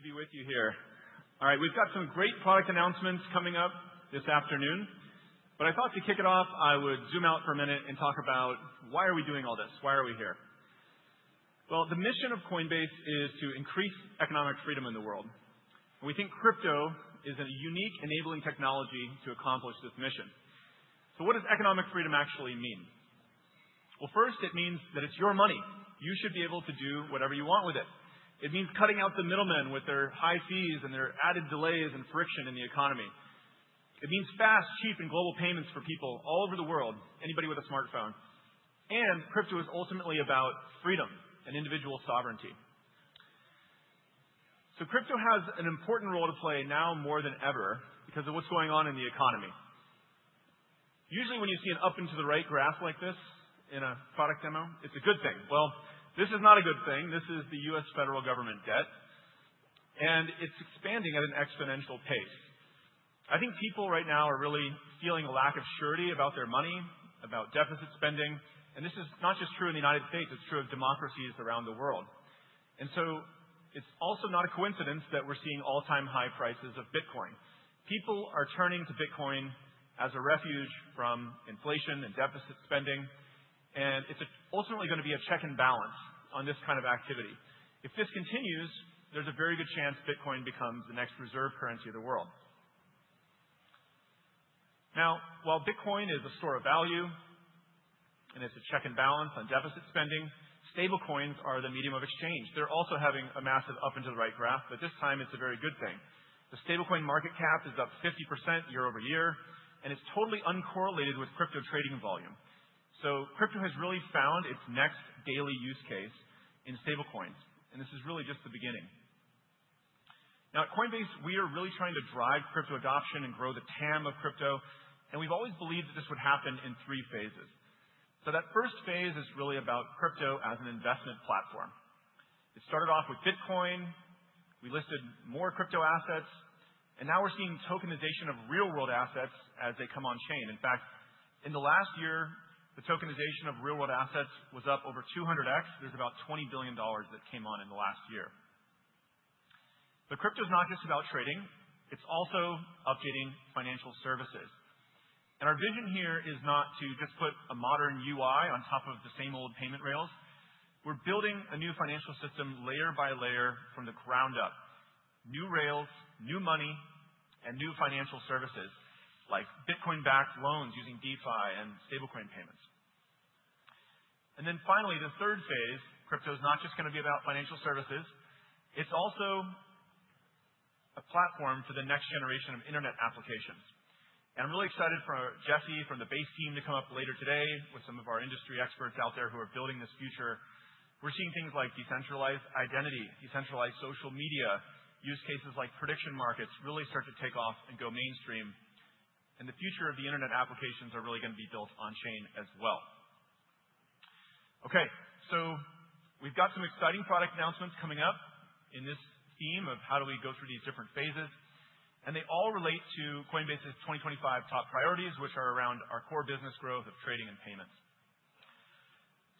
To be with you here. All right, we've got some great product announcements coming up this afternoon, but I thought to kick it off, I would zoom out for a minute and talk about why are we doing all this, why are we here? The mission of Coinbase is to increase economic freedom in the world, and we think crypto is a unique enabling technology to accomplish this mission. What does economic freedom actually mean? First, it means that it's your money. You should be able to do whatever you want with it. It means cutting out the middlemen with their high fees and their added delays and friction in the economy. It means fast, cheap, and global payments for people all over the world, anybody with a smartphone. Crypto is ultimately about freedom and individual sovereignty. Crypto has an important role to play now more than ever because of what's going on in the economy. Usually, when you see an up and to the right graph like this in a product demo, it's a good thing. This is not a good thing. This is the U.S. federal government debt, and it's expanding at an exponential pace. I think people right now are really feeling a lack of surety about their money, about deficit spending, and this is not just true in the United States. It's true of democracies around the world. It's also not a coincidence that we're seeing all-time high prices of Bitcoin. People are turning to Bitcoin as a refuge from inflation and deficit spending, and it's ultimately going to be a check and balance on this kind of activity. If this continues, there's a very good chance Bitcoin becomes the next reserve currency of the world. Now, while Bitcoin is a store of value and it's a check and balance on deficit spending, stablecoins are the medium of exchange. They're also having a massive up and to the right graph, but this time it's a very good thing. The stablecoin market cap is up 50% year over year, and it's totally uncorrelated with crypto trading volume. Crypto has really found its next daily use case in stablecoins, and this is really just the beginning. Now, at Coinbase, we are really trying to drive crypto adoption and grow the TAM of crypto, and we've always believed that this would happen in three phases. That first phase is really about crypto as an investment platform. It started off with Bitcoin. We listed more crypto assets, and now we're seeing tokenization of real-world assets as they come on-chain. In fact, in the last year, the tokenization of real-world assets was up over 200x. There's about $20 billion that came on in the last year. Crypto is not just about trading. It's also updating financial services. Our vision here is not to just put a modern UI on top of the same old payment rails. We're building a new financial system layer by layer from the ground up: new rails, new money, and new financial services like Bitcoin-backed loans using DeFi and stablecoin payments. Finally, the third phase, crypto is not just going to be about financial services. It's also a platform for the next generation of internet applications. I'm really excited for Jesse from the Base team to come up later today with some of our industry experts out there who are building this future. We're seeing things like decentralized identity, decentralized social media, use cases like prediction markets really start to take off and go mainstream. The future of the internet applications are really going to be built on-chain as well. Okay, we've got some exciting product announcements coming up in this theme of how do we go through these different phases, and they all relate to Coinbase's 2025 top priorities, which are around our core business growth of trading and payments.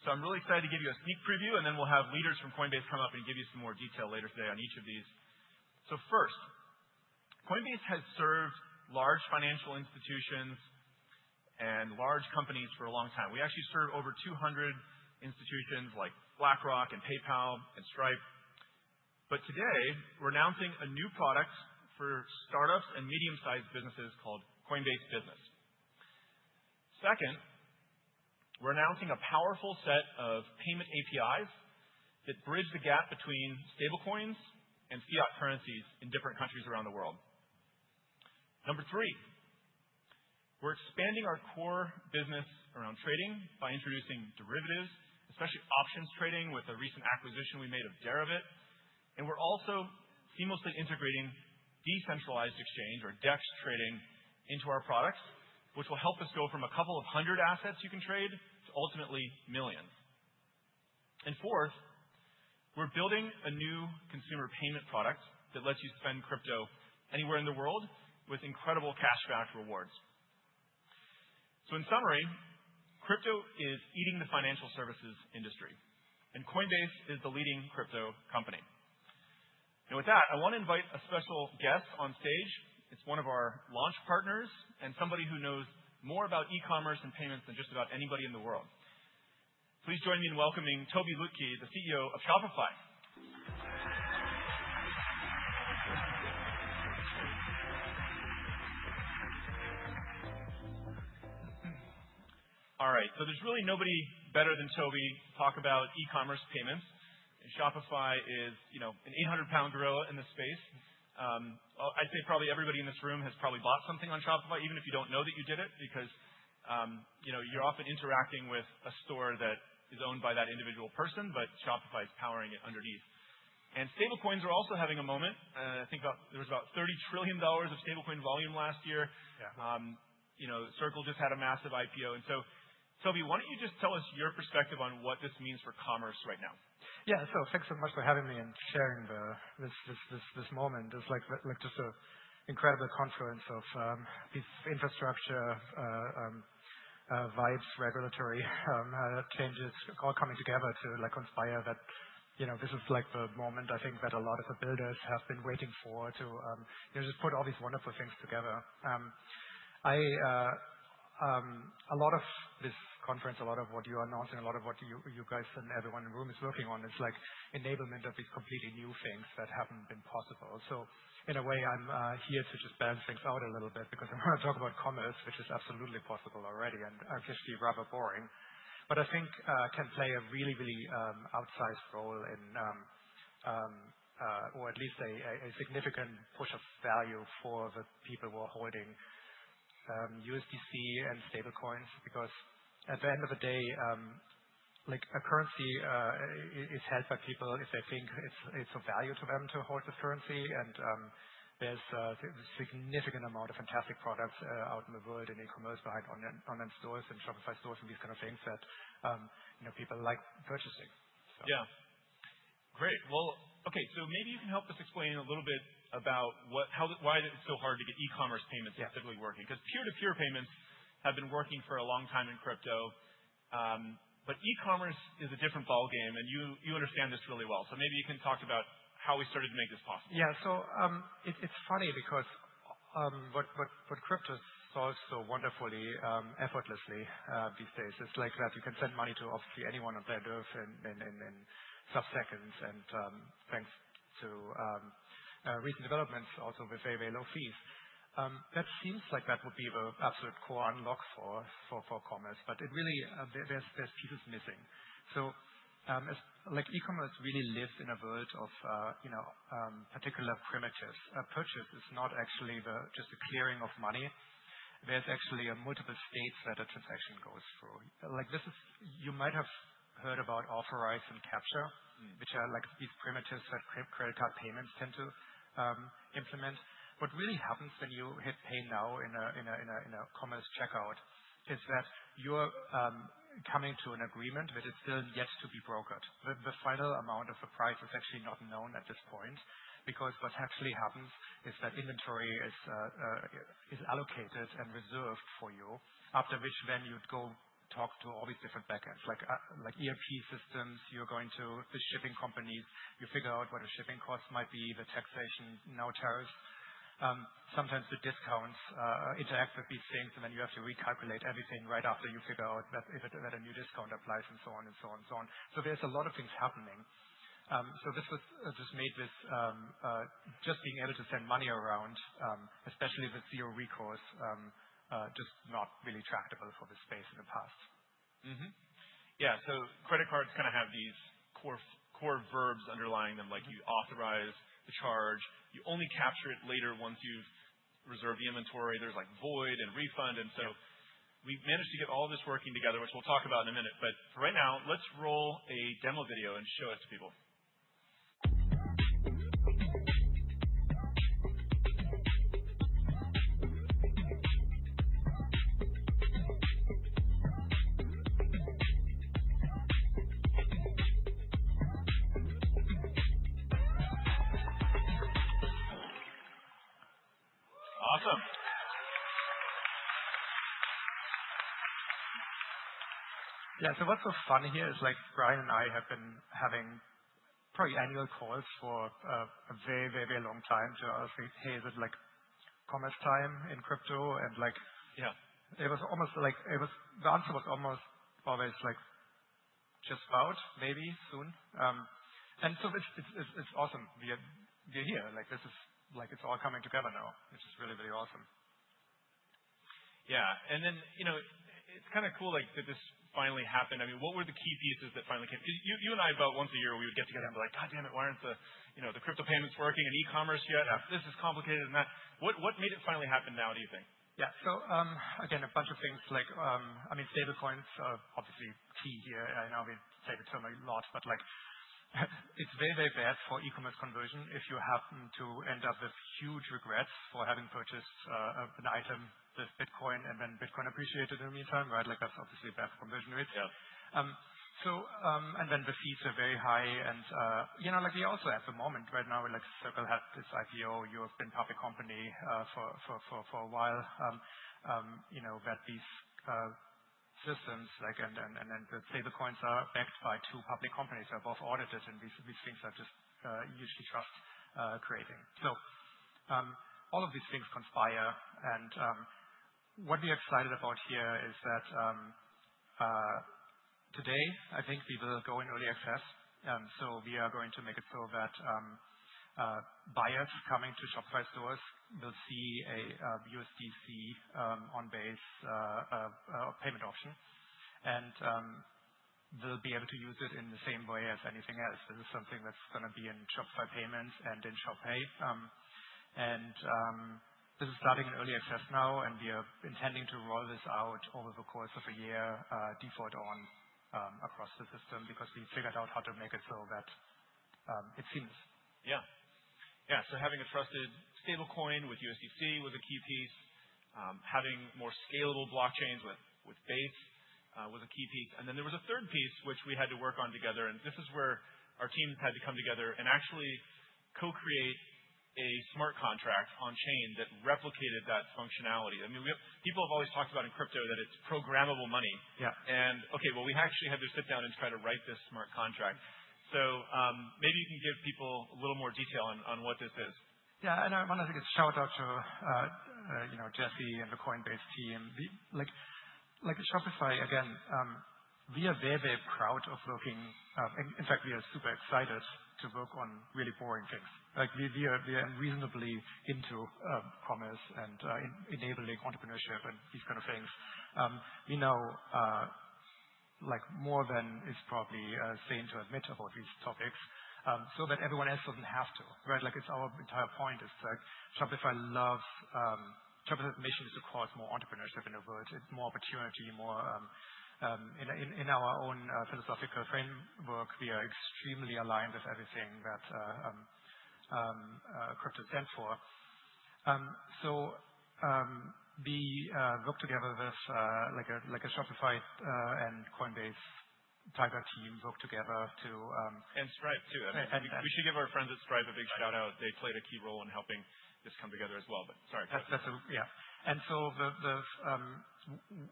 I'm really excited to give you a sneak preview, and then we'll have leaders from Coinbase come up and give you some more detail later today on each of these. First, Coinbase has served large financial institutions and large companies for a long time. We actually serve over 200 institutions like BlackRock and PayPal and Stripe. Today, we're announcing a new product for startups and medium-sized businesses called Coinbase Business. Second, we're announcing a powerful set of payment APIs that bridge the gap between stablecoins and fiat currencies in different countries around the world. Number three, we're expanding our core business around trading by introducing derivatives, especially options trading with a recent acquisition we made of Deribit. We're also seamlessly integrating decentralized exchange or DEX trading into our products, which will help us go from a couple of hundred assets you can trade to ultimately millions. Fourth, we're building a new consumer payment product that lets you spend crypto anywhere in the world with incredible cash-backed rewards. In summary, crypto is eating the financial services industry, and Coinbase is the leading crypto company. With that, I want to invite a special guest on stage. It is one of our launch partners and somebody who knows more about e-commerce and payments than just about anybody in the world. Please join me in welcoming Tobi s Lütke, the CEO of Shopify. All right, there is really nobody better than Toby to talk about E-Commerce payments. Shopify is an 800-pound gorilla in this space. I would say probably everybody in this room has probably bought something on Shopify, even if you do not know that you did it, because you are often interacting with a store that is owned by that individual person, but Shopify is powering it underneath. Stablecoins are also having a moment. I think there was about $30 trillion of stablecoin volume last year. Circle just had a massive IPO. Tobi, why don't you just tell us your perspective on what this means for commerce right now? Yeah, so thanks so much for having me and sharing this moment. It's like just an incredible confluence of infrastructure, vibes, regulatory changes all coming together to conspire that this is like the moment I think that a lot of the builders have been waiting for to just put all these wonderful things together. A lot of this conference, a lot of what you are announcing, a lot of what you guys and everyone in the room is working on is like enablement of these completely new things that haven't been possible. In a way, I'm here to just balance things out a little bit because I want to talk about commerce, which is absolutely possible already and actually rather boring, but I think can play a really, really outsized role in, or at least a significant push of value for the people who are holding USDC and stablecoins, because at the end of the day, a currency is held by people if they think it's of value to them to hold this currency. There's a significant amount of fantastic products out in the world and e-commerce behind online stores and Shopify stores and these kind of things that people like purchasing. Yeah, great. Okay, so maybe you can help us explain a little bit about why it's so hard to get E-commerce payments to typically work, because peer-to-peer payments have been working for a long time in crypto. E-commerce is a different ballgame, and you understand this really well. Maybe you can talk about how we started to make this possible. Yeah, so it's funny because what crypto solves so wonderfully, effortlessly these days, it's like that you can send money to obviously anyone on their nerve in subseconds and thanks to recent developments also with very, very low fees. That seems like that would be the absolute core unlock for commerce, but it really there's pieces missing. E-commerce really lives in a world of particular primitives. A purchase is not actually just a clearing of money. There's actually multiple states that a transaction goes through. You might have heard about authorize and capture, which are like these primitives that credit card payments tend to implement. What really happens when you hit pay now in a commerce checkout is that you're coming to an agreement that is still yet to be brokered. The final amount of the price is actually not known at this point because what actually happens is that inventory is allocated and reserved for you, after which then you'd go talk to all these different backends, like ERP systems. You're going to the shipping companies. You figure out what a shipping cost might be, the taxation, now tariffs. Sometimes the discounts interact with these things, and then you have to recalculate everything right after you figure out that a new discount applies and so on and so on and so on. There is a lot of things happening. This was just made with just being able to send money around, especially with zero recourse, just not really tractable for this space in the past. Yeah, so credit cards kind of have these core verbs underlying them, like you authorize the charge. You only capture it later once you've reserved the inventory. There's like void and refund. We managed to get all this working together, which we'll talk about in a minute. For right now, let's roll a demo video and show it to people. Awesome. Yeah, so what's so funny here is like Brian and I have been having probably annual calls for a very, very, very long time to ask him, "Hey, is it like commerce time in crypto?" It was almost like the answer was almost always like just about maybe soon. It is awesome. We're here. It's all coming together now, which is really, really awesome. Yeah, and then it's kind of cool that this finally happened. I mean, what were the key pieces that finally came? Because you and I, about once a year, we would get together and be like, "God damn it, why aren't the crypto payments working in E-commerce yet? This is complicated and that." What made it finally happen now, do you think? Yeah, so again, a bunch of things. I mean, stablecoins are obviously key here. I know we say the term a lot, but it's very, very bad for E-commerce conversion if you happen to end up with huge regrets for having purchased an item, the Bitcoin, and then Bitcoin appreciated in the meantime, right? That's obviously bad for conversion rates. The fees are very high. We also at the moment right now, like Circle had this IPO. You have been a public company for a while that these systems and then the stablecoins are backed by two public companies who are both audited, and these things are just hugely trust-creating. All of these things conspire. What we are excited about here is that today, I think we will go in early access. We are going to make it so that buyers coming to Shopify stores will see a USDC on-base payment option and will be able to use it in the same way as anything else. This is something that's going to be in Shopify Payments and in ShopPay. This is starting in early access now, and we are intending to roll this out over the course of a year, default on across the system because we figured out how to make it so that it seems. Yeah, yeah, so having a trusted stablecoin with USDC was a key piece. Having more scalable blockchains with Base was a key piece. There was a third piece, which we had to work on together. This is where our teams had to come together and actually co-create a smart contract on-chain that replicated that functionality. I mean, people have always talked about in crypto that it's programmable money. Okay, we actually had to sit down and try to write this smart contract. Maybe you can give people a little more detail on what this is. Yeah, and I want to give a shout-out to Jesse and the Coinbase team. Shopify, again, we are very, very proud of looking. In fact, we are super excited to work on really boring things. We are reasonably into commerce and enabling entrepreneurship and these kind of things. We know more than is probably sane to admit about these topics so that everyone else does not have to, right? Our entire point is that Shopify loves Shopify's mission is to cause more entrepreneurship in the world, more opportunity, more in our own philosophical framework. We are extremely aligned with everything that crypto stands for. We work together with a Shopify and Coinbase Tiger team work together to. Stripe too. We should give our friends at Stripe a big shout-out. They played a key role in helping this come together as well. Sorry. Yeah, and so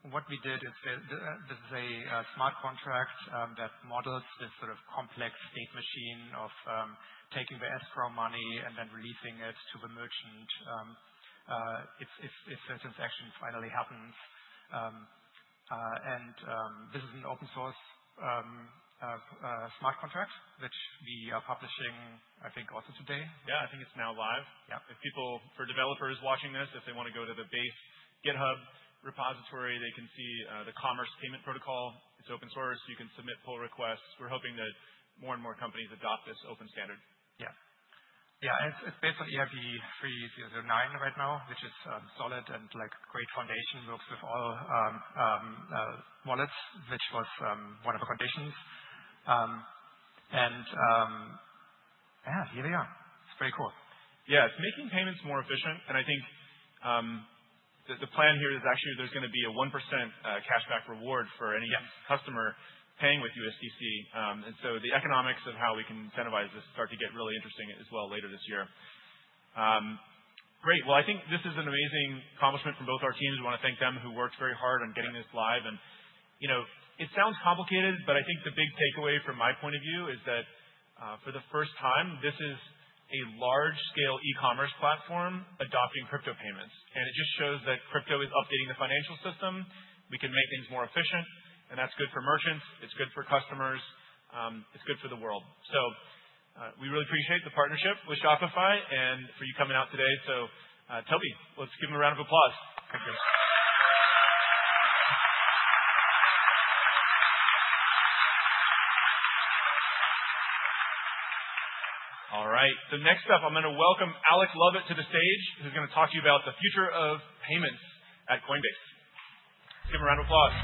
what we did is this is a smart contract that models this sort of complex state machine of taking the escrow money and then releasing it to the merchant if a transaction finally happens. This is an open-source smart contract, which we are publishing, I think, also today. Yeah, I think it's now live. If people, for developers watching this, if they want to go to the Base GitHub repository, they can see the commerce payment protocol. It's open-source. You can submit pull requests. We're hoping that more and more companies adopt this open standard. Yeah, yeah, it's based on EIP-3009 right now, which is solid and a great foundation, works with all wallets, which was one of the conditions. Yeah, here we are. It's very cool. Yeah, it's making payments more efficient. I think the plan here is actually there's going to be a 1% cash-back reward for any customer paying with USDC. The economics of how we can incentivize this start to get really interesting as well later this year. Great, I think this is an amazing accomplishment from both our teams. We want to thank them who worked very hard on getting this live. It sounds complicated, but I think the big takeaway from my point of view is that for the first time, this is a large-scale e-commerce platform adopting crypto payments. It just shows that crypto is updating the financial system. We can make things more efficient, and that's good for merchants. It's good for customers. It's good for the world. We really appreciate the partnership with Shopify and for you coming out today. So Tobi, let's give him a round of applause. ll right, next up, I'm going to welcome Alec Lovett to the stage, who's going to talk to you about the future of payments at Coinbase. Let's give him a round of applause.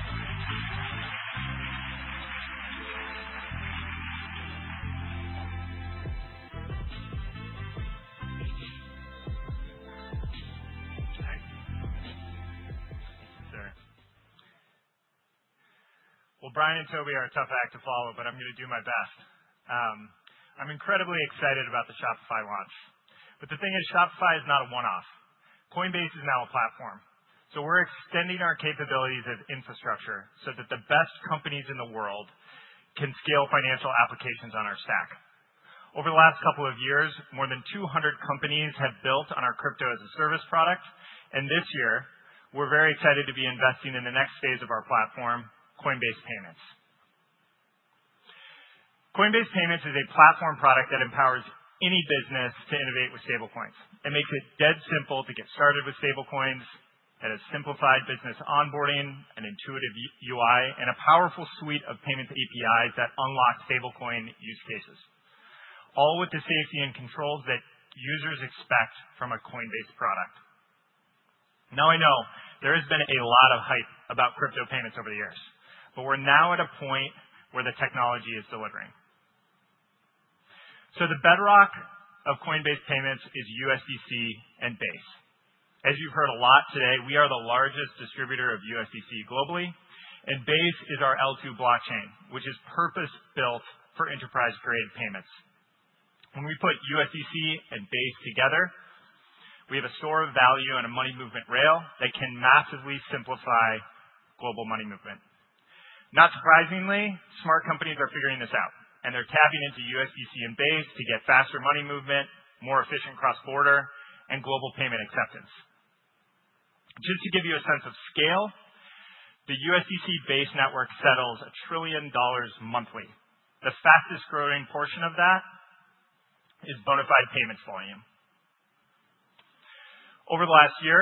Brian and Tobi are a tough act to follow, but I'm going to do my best. I'm incredibly excited about the Shopify launch. The thing is, Shopify is not a one-off. Coinbase is now a platform. We're extending our capabilities as infrastructure so that the best companies in the world can scale financial applications on our stack. Over the last couple of years, more than 200 companies have built on our crypto as a service product. This year, we're very excited to be investing in the next phase of our platform, Coinbase Payments. Coinbase Payments is a platform product that empowers any business to innovate with stablecoins. It makes it dead simple to get started with stablecoins. It has simplified business onboarding, an intuitive UI, and a powerful suite of payments APIs that unlock stablecoin use cases, all with the safety and controls that users expect from a Coinbase product. Now I know there has been a lot of hype about crypto payments over the years, but we're now at a point where the technology is delivering. The bedrock of Coinbase Payments is USDC and Base. As you've heard a lot today, we are the largest distributor of USDC globally. Base is our L2 blockchain, which is purpose-built for enterprise-grade payments. When we put USDC and Base together, we have a store of value and a money movement rail that can massively simplify global money movement. Not surprisingly, smart companies are figuring this out, and they're tapping into USDC and Base to get faster money movement, more efficient cross-border, and global payment acceptance. Just to give you a sense of scale, the USDC Base network settles $1 trillion monthly. The fastest growing portion of that is bonafide payments volume. Over the last year,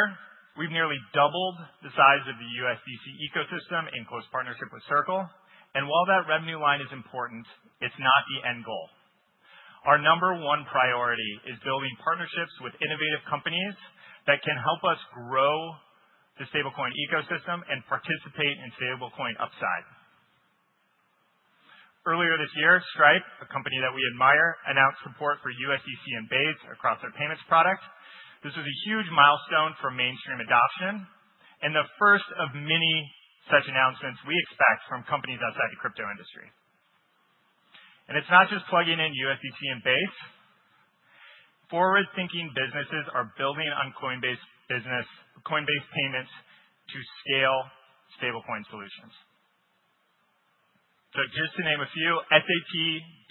we've nearly doubled the size of the USDC ecosystem in close partnership with Circle. While that revenue line is important, it's not the end goal. Our number one priority is building partnerships with innovative companies that can help us grow the stablecoin ecosystem and participate in stablecoin upside. Earlier this year, Stripe, a company that we admire, announced support for USDC and Base across their payments product. This was a huge milestone for mainstream adoption and the first of many such announcements we expect from companies outside the crypto industry. It is not just plugging in USDC and Base. Forward-thinking businesses are building on Coinbase Payments to scale stablecoin solutions. Just to name a few, SAP,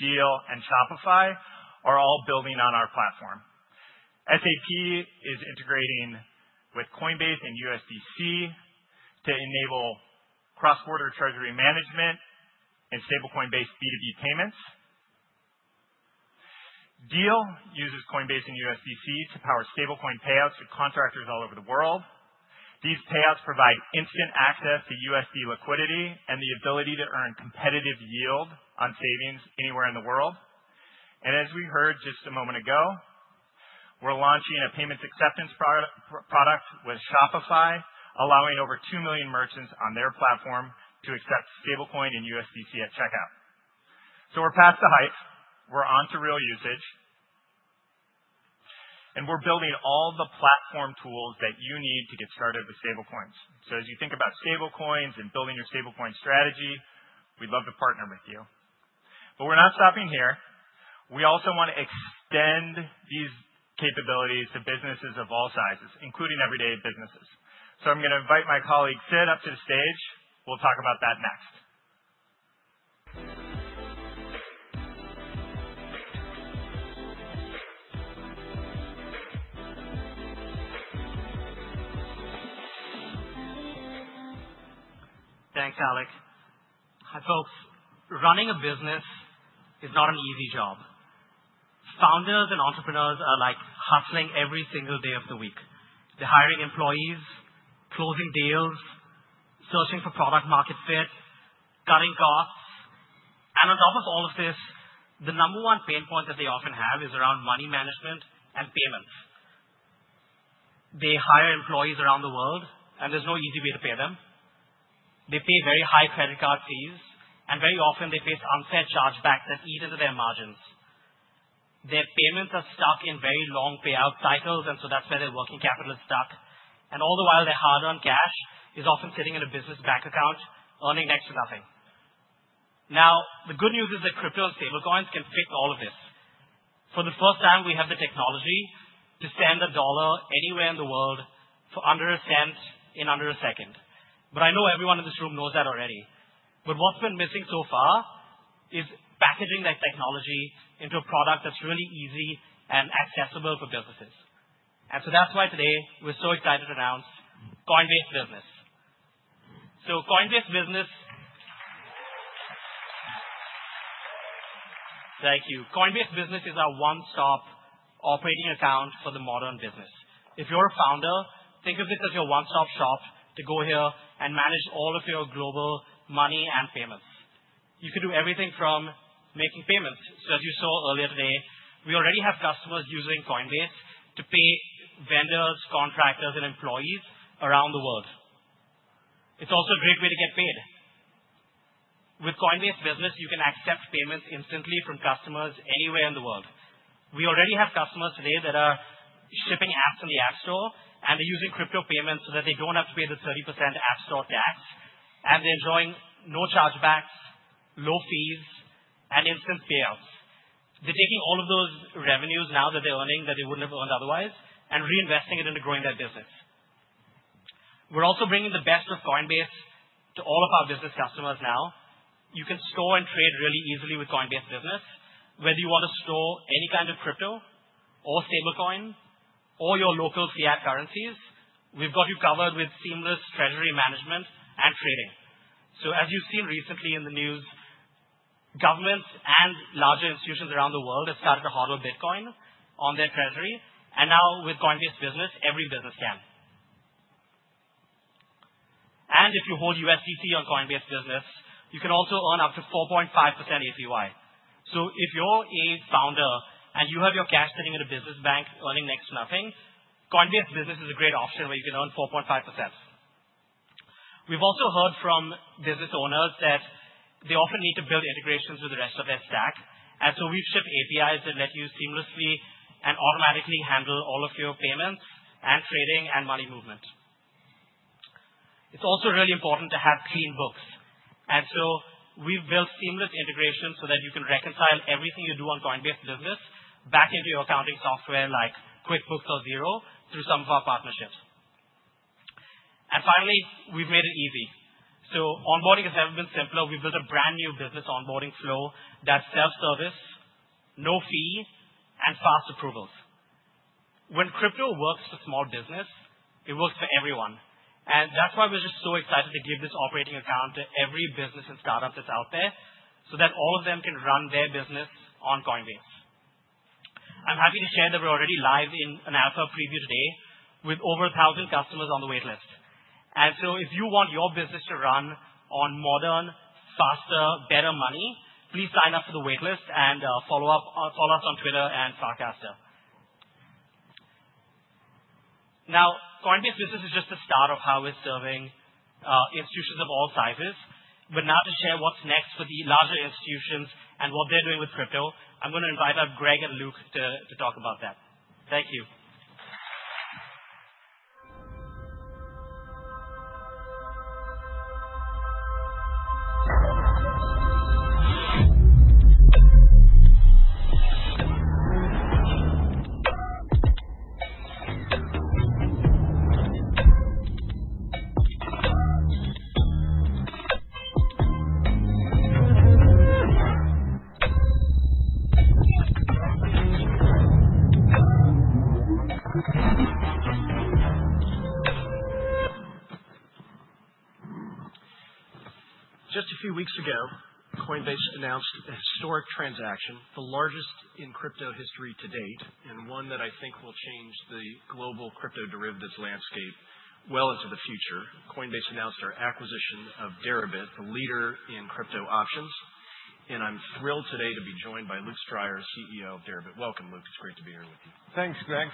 Deel, and Shopify are all building on our platform. SAP is integrating with Coinbase and USDC to enable cross-border treasury management and stablecoin-based B2B payments. Deel uses Coinbase and USDC to power stablecoin payouts to contractors all over the world. These payouts provide instant access to USD liquidity and the ability to earn competitive yield on savings anywhere in the world. As we heard just a moment ago, we are launching a payments acceptance product with Shopify, allowing over 2 million merchants on their platform to accept stablecoin and USDC at checkout. We are past the hype. We are on to real usage. We are building all the platform tools that you need to get started with stablecoins. As you think about stablecoins and building your stablecoin strategy, we'd love to partner with you. We're not stopping here. We also want to extend these capabilities to businesses of all sizes, including everyday businesses. I'm going to invite my colleague Sid up to the stage. We'll talk about that next. Thanks, Alex. Hi, folks. Running a business is not an easy job. Founders and entrepreneurs are hustling every single day of the week. They're hiring employees, closing deals, searching for product-market fit, cutting costs. On top of all of this, the number one pain point that they often have is around money management and payments. They hire employees around the world, and there's no easy way to pay them. They pay very high credit card fees, and very often they face unfair chargebacks that eat into their margins. Their payments are stuck in very long payout titles, and that is where their working capital is stuck. All the while their hard-earned cash is often sitting in a business bank account earning next to nothing. Now, the good news is that crypto and stablecoins can fix all of this. For the first time, we have the technology to send a dollar anywhere in the world for under a cent in under a second. I know everyone in this room knows that already. What's been missing so far is packaging that technology into a product that's really easy and accessible for businesses. That's why today we're so excited to announce Coinbase Business. Coinbase Business. Thank you. Coinbase Business is our one-stop operating account for the modern business. If you're a founder, think of this as your one-stop shop to go here and manage all of your global money and payments. You can do everything from making payments. As you saw earlier today, we already have customers using Coinbase to pay vendors, contractors, and employees around the world. It's also a great way to get paid. With Coinbase Business, you can accept payments instantly from customers anywhere in the world. We already have customers today that are shipping apps in the App Store, and they're using crypto payments so that they don't have to pay the 30% App Store tax. They're enjoying no chargebacks, low fees, and instant payouts. They're taking all of those revenues now that they're earning that they wouldn't have earned otherwise and reinvesting it into growing their business. We're also bringing the best of Coinbase to all of our business customers now. You can store and trade really easily with Coinbase Business. Whether you want to store any kind of crypto or stablecoin or your local fiat currencies, we've got you covered with seamless treasury management and trading. As you've seen recently in the news, governments and larger institutions around the world have started to hodl Bitcoin on their treasury. Now with Coinbase Business, every business can. If you hold USDC on Coinbase Business, you can also earn up to 4.5% APY. If you're a founder and you have your cash sitting in a business bank earning next to nothing, Coinbase Business is a great option where you can earn 4.5%. We've also heard from business owners that they often need to build integrations with the rest of their stack. We've shipped APIs that let you seamlessly and automatically handle all of your payments and trading and money movement. It's also really important to have clean books. We've built seamless integrations so that you can reconcile everything you do on Coinbase Business back into your accounting software like QuickBooks or Xero through some of our partnerships. Finally, we've made it easy. Onboarding has never been simpler. We built a brand new business onboarding flow that is self-service, no fee, and fast approvals. When crypto works for small business, it works for everyone. That is why we are just so excited to give this operating account to every business and startup that is out there so that all of them can run their business on Coinbase. I am happy to share that we are already live in an alpha preview today with over 1,000 customers on the waitlist. If you want your business to run on modern, faster, better money, please sign up for the waitlist and follow us on Twitter and Farcaster. Now, Coinbase Business is just the start of how we are serving institutions of all sizes. Now to share what is next for the larger institutions and what they are doing with crypto, I am going to invite up Greg and Luke to talk about that. Thank you. Just a few weeks ago, Coinbase announced a historic transaction, the largest in crypto history to date, and one that I think will change the global crypto derivatives landscape well into the future. Coinbase announced our acquisition of Deribit, the leader in crypto options. I'm thrilled today to be joined by Luke Stryer, CEO of Deribit. Welcome, Luke. It's great to be here with you. Thanks, Greg.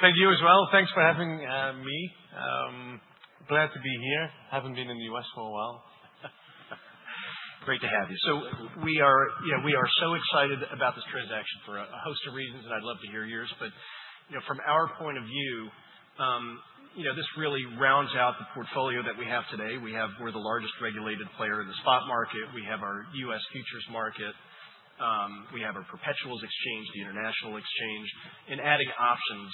Thank you as well. Thanks for having me. Glad to be here. Haven't been in the U.S. for a while. Great to have you. We are so excited about this transaction for a host of reasons, and I'd love to hear yours. From our point of view, this really rounds out the portfolio that we have today. We're the largest regulated player in the spot market. We have our U.S. futures market. We have our perpetuals exchange, the international exchange. Adding options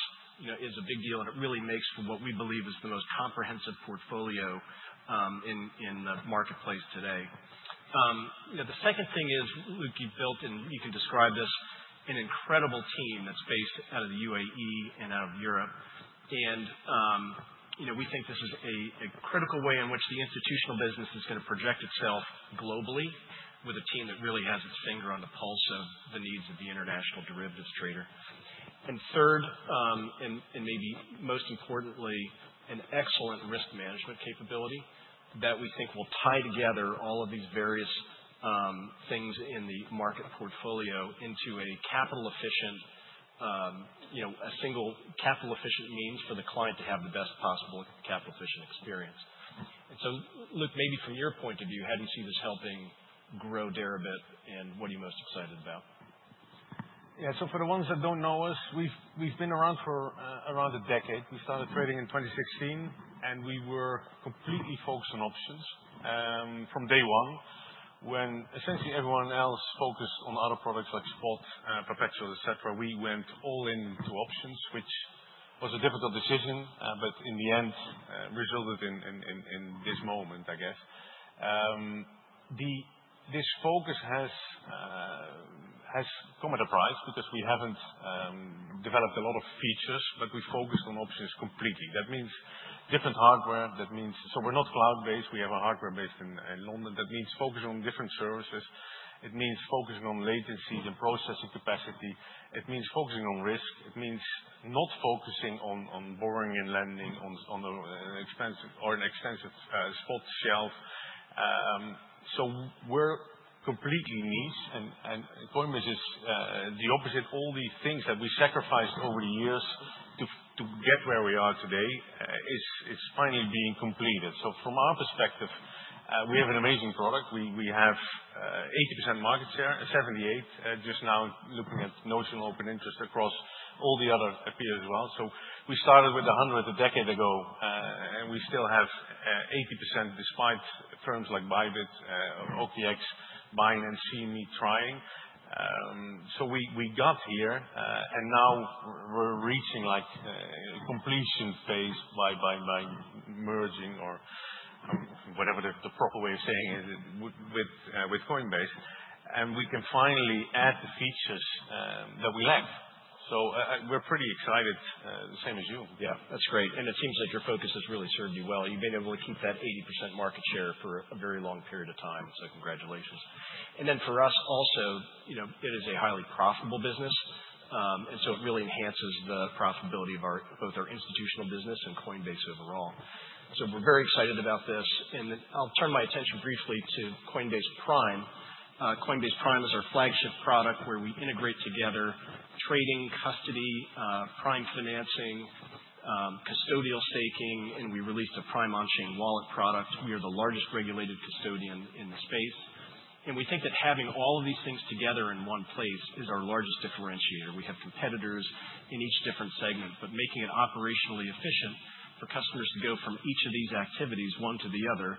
is a big deal, and it really makes for what we believe is the most comprehensive portfolio in the marketplace today. The second thing is, Luke, you've built, and you can describe this, an incredible team that's based out of the UAE and out of Europe. We think this is a critical way in which the institutional business is going to project itself globally with a team that really has its finger on the pulse of the needs of the international derivatives trader. Third, and maybe most importantly, an excellent risk management capability that we think will tie together all of these various things in the market portfolio into a single capital-efficient means for the client to have the best possible capital-efficient experience. Luke, maybe from your point of view, how do you see this helping grow Deribit, and what are you most excited about? Yeah, so for the ones that don't know us, we've been around for around a decade. We started trading in 2016, and we were completely focused on options from day one. When essentially everyone else focused on other products like spot, perpetuals, etc., we went all into options, which was a difficult decision, but in the end resulted in this moment, I guess. This focus has come at a price because we haven't developed a lot of features, but we focused on options completely. That means different hardware. That means we're not cloud-based. We have hardware based in London. That means focusing on different services. It means focusing on latency and processing capacity. It means focusing on risk. It means not focusing on borrowing and lending on an expensive or an extensive spot shelf. We're completely niche. And Coinbase is the opposite. All these things that we sacrificed over the years to get where we are today is finally being completed. From our perspective, we have an amazing product. We have 80% market share, 78% just now looking at notional open interest across all the other peers as well. We started with 100 a decade ago, and we still have 80% despite firms like Bybit, OKX, Binance, Siemens trying. We got here, and now we're reaching like completion phase by merging or whatever the proper way of saying it with Coinbase. We can finally add the features that we lack. We're pretty excited, same as you. Yeah, that's great. It seems like your focus has really served you well. You've been able to keep that 80% market share for a very long period of time. Congratulations. For us also, it is a highly profitable business. It really enhances the profitability of both our institutional business and Coinbase overall. We are very excited about this. I'll turn my attention briefly to Coinbase Prime. Coinbase Prime is our flagship product where we integrate together trading, custody, prime financing, custodial staking, and we released a prime on-chain wallet product. We are the largest regulated custodian in the space. We think that having all of these things together in one place is our largest differentiator. We have competitors in each different segment, but making it operationally efficient for customers to go from each of these activities one to the other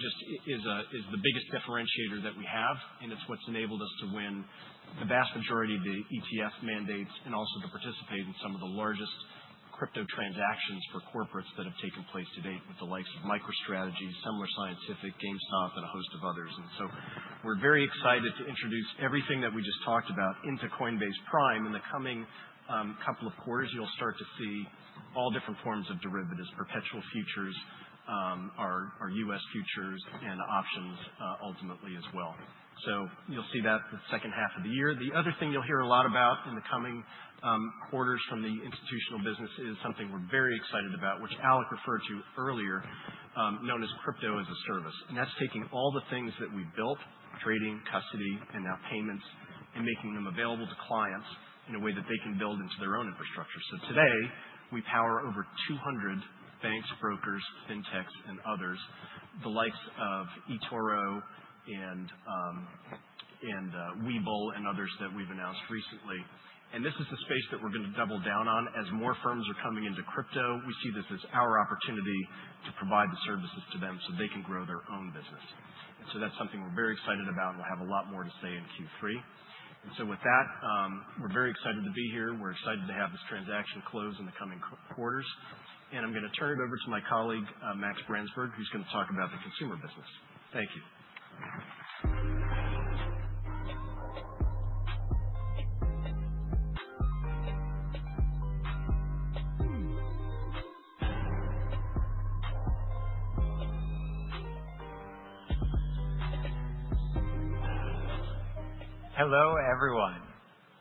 just is the biggest differentiator that we have. It is what has enabled us to win the vast majority of the ETF mandates and also to participate in some of the largest crypto transactions for corporates that have taken place to date with the likes of MicroStrategy, Semler Scientific, GameStop, and a host of others. We are very excited to introduce everything that we just talked about into Coinbase Prime. In the coming couple of quarters, you will start to see all different forms of derivatives, perpetual futures, our U.S. futures, and options ultimately as well. You will see that the second half of the year. The other thing you'll hear a lot about in the coming quarters from the institutional business is something we're very excited about, which Alex referred to earlier, known as crypto as a service. That's taking all the things that we built, trading, custody, and now payments, and making them available to clients in a way that they can build into their own infrastructure. Today, we power over 200 banks, brokers, fintechs, and others, the likes of eToro and Webull and others that we've announced recently. This is the space that we're going to double down on as more firms are coming into crypto. We see this as our opportunity to provide the services to them so they can grow their own business. That's something we're very excited about, and we'll have a lot more to say in Q3. We are very excited to be here. We are excited to have this transaction close in the coming quarters. I am going to turn it over to my colleague, Max Branzburg, who is going to talk about the consumer business. Thank you. Hello, everyone.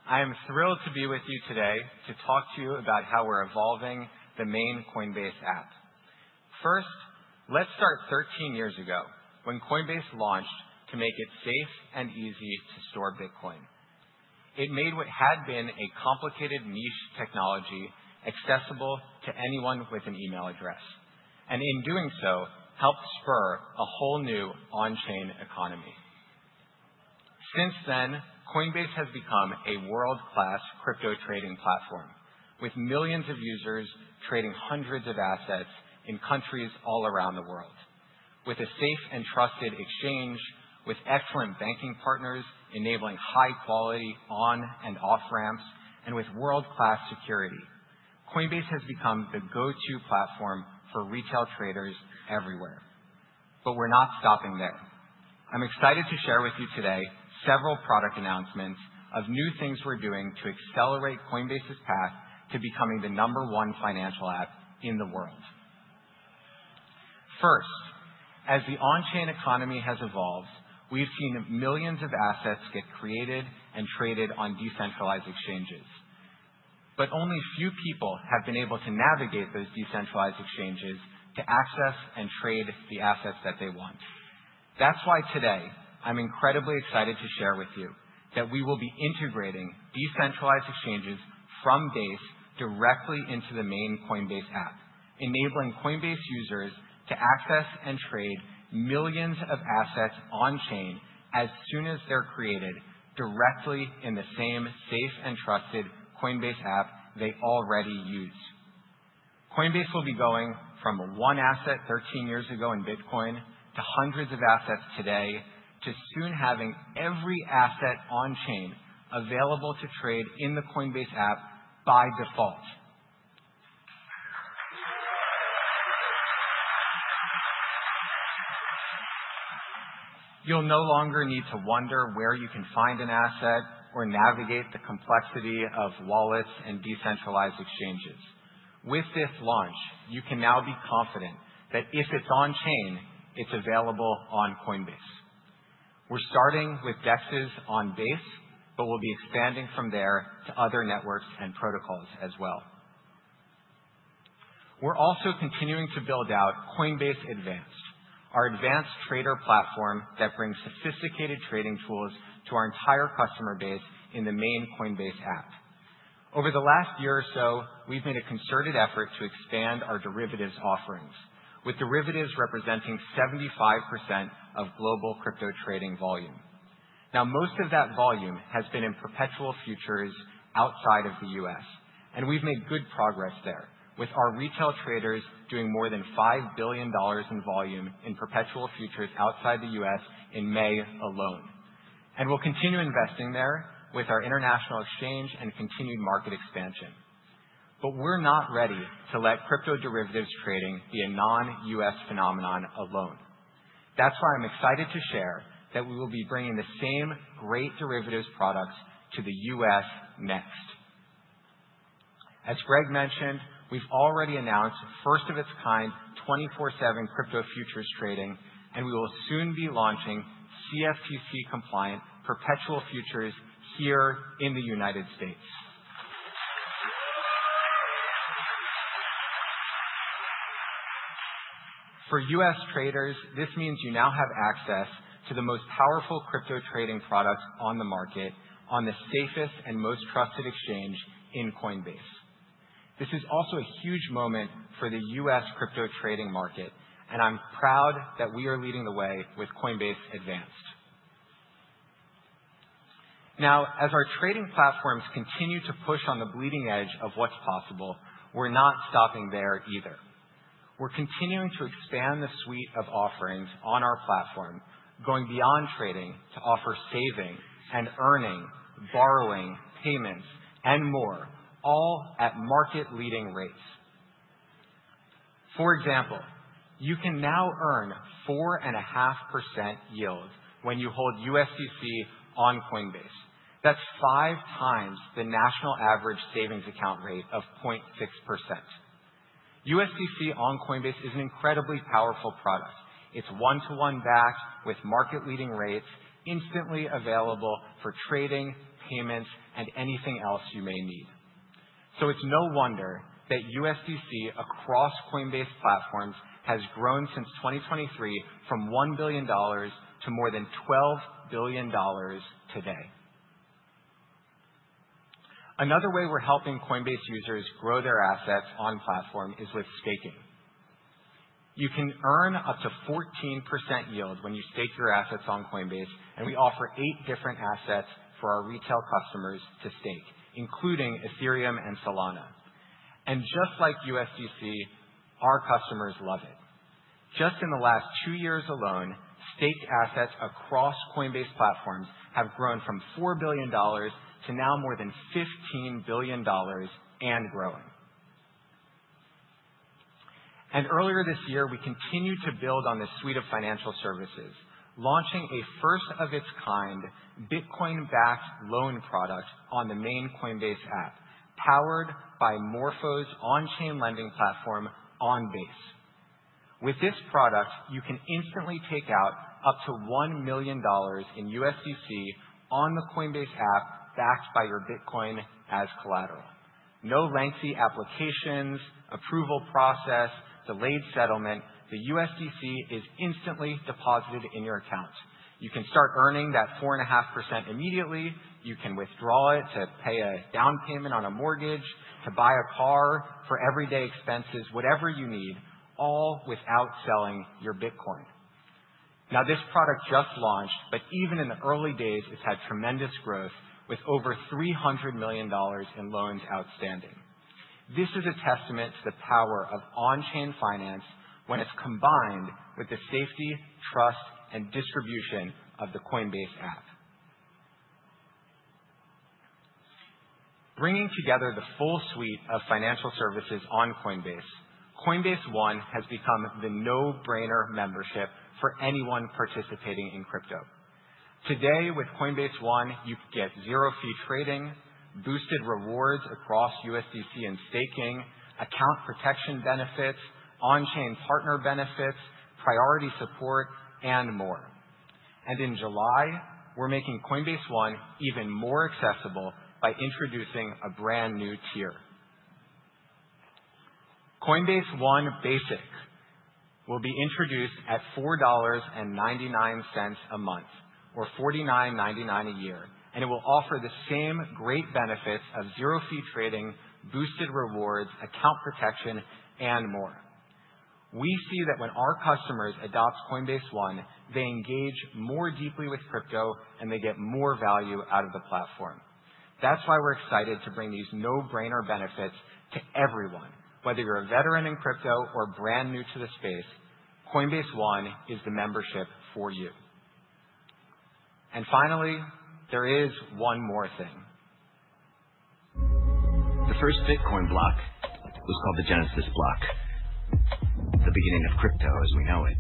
I am thrilled to be with you today to talk to you about how we're evolving the main Coinbase app. First, let's start 13 years ago when Coinbase launched to make it safe and easy to store Bitcoin. It made what had been a complicated niche technology accessible to anyone with an email address. In doing so, it helped spur a whole new on-chain economy. Since then, Coinbase has become a world-class crypto trading platform with millions of users trading hundreds of assets in countries all around the world. With a safe and trusted exchange, with excellent banking partners enabling high-quality on and off-ramps, and with world-class security, Coinbase has become the go-to platform for retail traders everywhere. We're not stopping there. I'm excited to share with you today several product announcements of new things we're doing to accelerate Coinbase's path to becoming the number one financial app in the world. First, as the on-chain economy has evolved, we've seen millions of assets get created and traded on decentralized exchanges. Only few people have been able to navigate those decentralized exchanges to access and trade the assets that they want. That's why today, I'm incredibly excited to share with you that we will be integrating decentralized exchanges from Base directly into the main Coinbase app, enabling Coinbase users to access and trade millions of assets on-chain as soon as they're created directly in the same safe and trusted Coinbase app they already use. Coinbase will be going from one asset 13 years ago in Bitcoin to hundreds of assets today to soon having every asset on-chain available to trade in the Coinbase app by default. You'll no longer need to wonder where you can find an asset or navigate the complexity of wallets and decentralized exchanges. With this launch, you can now be confident that if it's on-chain, it's available on Coinbase. We're starting with DEXs on Base, but we'll be expanding from there to other networks and protocols as well. We're also continuing to build out Coinbase Advanced, our advanced trader platform that brings sophisticated trading tools to our entire customer base in the main Coinbase app. Over the last year or so, we've made a concerted effort to expand our derivatives offerings, with derivatives representing 75% of global crypto trading volume. Now, most of that volume has been in perpetual futures outside of the U.S. We have made good progress there with our retail traders doing more than $5 billion in volume in perpetual futures outside the U.S. in May alone. We will continue investing there with our international exchange and continued market expansion. We are not ready to let crypto derivatives trading be a non-U.S. phenomenon alone. That is why I am excited to share that we will be bringing the same great derivatives products to the U.S. next. As Greg mentioned, we have already announced first of its kind 24/7 crypto futures trading, and we will soon be launching CFTC compliant perpetual futures here in the United States. For U.S. traders, this means you now have access to the most powerful crypto trading products on the market on the safest and most trusted exchange in Coinbase. This is also a huge moment for the U.S. crypto trading market, and I'm proud that we are leading the way with Coinbase Advanced. Now, as our trading platforms continue to push on the bleeding edge of what's possible, we're not stopping there either. We're continuing to expand the suite of offerings on our platform, going beyond trading to offer saving and earning, borrowing, payments, and more, all at market-leading rates. For example, you can now earn 4.5% yield when you hold USDC on Coinbase. That's five times the national average savings account rate of 0.6%. USDC on Coinbase is an incredibly powerful product. It's one-to-one backed with market-leading rates, instantly available for trading, payments, and anything else you may need. It is no wonder that USDC across Coinbase platforms has grown since 2023 from $1 billion to more than $12 billion today. Another way we're helping Coinbase users grow their assets on platform is with staking. You can earn up to 14% yield when you stake your assets on Coinbase, and we offer eight different assets for our retail customers to stake, including Ethereum and Solana. Just like USDC, our customers love it. Just in the last two years alone, staked assets across Coinbase platforms have grown from $4 billion to now more than $15 billion and growing. Earlier this year, we continued to build on this suite of financial services, launching a first-of-its-kind Bitcoin-backed loan product on the main Coinbase app, powered by Morpho's on-chain lending platform, Onbase. With this product, you can instantly take out up to $1 million in USDC on the Coinbase app backed by your Bitcoin as collateral. No lengthy applications, approval process, delayed settlement. The USDC is instantly deposited in your account. You can start earning that 4.5% immediately. You can withdraw it to pay a down payment on a mortgage, to buy a car for everyday expenses, whatever you need, all without selling your Bitcoin. Now, this product just launched, but even in the early days, it has had tremendous growth with over $300 million in loans outstanding. This is a testament to the power of on-chain finance when it is combined with the safety, trust, and distribution of the Coinbase app. Bringing together the full suite of financial services on Coinbase, Coinbase One has become the no-brainer membership for anyone participating in crypto. Today, with Coinbase One, you get zero-fee trading, boosted rewards across USDC and staking, account protection benefits, on-chain partner benefits, priority support, and more. In July, we are making Coinbase One even more accessible by introducing a brand new tier. Coinbase One Basic will be introduced at $4.99 a month or $49.99 a year, and it will offer the same great benefits of zero-fee trading, boosted rewards, account protection, and more. We see that when our customers adopt Coinbase One, they engage more deeply with crypto and they get more value out of the platform. That is why we are excited to bring these no-brainer benefits to everyone. Whether you are a veteran in crypto or brand new to the space, Coinbase One is the membership for you. Finally, there is one more thing. The first Bitcoin block was called the Genesis block, the beginning of crypto as we know it.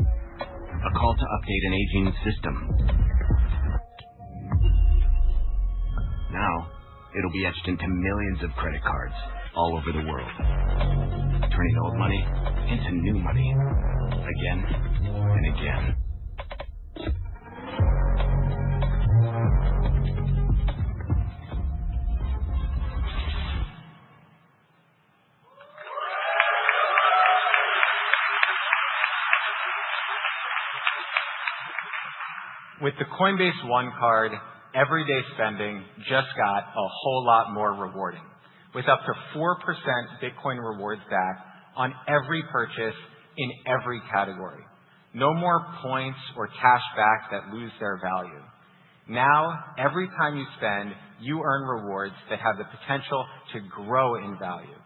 A call to update an aging system. Now, it'll be etched into millions of credit cards all over the world, turning old money into new money again and again. With the Coinbase One card, everyday spending just got a whole lot more rewarding. With up to 4% Bitcoin rewards back on every purchase in every category. No more points or cash back that lose their value. Now, every time you spend, you earn rewards that have the potential to grow in value.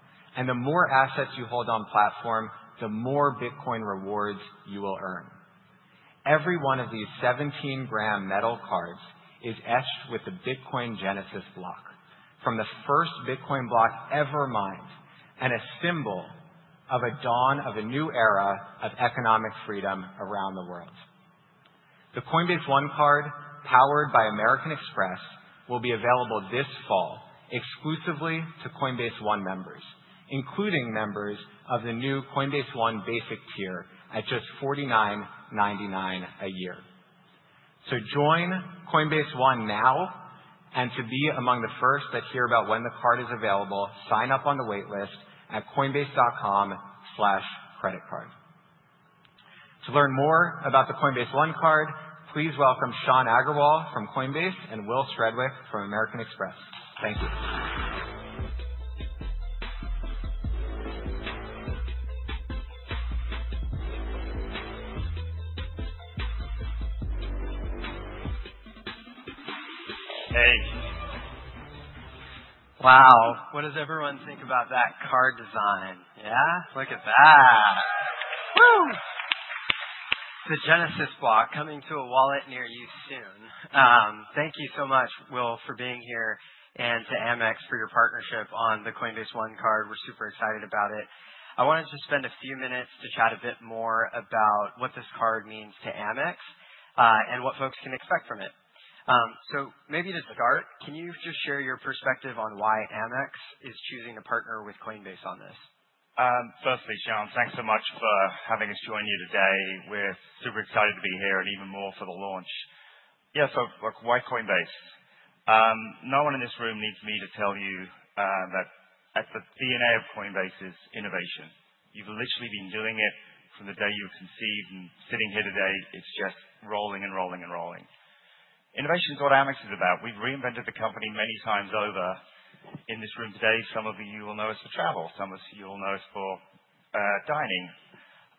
The more assets you hold on platform, the more Bitcoin rewards you will earn. Every one of these 17-gram metal cards is etched with the Bitcoin Genesis block from the first Bitcoin block ever mined and a symbol of a dawn of a new era of economic freedom around the world. The Coinbase One card powered by American Express will be available this fall exclusively to Coinbase One members, including members of the new Coinbase One Basic tier at just $49.99 a year. Join Coinbase One now, and to be among the first that hear about when the card is available, sign up on the waitlist at coinbase.com/creditcard. To learn more about the Coinbase One card, please welcome Shan Aggarwal from Coinbase and Will Stredwick from American Express. Thank you. Hey. Wow. What does everyone think about that card design? Yeah? Look at that. Woo! The Genesis block coming to a wallet near you soon. Thank you so much, Will, for being here, and to AmEx for your partnership on the Coinbase One card. We're super excited about it. I wanted to spend a few minutes to chat a bit more about what this card means to AmEx and what folks can expect from it. Maybe to start, can you just share your perspective on why AmEx is choosing to partner with Coinbase on this? Firstly, Shan, thanks so much for having us join you today. We're super excited to be here and even more for the launch. Yeah, so why Coinbase? No one in this room needs me to tell you that at the DNA of Coinbase is innovation. You've literally been doing it from the day you were conceived and sitting here today. It's just rolling and rolling and rolling. Innovation is what AmEx is about. We've reinvented the company many times over. In this room today, some of you will know us for travel. Some of you will know us for dining.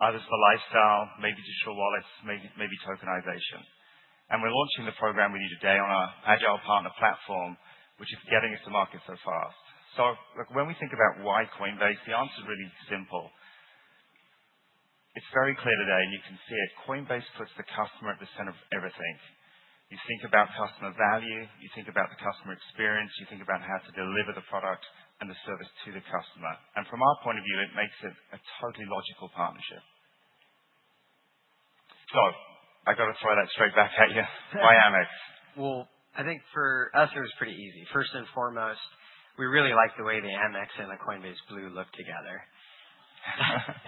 Others for lifestyle, maybe digital wallets, maybe tokenization. We're launching the program with you today on our agile partner platform, which is getting us to market so fast. When we think about why Coinbase, the answer is really simple. It's very clear today, and you can see it. Coinbase puts the customer at the center of everything. You think about customer value, you think about the customer experience, you think about how to deliver the product and the service to the customer. From our point of view, it makes it a totally logical partnership. I got to throw that straight back at you. Why AmEx? I think for us, it was pretty easy. First and foremost, we really like the way the AmEx and the Coinbase Blue look together.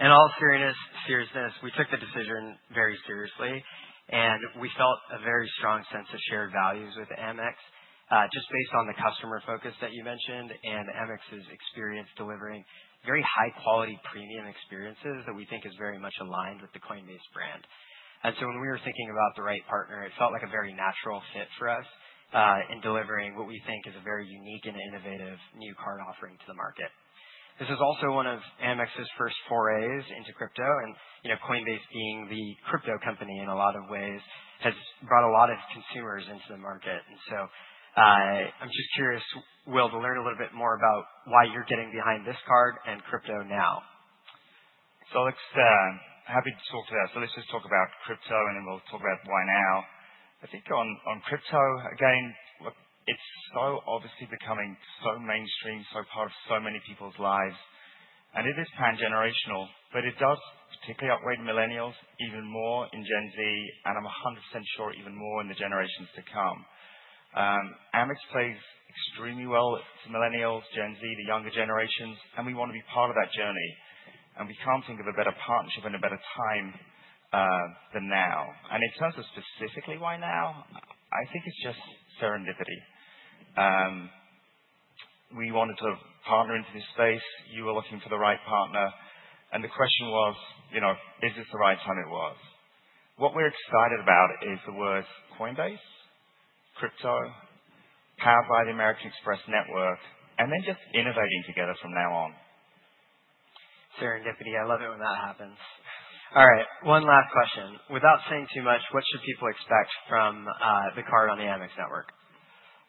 In all seriousness, we took the decision very seriously, and we felt a very strong sense of shared values with AmEx just based on the customer focus that you mentioned and AmEx's experience delivering very high-quality premium experiences that we think is very much aligned with the Coinbase brand. When we were thinking about the right partner, it felt like a very natural fit for us in delivering what we think is a very unique and innovative new card offering to the market. This is also one of AmEx's first forays into crypto, and Coinbase being the crypto company in a lot of ways has brought a lot of consumers into the market. I'm just curious, Will, to learn a little bit more about why you're getting behind this card and crypto now. I'm happy to talk to that. Let's just talk about crypto, and then we'll talk about why now. I think on crypto, again, it's so obviously becoming so mainstream, so part of so many people's lives. It is pan-generational, but it does particularly upgrade millennials even more in Gen Z, and I'm 100% sure even more in the generations to come. AmEx plays extremely well to millennials, Gen Z, the younger generations, and we want to be part of that journey. We can't think of a better partnership and a better time than now. In terms of specifically why now, I think it's just serendipity. We wanted to partner into this space. You were looking for the right partner. The question was, is this the right time it was? What we're excited about is the words Coinbase, crypto, powered by the American Express network, and then just innovating together from now on. Serendipity. I love it when that happens. All right, one last question. Without saying too much, what should people expect from the card on the AmEx network?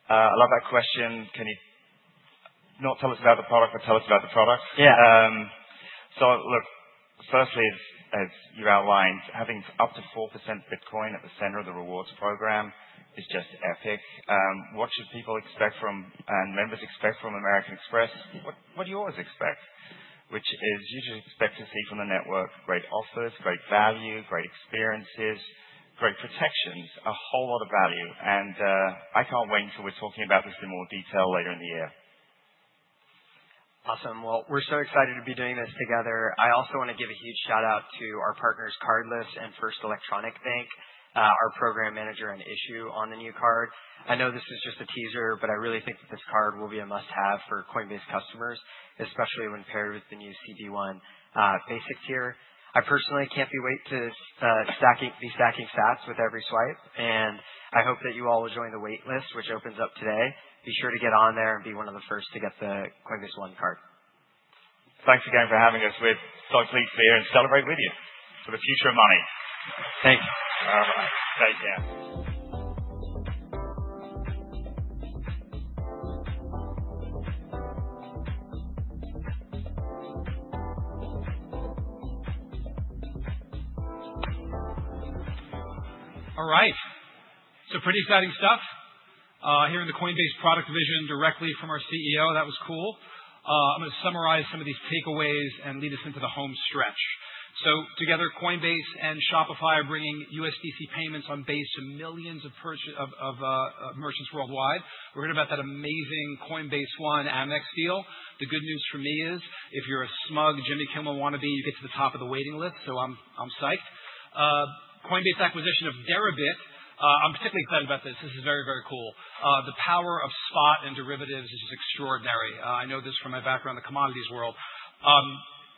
I love that question. Can you not tell us about the product, but tell us about the product? Yeah. Look, firstly, as you outlined, having up to 4% Bitcoin at the center of the rewards program is just epic. What should people expect from and members expect from American Express? What do you always expect? You just expect to see from the network great offers, great value, great experiences, great protections, a whole lot of value. I can't wait until we're talking about this in more detail later in the year. Awesome. We are so excited to be doing this together. I also want to give a huge shout-out to our partners, Cardless and First Electronic Bank, our program manager and issuer on the new card. I know this is just a teaser, but I really think that this card will be a must-have for Coinbase customers, especially when paired with the new CD1 Basic tier. I personally cannot be waiting to be stacking stats with every swipe, and I hope that you all will join the waitlist, which opens up today. Be sure to get on there and be one of the first to get the Coinbase One card. Thanks again for having us. We're so pleased to be here and celebrate with you for the future of money. Thank you. Take care. All right. So pretty exciting stuff here in the Coinbase product vision directly from our CEO. That was cool. I'm going to summarize some of these takeaways and lead us into the home stretch. Together, Coinbase and Shopify are bringing USDC payments on Base to millions of merchants worldwide. We're hearing about that amazing Coinbase One AmEx deal. The good news for me is if you're a smug Jimmy Kimmel wannabe, you get to the top of the waiting list, so I'm psyched. Coinbase's acquisition of Deribit, I'm particularly excited about this. This is very, very cool. The power of spot and derivatives is just extraordinary. I know this from my background in the commodities world.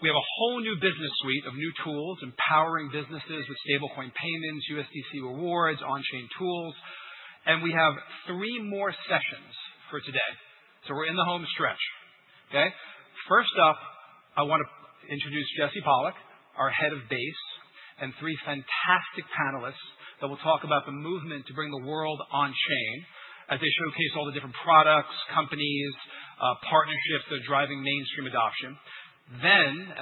We have a whole new business suite of new tools, empowering businesses with stablecoin payments, USDC rewards, on-chain tools. We have three more sessions for today. We're in the home stretch. Okay? First up, I want to introduce Jesse Pollock, our Head of Base, and three fantastic panelists that will talk about the movement to bring the world on-chain as they showcase all the different products, companies, partnerships that are driving mainstream adoption.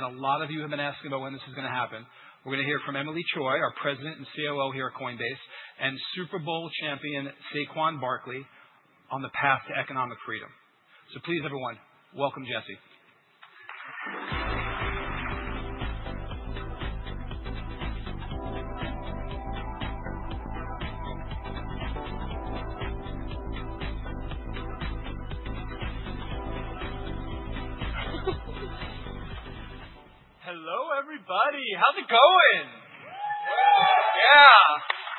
A lot of you have been asking about when this is going to happen, we're going to hear from Emilie Choi, our President and COO here at Coinbase, and Super Bowl champion Saquon Barkley on the path to economic freedom. Please, everyone, welcome Jesse. Hello, everybody. How's it going? Yeah.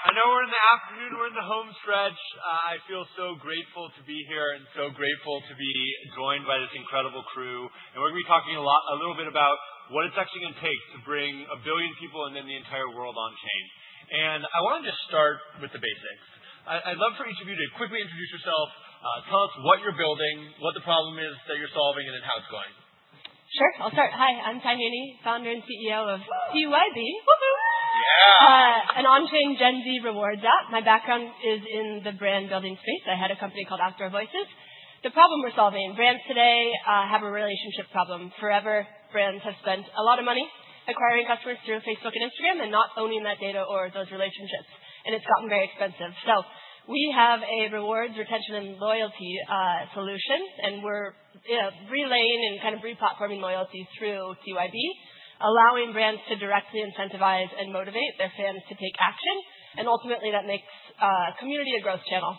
I know we're in the afternoon. We're in the home stretch. I feel so grateful to be here and so grateful to be joined by this incredible crew. We're going to be talking a little bit about what it's actually going to take to bring a billion people and then the entire world on-chain. I want to just start with the basics. I'd love for each of you to quickly introduce yourself, tell us what you're building, what the problem is that you're solving, and then how it's going. Sure. I'll start. Hi. I'm Ty Haney, founder and CEO of TYB. Woo-hoo. Yeah. An on-chain Gen Z rewards app. My background is in the brand-building space. I had a company called Outdoor Voices. The problem we're solving, brands today have a relationship problem. Forever, brands have spent a lot of money acquiring customers through Facebook and Instagram and not owning that data or those relationships. It has gotten very expensive. We have a rewards, retention, and loyalty solution, and we are relaying and kind of re-platforming loyalty through TYB, allowing brands to directly incentivize and motivate their fans to take action. Ultimately, that makes community a growth channel.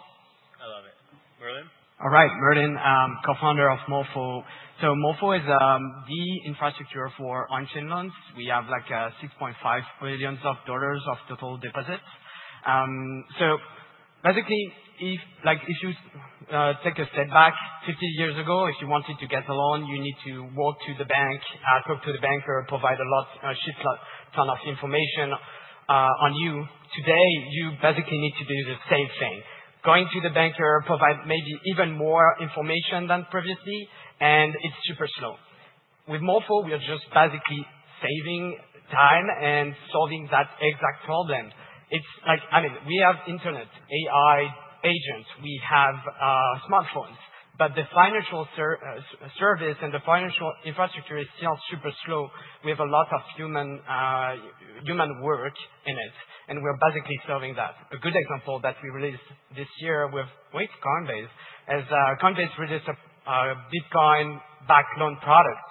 I love it. Merlin? All right. Merlin, co-founder of Morpho. So Morpho is the infrastructure for on-chain loans. We have like $6.5 billion of total deposits. Basically, if you take a step back 50 years ago, if you wanted to get a loan, you need to walk to the bank, talk to the banker, provide a ton of information on you. Today, you basically need to do the same thing. Going to the banker provides maybe even more information than previously, and it's super slow. With Morpho, we are just basically saving time and solving that exact problem. I mean, we have internet, AI agents. We have smartphones. The financial service and the financial infrastructure is still super slow. We have a lot of human work in it, and we're basically solving that. A good example that we released this year with, wait, Coinbase as Coinbase released a Bitcoin-backed loan product.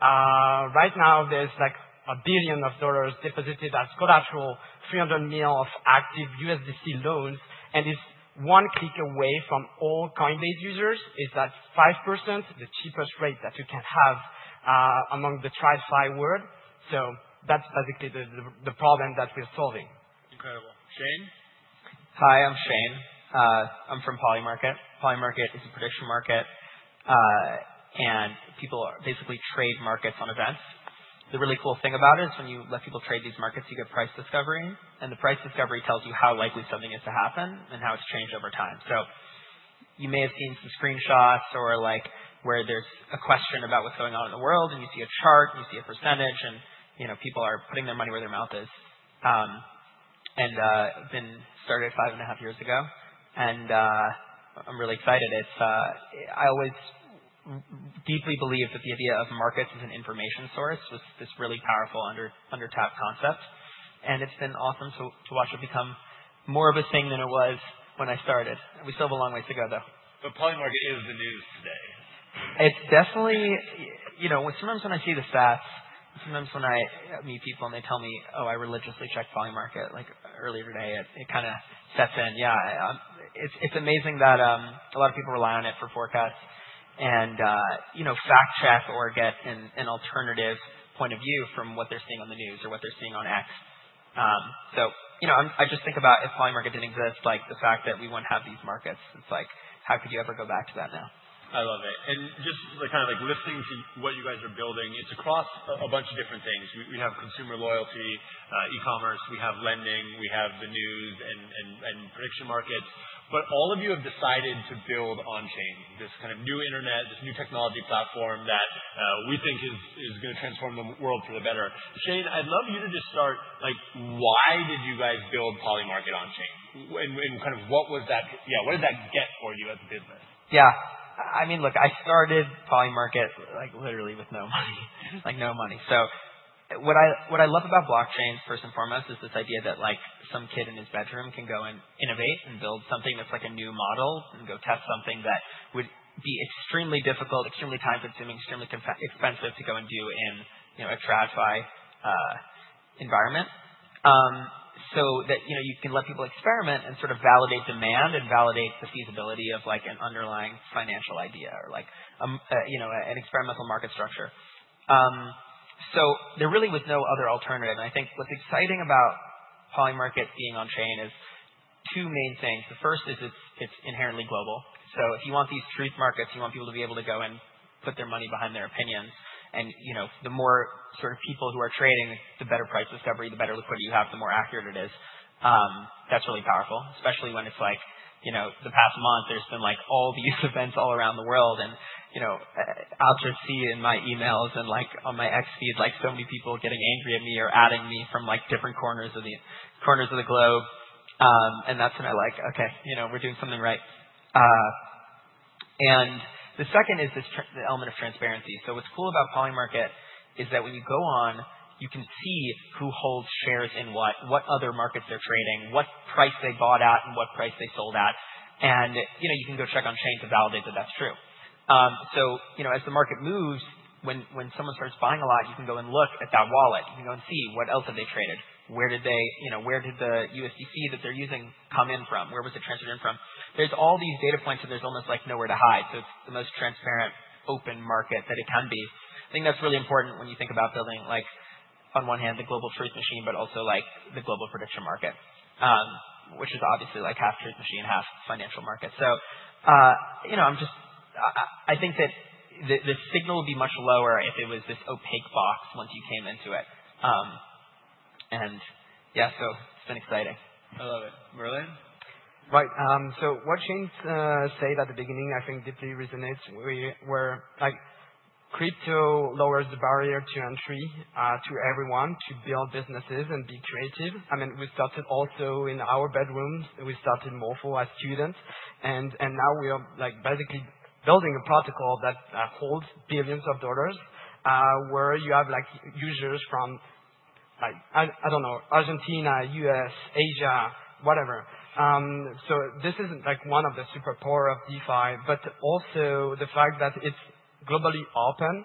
Right now, there's like a billion dollars deposited as collateral, $300 million of active USDC loans, and it's one click away from all Coinbase users. It's at 5%, the cheapest rate that you can have among the tried-and-tested world. So that's basically the problem that we're solving. Incredible. Shayne? Hi, I'm Shayne. I'm from Polymarket. Polymarket is a prediction market, and people basically trade markets on events. The really cool thing about it is when you let people trade these markets, you get price discovery, and the price discovery tells you how likely something is to happen and how it's changed over time. You may have seen some screenshots or where there's a question about what's going on in the world, and you see a chart, and you see a percentage, and people are putting their money where their mouth is. It started five and a half years ago, and I'm really excited. I always deeply believed that the idea of markets as an information source was this really powerful undertapped concept. It's been awesome to watch it become more of a thing than it was when I started. We still have a long way to go, though. Polymarket is the news today. It's definitely sometimes when I see the stats, sometimes when I meet people and they tell me, "Oh, I religiously check Polymarket," like earlier today, it kind of sets in. Yeah. It's amazing that a lot of people rely on it for forecasts and fact-check or get an alternative point of view from what they're seeing on the news or what they're seeing on X. I just think about if Polymarket didn't exist, the fact that we wouldn't have these markets, it's like, how could you ever go back to that now? I love it. Just kind of listening to what you guys are building, it's across a bunch of different things. We have consumer loyalty, e-commerce, we have lending, we have the news and prediction markets. All of you have decided to build on-chain, this kind of new internet, this new technology platform that we think is going to transform the world for the better. Shane, I'd love you to just start, why did you guys build Polymarket on-chain? What was that, yeah, what did that get for you as a business? Yeah. I mean, look, I started Polymarket literally with no money, like no money. What I love about blockchains, first and foremost, is this idea that some kid in his bedroom can go and innovate and build something that's like a new model and go test something that would be extremely difficult, extremely time-consuming, extremely expensive to go and do in a tried-and-tested environment so that you can let people experiment and sort of validate demand and validate the feasibility of an underlying financial idea or an experimental market structure. There really was no other alternative. I think what's exciting about Polymarket being on-chain is two main things. The first is it's inherently global. If you want these truth markets, you want people to be able to go and put their money behind their opinions. The more sort of people who are trading, the better price discovery, the better liquidity you have, the more accurate it is. That is really powerful, especially when it is like the past month, there have been all these events all around the world. I will just see in my emails and on my X feed so many people getting angry at me or adding me from different corners of the globe. That is when I am like, "Okay, we are doing something right." The second is the element of transparency. What is cool about Polymarket is that when you go on, you can see who holds shares in what, what other markets they are trading, what price they bought at, and what price they sold at. You can go check on-chain to validate that that is true. As the market moves, when someone starts buying a lot, you can go and look at that wallet. You can go and see what else have they traded. Where did the USDC that they're using come in from? Where was it transferred in from? There are all these data points, and there's almost nowhere to hide. It is the most transparent, open market that it can be. I think that's really important when you think about building, on one hand, the global truth machine, but also the global prediction market, which is obviously like half truth machine, half financial market. I think that the signal would be much lower if it was this opaque box once you came into it. Yeah, it's been exciting. I love it. Merlin? Right. What Shayne said at the beginning, I think, deeply resonates. Crypto lowers the barrier to entry to everyone to build businesses and be creative. I mean, we started also in our bedrooms. We started Morpho as students, and now we are basically building a protocol that holds billions of dollars where you have users from, I don't know, Argentina, U.S., Asia, whatever. This is one of the superpowers of DeFi, but also the fact that it's globally open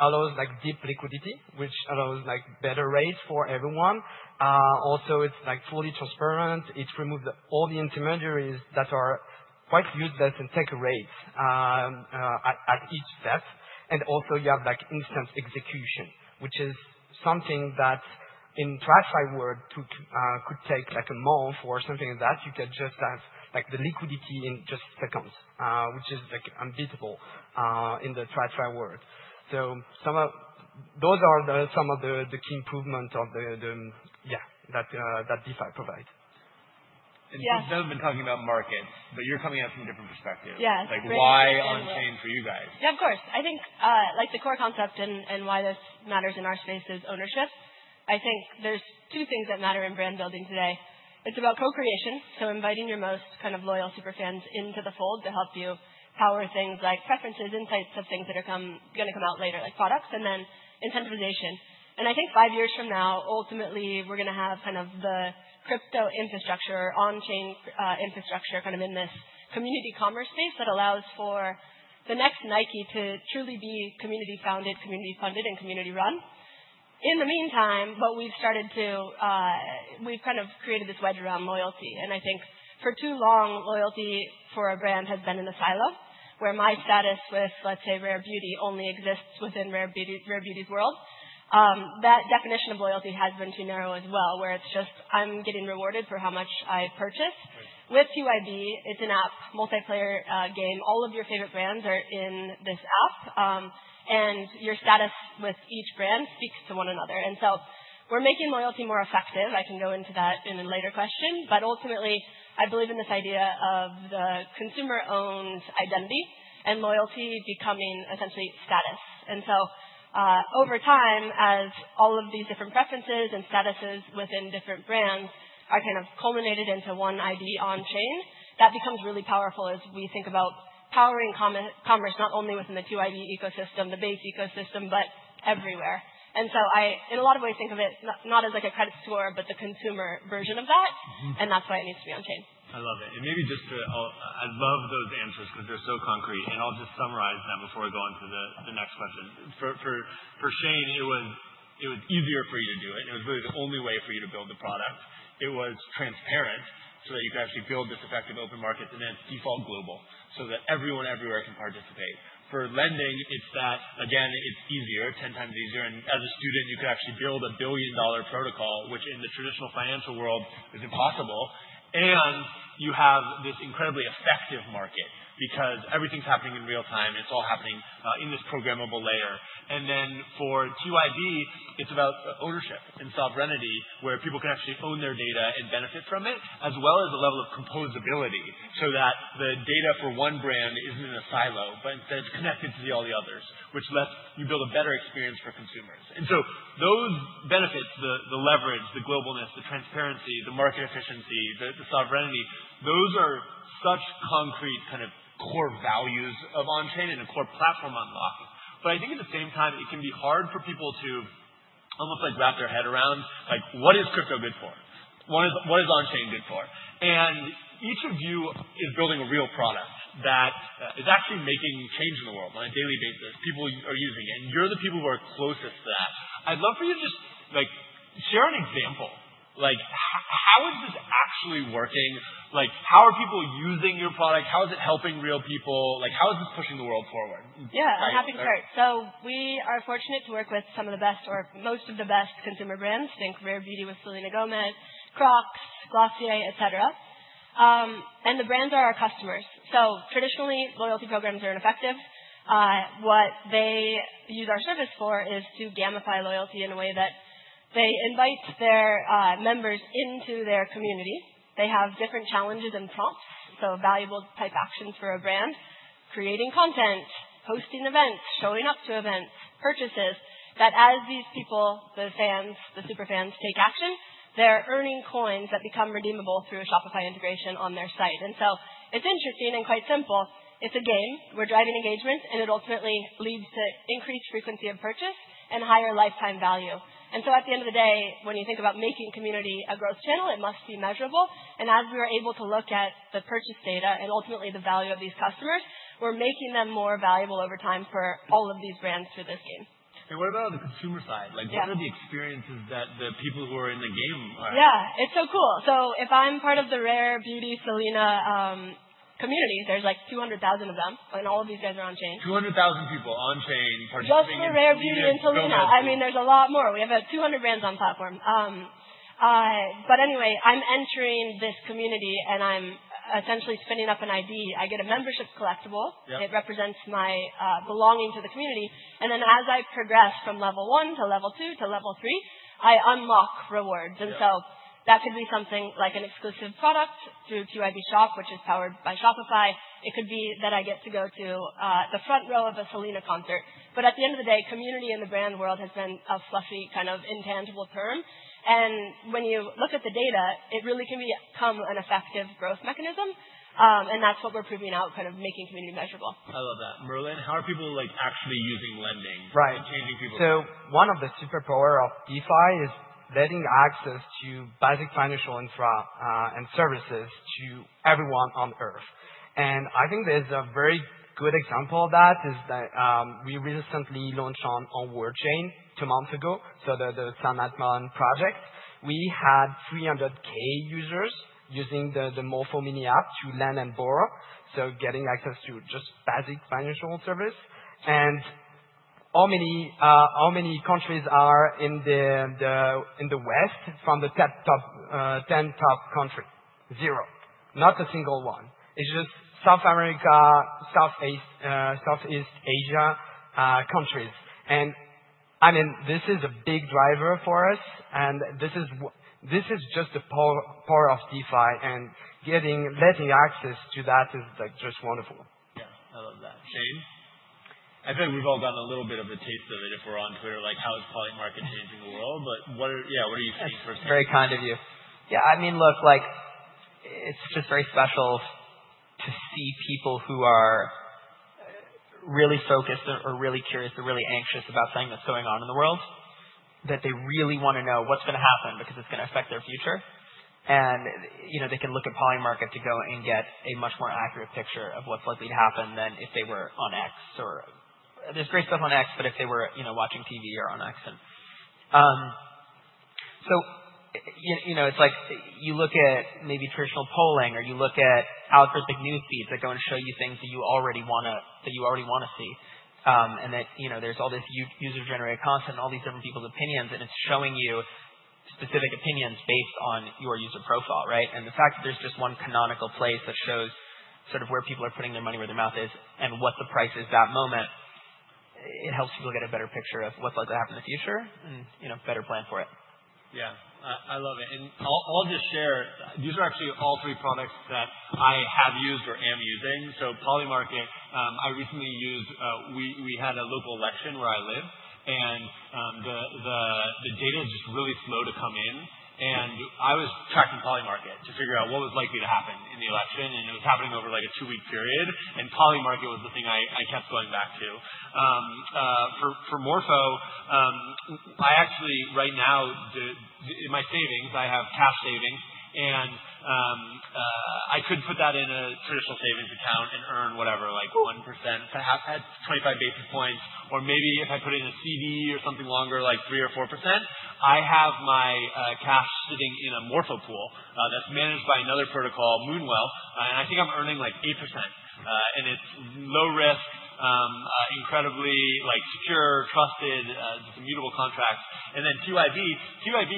allows deep liquidity, which allows better rates for everyone. Also, it's fully transparent. It removes all the intermediaries that are quite useless and take rates at each step. Also, you have instant execution, which is something that in tried-and-tested world could take like a month or something like that. You could just have the liquidity in just seconds, which is unbeatable in the tried-and-tested world. Those are some of the key improvements that DeFi provides. You've been talking about markets, but you're coming at it from a different perspective. Yeah. Like why on-chain for you guys? Yeah, of course. I think the core concept and why this matters in our space is ownership. I think there are two things that matter in brand building today. It is about co-creation, so inviting your most kind of loyal superfans into the fold to help you power things like preferences, insights of things that are going to come out later, like products, and then incentivization. I think five years from now, ultimately, we are going to have kind of the crypto infrastructure, on-chain infrastructure kind of in this community commerce space that allows for the next Nike to truly be community-founded, community-funded, and community-run. In the meantime, what we have started to, we have kind of created this wedge around loyalty. I think for too long, loyalty for a brand has been in a silo where my status with, let's say, Rare Beauty only exists within Rare Beauty's world. That definition of loyalty has been too narrow as well, where it's just I'm getting rewarded for how much I purchase. With TYB, it's an app, multiplayer game. All of your favorite brands are in this app, and your status with each brand speaks to one another. We are making loyalty more effective. I can go into that in a later question. Ultimately, I believe in this idea of the consumer-owned identity and loyalty becoming essentially status. Over time, as all of these different preferences and statuses within different brands are kind of culminated into one ID on-chain, that becomes really powerful as we think about powering commerce not only within the TYB ecosystem, the Base ecosystem, but everywhere. I, in a lot of ways, think of it not as like a credit score, but the consumer version of that, and that's why it needs to be on-chain. I love it. Maybe just to, I love those answers because they're so concrete. I'll just summarize them before I go on to the next question. For Shayne, it was easier for you to do it, and it was really the only way for you to build the product. It was transparent so that you could actually build this effective open market, and then it's default global so that everyone everywhere can participate. For lending, it's that, again, it's easier, 10 times easier. As a student, you could actually build a billion-dollar protocol, which in the traditional financial world is impossible. You have this incredibly effective market because everything's happening in real time. It's all happening in this programmable layer. For CYZ, it's about ownership and sovereignty where people can actually own their data and benefit from it, as well as a level of composability so that the data for one brand isn't in a silo, but instead it's connected to all the others, which lets you build a better experience for consumers. Those benefits, the leverage, the globalness, the transparency, the market efficiency, the sovereignty, those are such concrete kind of core values of on-chain and a core platform unlock. I think at the same time, it can be hard for people to almost wrap their head around, like, what is crypto good for? What is on-chain good for? Each of you is building a real product that is actually making change in the world on a daily basis. People are using it, and you're the people who are closest to that. I'd love for you to just share an example. How is this actually working? How are people using your product? How is it helping real people? How is this pushing the world forward? Yeah, happy to start. We are fortunate to work with some of the best or most of the best consumer brands, think Rare Beauty with Selena Gomez, Crocs, Glossier, etc. The brands are our customers. Traditionally, loyalty programs are ineffective. What they use our service for is to gamify loyalty in a way that they invite their members into their community. They have different challenges and prompts, so valuable type actions for a brand, creating content, hosting events, showing up to events, purchases, that as these people, the fans, the superfans, take action, they are earning coins that become redeemable through a Shopify integration on their site. It is interesting and quite simple. It is a game. We are driving engagement, and it ultimately leads to increased frequency of purchase and higher lifetime value. At the end of the day, when you think about making community a growth channel, it must be measurable. As we are able to look at the purchase data and ultimately the value of these customers, we're making them more valuable over time for all of these brands through this game. What about on the consumer side? What are the experiences that the people who are in the game are? Yeah, it's so cool. If I'm part of the Rare Beauty Selena community, there's like 200,000 of them, and all of these guys are on-chain. 200,000 people on-chain, participating in the game. Just the Rare Beauty and Selena. I mean, there's a lot more. We have 200 brands on the platform. Anyway, I'm entering this community, and I'm essentially spinning up an ID. I get a membership collectible. It represents my belonging to the community. As I progress from level one to level two to level three, I unlock rewards. That could be something like an exclusive product through TYB Shop, which is powered by Shopify. It could be that I get to go to the front row of a Selena concert. At the end of the day, community in the brand world has been a fluffy kind of intangible term. When you look at the data, it really can become an effective growth mechanism. That's what we're proving out, kind of making community measurable. I love that. Merlin, how are people actually using lending and changing people? Right. One of the superpowers of DeFi is letting access to basic financial infra and services to everyone on Earth. I think there's a very good example of that, which is that we recently launched on World Chain two months ago, so the Sam Altman project. We had 300,000 users using the Morpho Mini App to lend and borrow, so getting access to just basic financial service. How many countries are in the West from the top 10 top countries? Zero. Not a single one. It's just South America, Southeast Asia countries. I mean, this is a big driver for us. This is just the power of DeFi, and letting access to that is just wonderful. Yeah, I love that. Shayne? I feel like we've all gotten a little bit of a taste of it if we're on Twitter, like how is Polymarket changing the world? Yeah, what are you seeing for? Very kind of you. Yeah, I mean, look, it's just very special to see people who are really focused or really curious or really anxious about something that's going on in the world, that they really want to know what's going to happen because it's going to affect their future. They can look at Polymarket to go and get a much more accurate picture of what's likely to happen than if they were on X. There's great stuff on X, but if they were watching TV or on X. You look at maybe traditional polling or you look at algorithmic news feeds that go and show you things that you already want to see. There's all this user-generated content and all these different people's opinions, and it's showing you specific opinions based on your user profile, right? The fact that there's just one canonical place that shows sort of where people are putting their money, where their mouth is, and what the price is that moment, it helps people get a better picture of what's likely to happen in the future and better plan for it. Yeah, I love it. I'll just share. These are actually all three products that I have used or am using. Polymarket, I recently used. We had a local election where I live, and the data is just really slow to come in. I was tracking Polymarket to figure out what was likely to happen in the election, and it was happening over like a two-week period. Polymarket was the thing I kept going back to. For Morpho, I actually, right now, in my savings, I have cash savings, and I could put that in a traditional savings account and earn whatever, like 1%, perhaps 25 basis points, or maybe if I put it in a CD or something longer, like 3% or 4%. I have my cash sitting in a Morpho pool that's managed by another protocol, Moonwell. I think I'm earning like 8%. It is low risk, incredibly secure, trusted, just immutable contracts. TYB, TYB,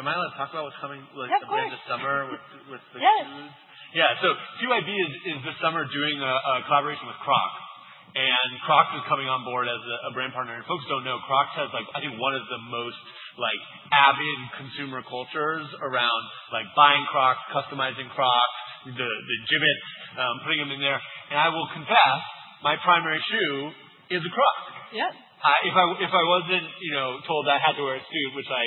am I allowed to talk about what is coming this summer with the news? Yes. Yeah. TYB is this summer doing a collaboration with Crocs. Crocs is coming on board as a brand partner. Folks do not know, Crocs has, I think, one of the most avid consumer cultures around buying Crocs, customizing Crocs, the gibbets, putting them in there. I will confess, my primary shoe is a Croc. Yep. If I wasn't told I had to wear a suit, which I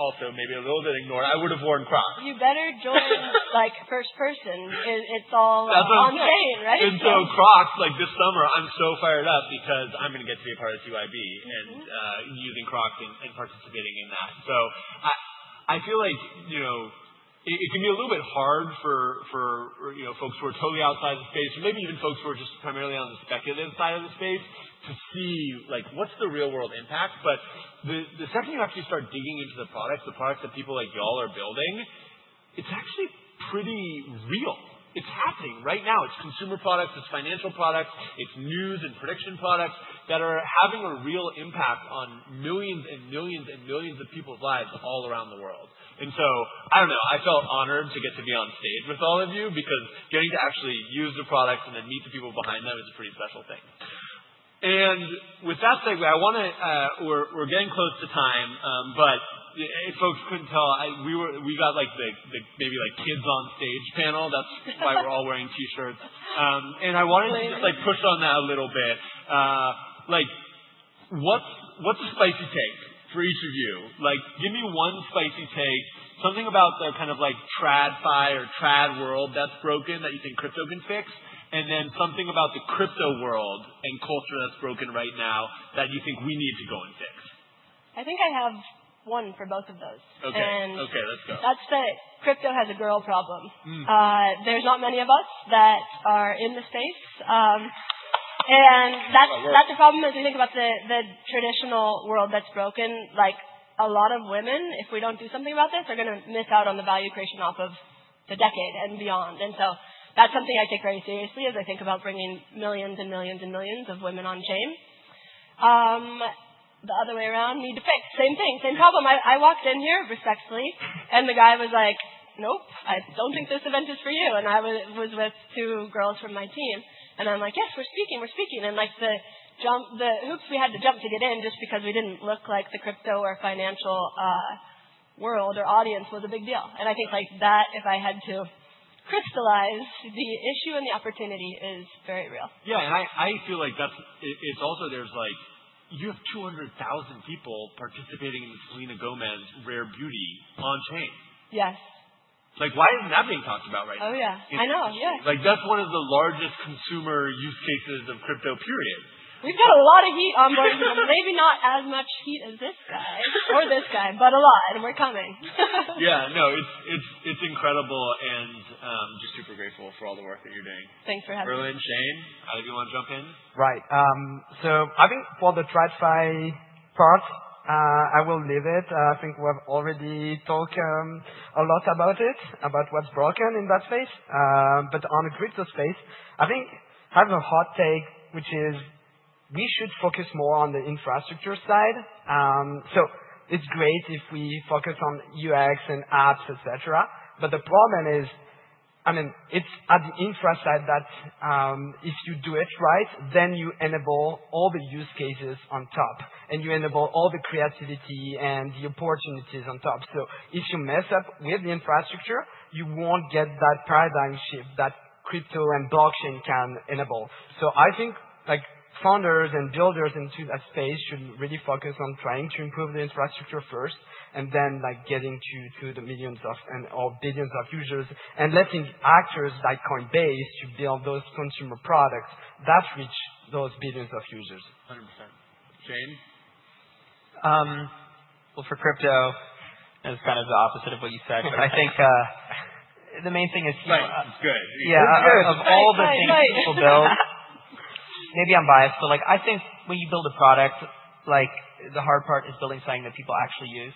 also maybe a little bit ignored, I would have worn Crocs. You better join first person. It's all on-chain, right? Crocs, like this summer, I'm so fired up because I'm going to get to be a part of TYB and using Crocs and participating in that. I feel like it can be a little bit hard for folks who are totally outside the space or maybe even folks who are just primarily on the speculative side of the space to see what's the real-world impact. The second you actually start digging into the products, the products that people like y'all are building, it's actually pretty real. It's happening right now. It's consumer products. It's financial products. It's news and prediction products that are having a real impact on millions and millions and millions of people's lives all around the world. I don't know. I felt honored to get to be on stage with all of you because getting to actually use the products and then meet the people behind them is a pretty special thing. With that said, I want to—we're getting close to time, but if folks could not tell, we got maybe like kids on stage panel. That is why we are all wearing T-shirts. I wanted to just push on that a little bit. What is a spicy take for each of you? Give me one spicy take, something about the kind of trad fi or trad world that is broken that you think crypto can fix, and then something about the crypto world and culture that is broken right now that you think we need to go and fix. I think I have one for both of those. Okay. Okay, let's go. That's the crypto has a girl problem. There's not many of us that are in the space. That's a problem as we think about the traditional world that's broken. A lot of women, if we don't do something about this, are going to miss out on the value creation off of the decade and beyond. That's something I take very seriously as I think about bringing millions and millions and millions of women on-chain. The other way around, need to fix. Same thing, same problem. I walked in here, respectfully, and the guy was like, "Nope, I don't think this event is for you." I was with two girls from my team. I'm like, "Yes, we're speaking. We're speaking. The hoops we had to jump to get in just because we didn't look like the crypto or financial world or audience was a big deal. I think that if I had to crystallize, the issue and the opportunity is very real. Yeah, and I feel like it's also there's like you have 200,000 people participating in Selena Gomez Rare Beauty on-chain. Yes. Like, why isn't that being talked about right now? Oh, yeah. I know, yeah. Like, that's one of the largest consumer use cases of crypto, period. We've got a lot of heat on board, maybe not as much heat as this guy or this guy, but a lot, and we're coming. Yeah, no, it's incredible and just super grateful for all the work that you're doing. Thanks for having me. Merlin, Shayne, either of you want to jump in? Right. I think for the trad fi part, I will leave it. I think we've already talked a lot about it, about what's broken in that space. On the crypto space, I think I have a hot take, which is we should focus more on the infrastructure side. It's great if we focus on UX and apps, etc. The problem is, I mean, it's at the infra side that if you do it right, then you enable all the use cases on top, and you enable all the creativity and the opportunities on top. If you mess up with the infrastructure, you won't get that paradigm shift that crypto and blockchain can enable. I think founders and builders into that space should really focus on trying to improve the infrastructure first and then getting to the millions or billions of users and letting actors like Coinbase build those consumer products that reach those billions of users. 100%. Shayne? For crypto, it's kind of the opposite of what you said, but I think the main thing is you. It's good. Yeah, of all the things people build, maybe I'm biased, but I think when you build a product, the hard part is building something that people actually use,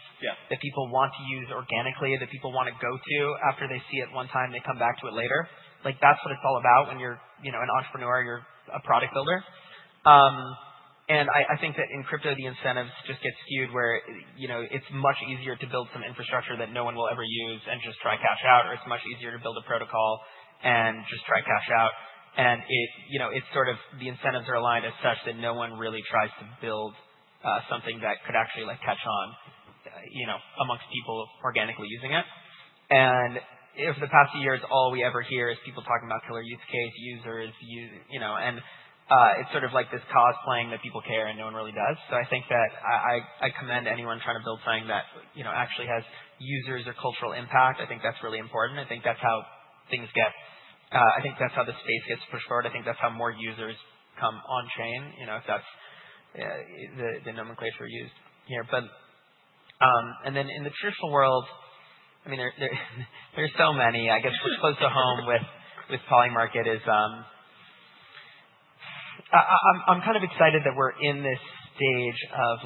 that people want to use organically, that people want to go to after they see it one time, they come back to it later. That's what it's all about when you're an entrepreneur, you're a product builder. I think that in crypto, the incentives just get skewed where it's much easier to build some infrastructure that no one will ever use and just try cash out, or it's much easier to build a protocol and just try cash out. It's sort of the incentives are aligned as such that no one really tries to build something that could actually catch on amongst people organically using it. Over the past few years, all we ever hear is people talking about killer use case, users, and it is sort of like this cause playing that people care and no one really does. I think that I commend anyone trying to build something that actually has users or cultural impact. I think that is really important. I think that is how things get—I think that is how the space gets pushed forward. I think that is how more users come on-chain, if that is the nomenclature used here. In the traditional world, I mean, there are so many. I guess what's close to home with Polymarket is I'm kind of excited that we're in this stage of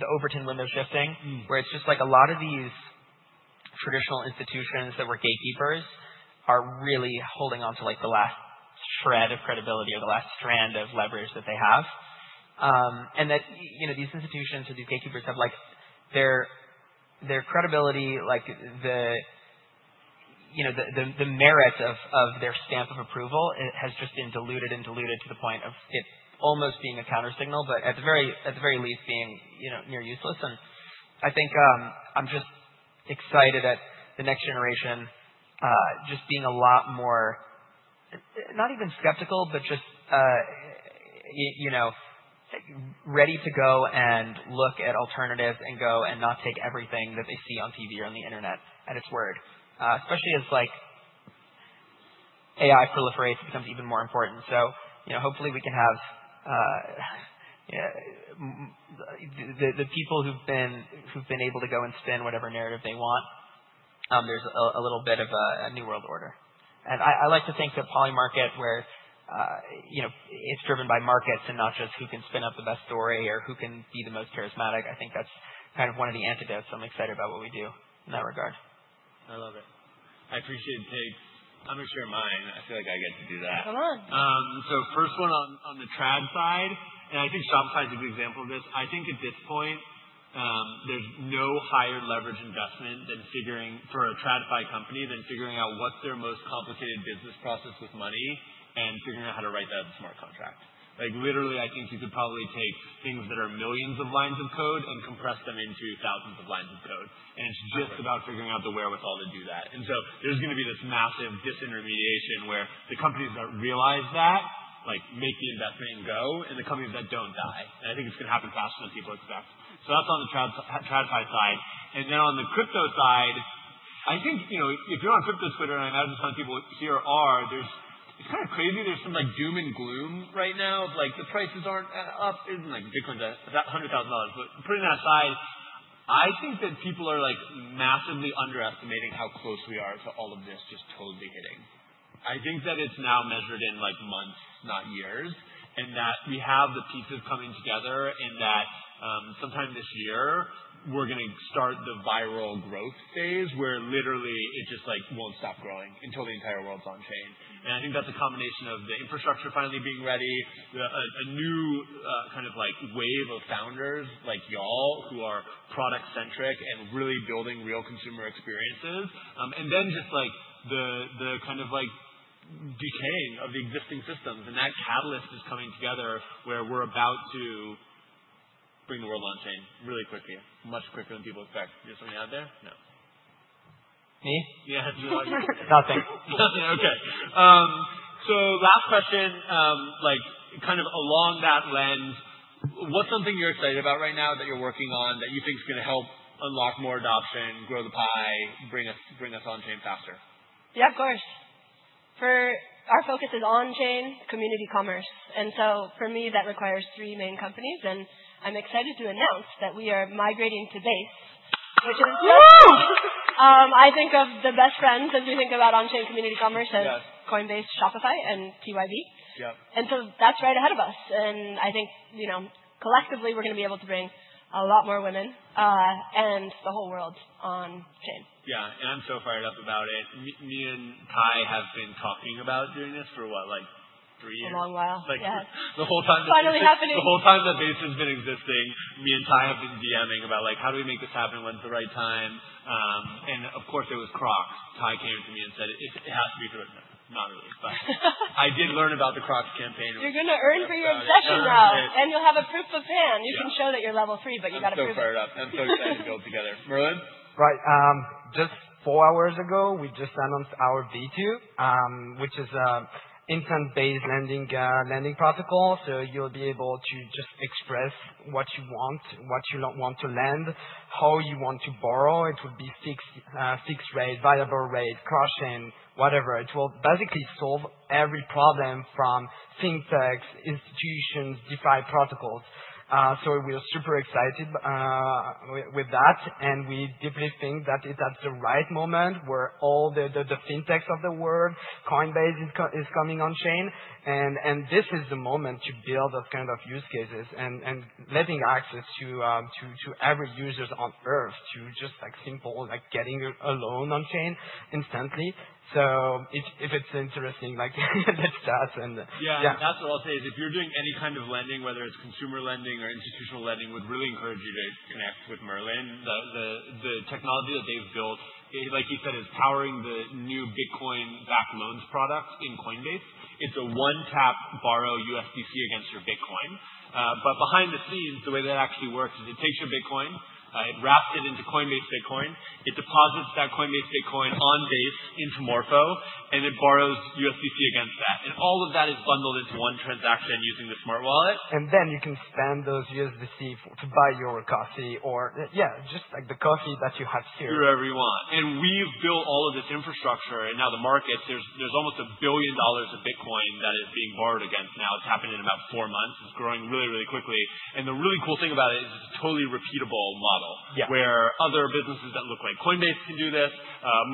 the Overton window shifting, where it's just like a lot of these traditional institutions that were gatekeepers are really holding on to the last shred of credibility or the last strand of leverage that they have. These institutions or these gatekeepers have their credibility, the merits of their stamp of approval has just been diluted and diluted to the point of it almost being a countersignal, but at the very least being near useless. I think I'm just excited at the next generation just being a lot more not even skeptical, but just ready to go and look at alternatives and go and not take everything that they see on TV or on the internet at its word, especially as AI proliferates and becomes even more important. Hopefully we can have the people who've been able to go and spin whatever narrative they want. There's a little bit of a new world order. I like to think that Polymarket, where it's driven by markets and not just who can spin up the best story or who can be the most charismatic, I think that's kind of one of the antidotes. I'm excited about what we do in that regard. I love it. I appreciate the take. I'm going to share mine. I feel like I get to do that. Come on. First one on the trad side, and I think Shopify is a good example of this. I think at this point, there's no higher leverage investment for a trad fi company than figuring out what's their most complicated business process with money and figuring out how to write that in a smart contract. Literally, I think you could probably take things that are millions of lines of code and compress them into thousands of lines of code. It's just about figuring out the wherewithal to do that. There's going to be this massive disintermediation where the companies that realize that make the investment and go, and the companies that don't die. I think it's going to happen faster than people expect. That's on the trad fi side. Then on the crypto side, I think if you're on crypto Twitter and I know just how many people here are, it's kind of crazy. There's some doom and gloom right now of the prices aren't up. Bitcoin's at $100,000, but putting that aside, I think that people are massively underestimating how close we are to all of this just totally hitting. I think that it's now measured in months, not years, and that we have the pieces coming together and that sometime this year, we're going to start the viral growth phase where literally it just won't stop growing until the entire world's on-chain. I think that's a combination of the infrastructure finally being ready, a new kind of wave of founders like y'all who are product-centric and really building real consumer experiences, and then just the kind of decaying of the existing systems. That catalyst is coming together where we're about to bring the world on-chain really quickly, much quicker than people expect. Is there somebody out there? No. Me? Yeah. Nothing. Nothing. Nothing. Okay. Last question, kind of along that lens, what's something you're excited about right now that you're working on that you think is going to help unlock more adoption, grow the pie, bring us on-chain faster? Yeah, of course. Our focus is on-chain community commerce. For me, that requires three main companies. I'm excited to announce that we are migrating to Base, which is, I think, of the best friends as we think about on-chain community commerce as Coinbase, Shopify, and TYB. That is right ahead of us. I think collectively, we are going to be able to bring a lot more women and the whole world on-chain. Yeah. I'm so fired up about it. Me and Ty have been talking about doing this for what, like three? A long while. The whole time that Base has been existing. Finally happening. The whole time that Base has been existing, me and Ty have been DMing about how do we make this happen? When's the right time? Of course, it was Crocs. Ty came to me and said, "It has to be through a net." Not really, but I did learn about the Crocs campaign. You're going to earn for your obsession now. You'll have a proof of pan. You can show that you're level three, but you got to prove it. I'm so fired up. I'm so excited to build together. Merlin? Right. Just four hours ago, we just announced our B2, which is an instant Base lending protocol. You will be able to just express what you want, what you want to lend, how you want to borrow. It would be fixed rate, variable rate, cross-chain, whatever. It will basically solve every problem from fintechs, institutions, DeFi protocols. We are super excited with that. We deeply think that it is at the right moment where all the fintechs of the world, Coinbase is coming on-chain. This is the moment to build those kind of use cases and letting access to every user on Earth to just simple getting a loan on-chain instantly. If it is interesting, let's chat. Yeah. That's what I'll say is if you're doing any kind of lending, whether it's consumer lending or institutional lending, I would really encourage you to connect with Merlin. The technology that they've built, like you said, is powering the new Bitcoin back loans product in Coinbase. It's a one-tap borrow USDC against your Bitcoin. Behind the scenes, the way that actually works is it takes your Bitcoin, it wraps it into Coinbase Bitcoin, it deposits that Coinbase Bitcoin on Base into Morpho, and it borrows USDC against that. All of that is bundled into one transaction using the smart wallet. Then you can spend those USDC to buy your coffee or yeah, just the coffee that you have here. Wherever you want. We've built all of this infrastructure. Now the market, there's almost $1 billion of Bitcoin that is being borrowed against now. It's happened in about four months. It's growing really, really quickly. The really cool thing about it is it's a totally repeatable model where other businesses that look like Coinbase can do this,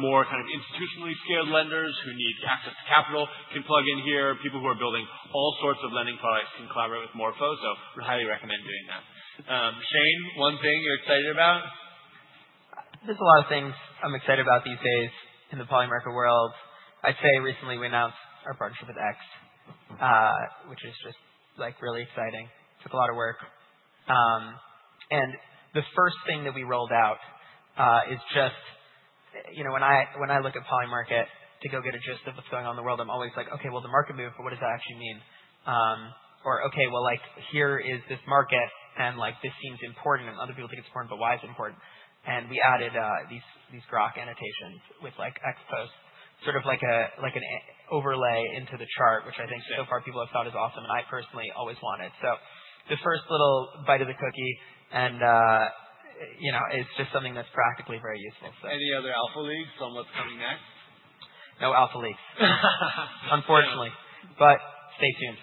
more kind of institutionally scared lenders who need access to capital can plug in here. People who are building all sorts of lending products can collaborate with Morpho. We highly recommend doing that. Shane, one thing you're excited about? There's a lot of things I'm excited about these days in the Polymarket world. I'd say recently we announced our partnership with X, which is just really exciting. Took a lot of work. The first thing that we rolled out is just when I look at Polymarket to go get a gist of what's going on in the world, I'm always like, "Okay, the market moved, but what does that actually mean?" or, "Okay, here is this market, and this seems important, and other people think it's important, but why is it important?" We added these Grok annotations with X post, sort of like an overlay into the chart, which I think so far people have thought is awesome, and I personally always wanted. The first little bite of the cookie, and it's just something that's practically very useful. Any other alpha leaks on what's coming next? No alpha leaks, unfortunately. Stay tuned.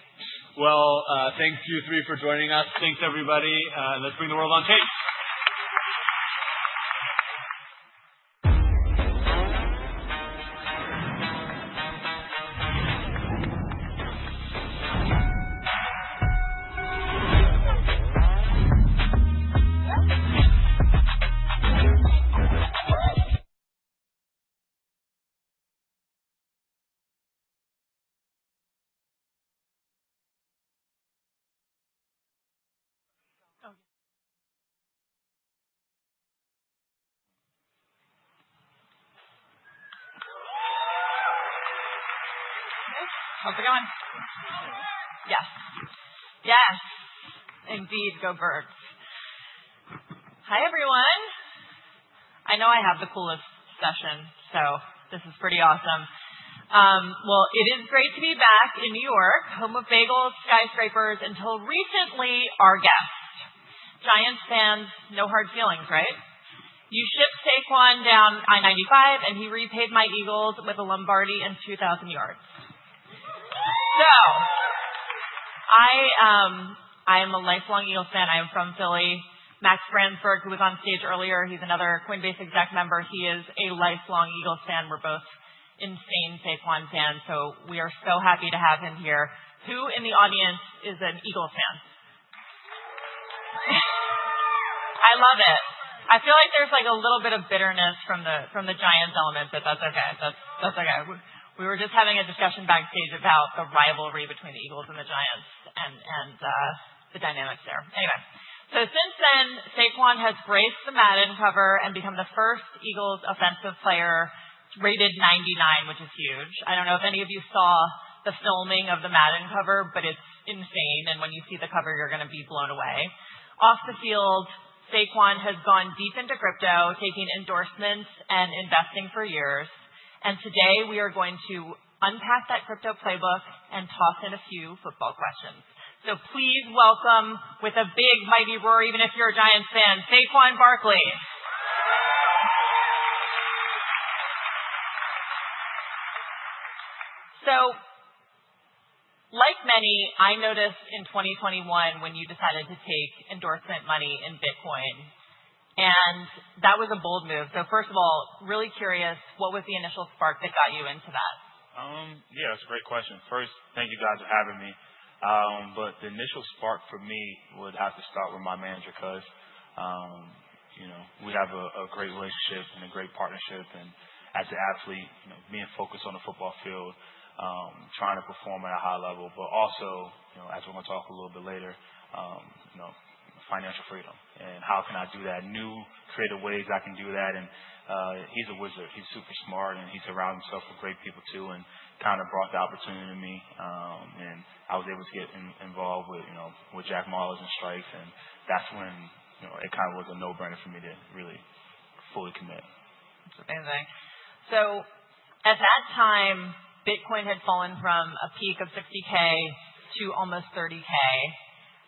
Thanks to you three for joining us. Thanks, everybody. Let's bring the world on-chain. How's it going? Yes. Yes. Indeed. Go birds. Hi, everyone. I know I have the coolest session, so this is pretty awesome. It is great to be back in New York, home of bagels, skyscrapers, until recently our guest. Giants fans, no hard feelings, right? You shipped Saquon down I-95, and he repaid my Eagles with a Lombardi and 2,000 yards. I am a lifelong Eagles fan. I am from Philly. Max Branzburg, who was on stage earlier, he's another Coinbase exec member. He is a lifelong Eagles fan. We're both insane Saquon fans, so we are so happy to have him here. Who in the audience is an Eagles fan? I love it. I feel like there's a little bit of bitterness from the Giants element, but that's okay. That's okay. We were just having a discussion backstage about the rivalry between the Eagles and the Giants and the dynamics there. Anyway, since then, Saquon has graced the Madden cover and become the first Eagles offensive player, rated 99, which is huge. I do not know if any of you saw the filming of the Madden cover, but it is insane. When you see the cover, you are going to be blown away. Off the field, Saquon has gone deep into crypto, taking endorsements and investing for years. Today, we are going to unpack that crypto playbook and toss in a few football questions. Please welcome with a big mighty roar, even if you are a Giants fan, Saquon Barkley. Like many, I noticed in 2021 when you decided to take endorsement money in Bitcoin. That was a bold move. First of all, really curious, what was the initial spark that got you into that? Yeah, that's a great question. First, thank you guys for having me. The initial spark for me would have to start with my manager because we have a great relationship and a great partnership. As an athlete, being focused on the football field, trying to perform at a high level, but also, as we're going to talk a little bit later, financial freedom. How can I do that? New creative ways I can do that. He's a wizard. He's super smart. He's surrounded himself with great people too and kind of brought the opportunity to me. I was able to get involved with Jack Mallers and Strike. That's when it kind of was a no-brainer for me to really fully commit. Amazing. At that time, Bitcoin had fallen from a peak of $60,000 to almost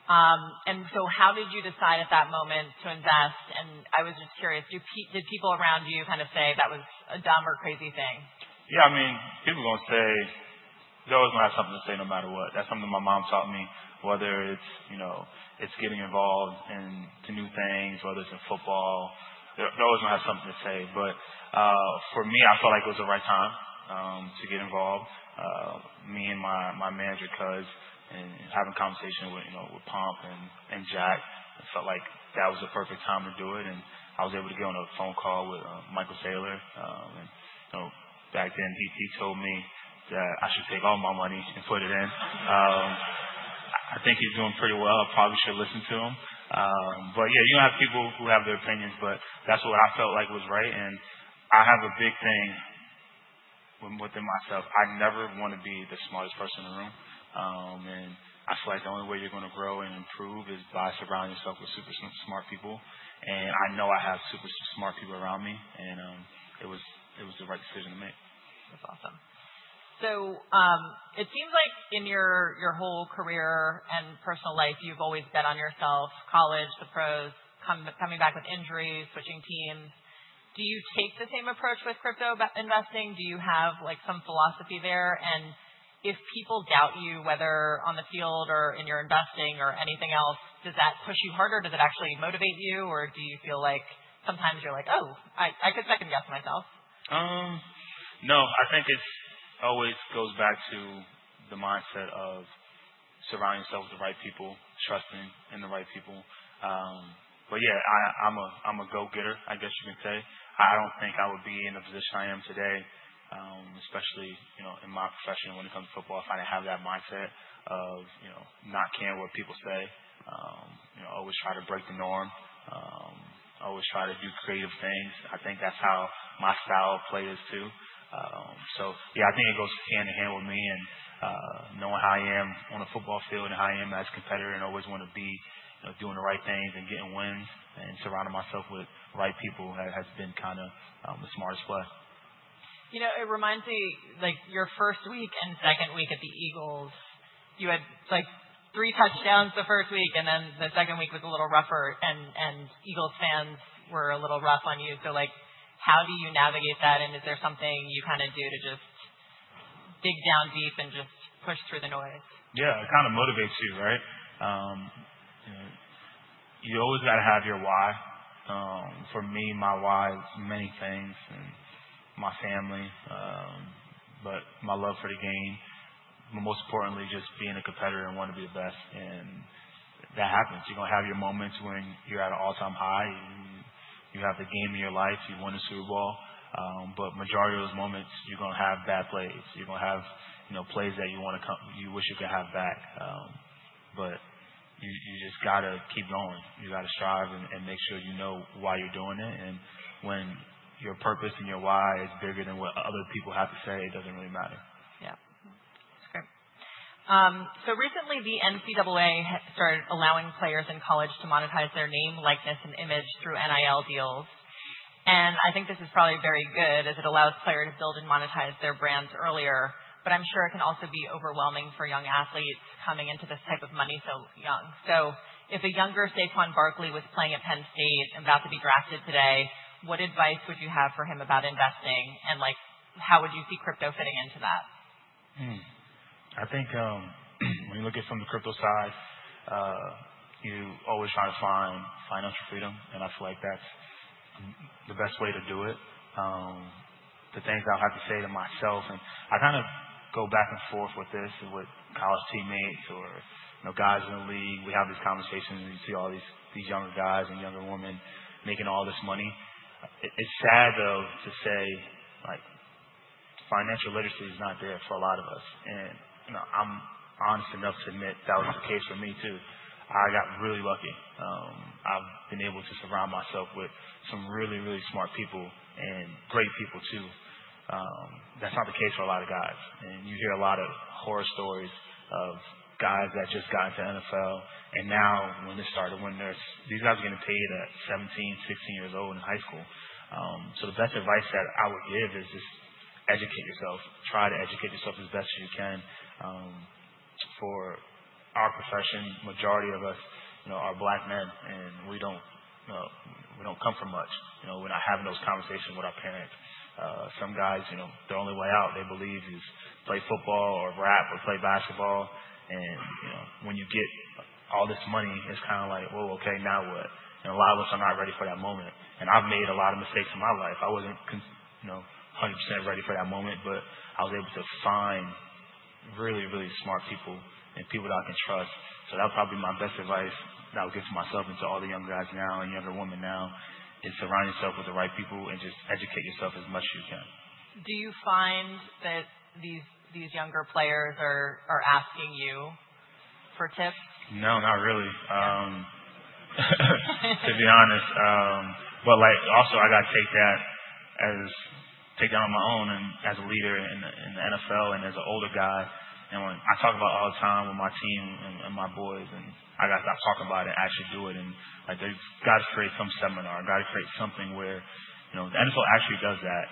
$30,000. How did you decide at that moment to invest? I was just curious, did people around you kind of say that was a dumb or crazy thing? Yeah, I mean, people are going to say, "Those don't have something to say no matter what." That's something my mom taught me, whether it's getting involved in new things, whether it's in football. Those don't have something to say. For me, I felt like it was the right time to get involved, me and my manager, because having a conversation with Pomp and Jack, it felt like that was the perfect time to do it. I was able to get on a phone call with Michael Saylor. Back then, he told me that I should take all my money and put it in. I think he's doing pretty well. I probably should listen to him. Yeah, you have people who have their opinions, but that's what I felt like was right. I have a big thing within myself. I never want to be the smartest person in the room. I feel like the only way you're going to grow and improve is by surrounding yourself with super smart people. I know I have super smart people around me. It was the right decision to make. That's awesome. It seems like in your whole career and personal life, you've always bet on yourself, college, the pros, coming back with injuries, switching teams. Do you take the same approach with crypto investing? Do you have some philosophy there? If people doubt you, whether on the field or in your investing or anything else, does that push you harder? Does it actually motivate you? Or do you feel like sometimes you're like, "Oh, I could second-guess myself"? No, I think it always goes back to the mindset of surrounding yourself with the right people, trusting in the right people. Yeah, I'm a go-getter, I guess you can say. I don't think I would be in the position I am today, especially in my profession when it comes to football, if I didn't have that mindset of not caring what people say, always try to break the norm, always try to do creative things. I think that's how my style of play is too. Yeah, I think it goes hand in hand with me and knowing how I am on the football field and how I am as a competitor and always want to be doing the right things and getting wins and surrounding myself with the right people has been kind of the smartest play. You know, it reminds me your first week and second week at the Eagles, you had three touchdowns the first week, and then the second week was a little rougher, and Eagles fans were a little rough on you. How do you navigate that? Is there something you kind of do to just dig down deep and just push through the noise? Yeah, it kind of motivates you, right? You always got to have your why. For me, my why is many things and my family, but my love for the game, but most importantly, just being a competitor and wanting to be the best. That happens. You're going to have your moments when you're at an all-time high. You have the game in your life. You won the Super Bowl. The majority of those moments, you're going to have bad plays. You're going to have plays that you wish you could have back. You just got to keep going. You got to strive and make sure you know why you're doing it. When your purpose and your why is bigger than what other people have to say, it doesn't really matter. Yeah. That's great. Recently, the NCAA started allowing players in college to monetize their name, likeness, and image through NIL deals. I think this is probably very good as it allows players to build and monetize their brands earlier. I'm sure it can also be overwhelming for young athletes coming into this type of money so young. If a younger Saquon Barkley was playing at Penn State and about to be drafted today, what advice would you have for him about investing? How would you see crypto fitting into that? I think when you look at it from the crypto side, you always try to find financial freedom. I feel like that's the best way to do it. The things I'll have to say to myself, and I kind of go back and forth with this and with college teammates or guys in the league. We have these conversations. You see all these younger guys and younger women making all this money. It's sad, though, to say financial literacy is not there for a lot of us. I'm honest enough to admit that was the case for me too. I got really lucky. I've been able to surround myself with some really, really smart people and great people too. That's not the case for a lot of guys. You hear a lot of horror stories of guys that just got into NFL. Now, when this started, when these guys are going to pay you at 17, 16 years old in high school. The best advice that I would give is just educate yourself. Try to educate yourself as best as you can. For our profession, the majority of us are Black men, and we do not come from much. We are not having those conversations with our parents. Some guys, their only way out, they believe, is play football or rap or play basketball. When you get all this money, it is kind of like, "Whoa, okay, now what?" A lot of us are not ready for that moment. I have made a lot of mistakes in my life. I was not 100% ready for that moment, but I was able to find really, really smart people and people that I can trust. That would probably be my best advice that I would give to myself and to all the young guys now and younger women now is surround yourself with the right people and just educate yourself as much as you can. Do you find that these younger players are asking you for tips? No, not really, to be honest. I got to take that on my own and as a leader in the NFL and as an older guy. I talk about it all the time with my team and my boys. I got to stop talking about it and actually do it. I got to create some seminar. I got to create something where the NFL actually does that.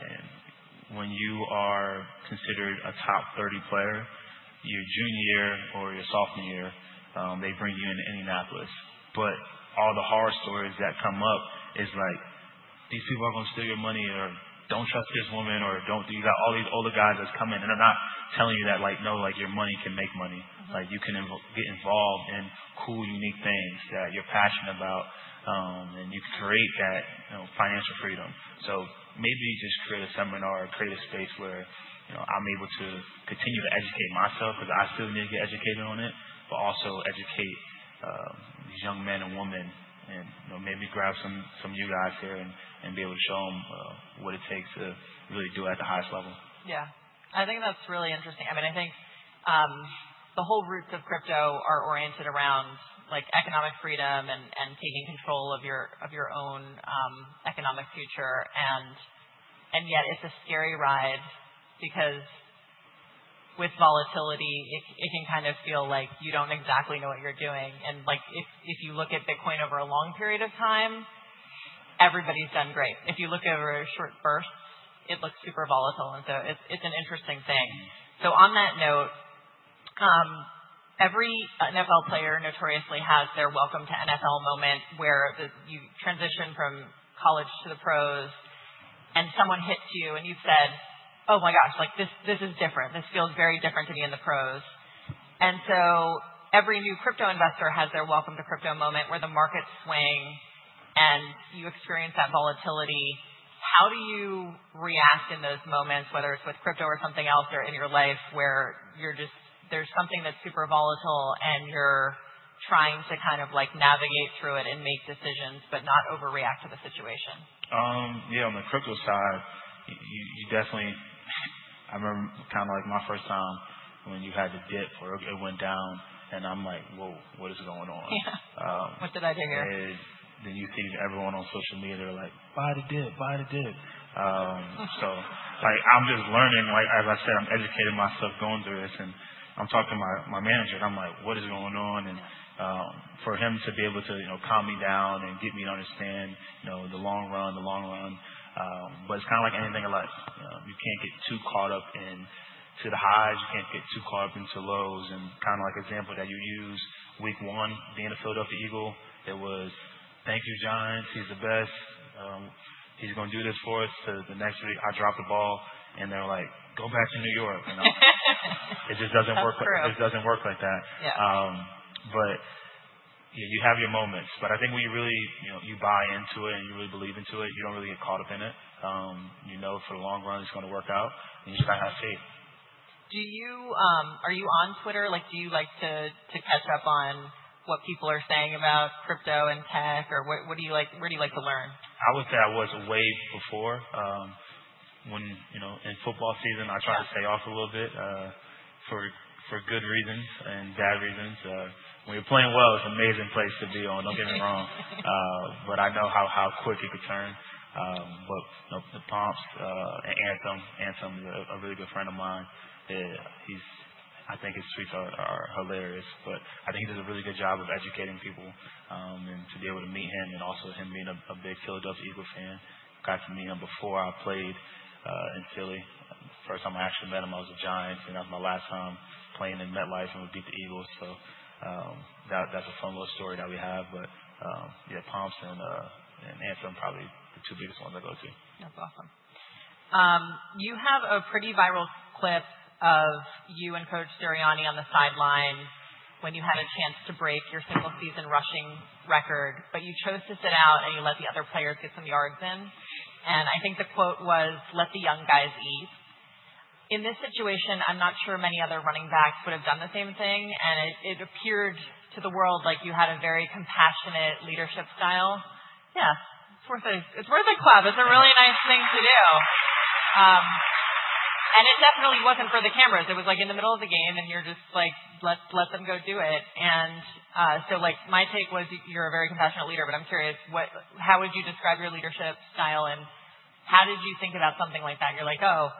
When you are considered a top 30 player, your junior year or your sophomore year, they bring you into Indianapolis. All the horror stories that come up are like, "These people are going to steal your money," or, "Don't trust this woman," or, "You got all these older guys that's coming." They are not telling you that, "No, your money can make money. You can get involved in cool, unique things that you're passionate about, and you can create that financial freedom. Maybe just create a seminar or create a space where I'm able to continue to educate myself because I still need to get educated on it, but also educate these young men and women and maybe grab some of you guys here and be able to show them what it takes to really do it at the highest level. Yeah. I think that's really interesting. I mean, I think the whole roots of crypto are oriented around economic freedom and taking control of your own economic future. Yet, it's a scary ride because with volatility, it can kind of feel like you don't exactly know what you're doing. If you look at Bitcoin over a long period of time, everybody's done great. If you look over a short burst, it looks super volatile. It's an interesting thing. On that note, every NFL player notoriously has their welcome-to-NFL moment where you transition from college to the pros, and someone hits you, and you've said, "Oh my gosh, this is different. This feels very different to be in the pros." Every new crypto investor has their welcome-to-crypto moment where the markets swing, and you experience that volatility. How do you react in those moments, whether it's with crypto or something else or in your life where there's something that's super volatile and you're trying to kind of navigate through it and make decisions but not overreact to the situation? Yeah, on the crypto side, I remember kind of like my first time when you had the dip or it went down, and I'm like, "Whoa, what is going on? What did I do here? You see everyone on social media, they're like, "Buy the dip, buy the dip." I'm just learning. As I said, I'm educating myself going through this. I'm talking to my manager, and I'm like, "What is going on?" For him to be able to calm me down and get me to understand the long run, the long run. It's kind of like anything in life. You can't get too caught up into the highs. You can't get too caught up into the lows. Kind of like an example that you used week one being a Philadelphia Eagle, it was, "Thank you, John. He's the best. He's going to do this for us." The next week, I dropped the ball, and they're like, "Go back to New York." It just doesn't work like that. That's true. You have your moments. I think when you really buy into it and you really believe into it, you do not really get caught up in it. You know for the long run it is going to work out, and you just got to have faith. Are you on Twitter? Do you like to catch up on what people are saying about crypto and tech? Or where do you like to learn? I would say I was way before. In football season, I tried to stay off a little bit for good reasons and bad reasons. When you're playing well, it's an amazing place to be on. Don't get me wrong. I know how quick it could turn. The Pomps, Anthem, Anthem is a really good friend of mine. I think his tweets are hilarious. I think he does a really good job of educating people. To be able to meet him and also him being a big Philadelphia Eagle fan, I got to meet him before I played in Philly. The first time I actually met him, I was a Giant, and that was my last time playing in MetLife and we beat the Eagles. That's a fun little story that we have. Yeah, Pomps and Anthem are probably the two biggest ones I go to. That's awesome. You have a pretty viral clip of you and Coach Sirianni on the sidelines when you had a chance to break your single-season rushing record. But you chose to sit out, and you let the other players get some yards in. I think the quote was, "Let the young guys eat." In this situation, I'm not sure many other running backs would have done the same thing. It appeared to the world like you had a very compassionate leadership style. Yeah, it's worth a clap. It's a really nice thing to do. It definitely wasn't for the cameras. It was like in the middle of the game, and you're just like, "Let them go do it." My take was you're a very compassionate leader. I'm curious, how would you describe your leadership style? How did you think about something like that? You're like, "Oh,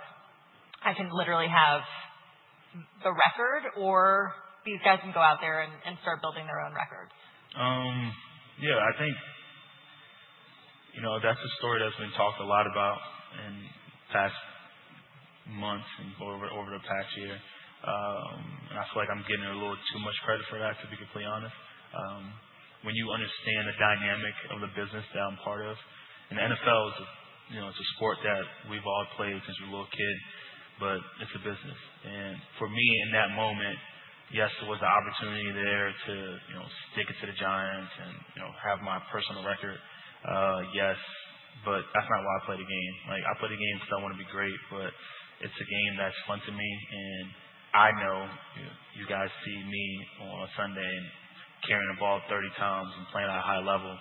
I can literally have the record, or these guys can go out there and start building their own record. Yeah, I think that's a story that's been talked a lot about in the past months and over the past year. I feel like I'm getting a little too much credit for that, to be completely honest. When you understand the dynamic of the business that I'm part of, and the NFL is a sport that we've all played since we were little kids, but it's a business. For me, in that moment, yes, there was an opportunity there to stick it to the Giants and have my personal record. Yes, but that's not why I play the game. I play the game because I want to be great. It's a game that's fun to me. I know you guys see me on Sunday carrying the ball 30 times and playing at a high level.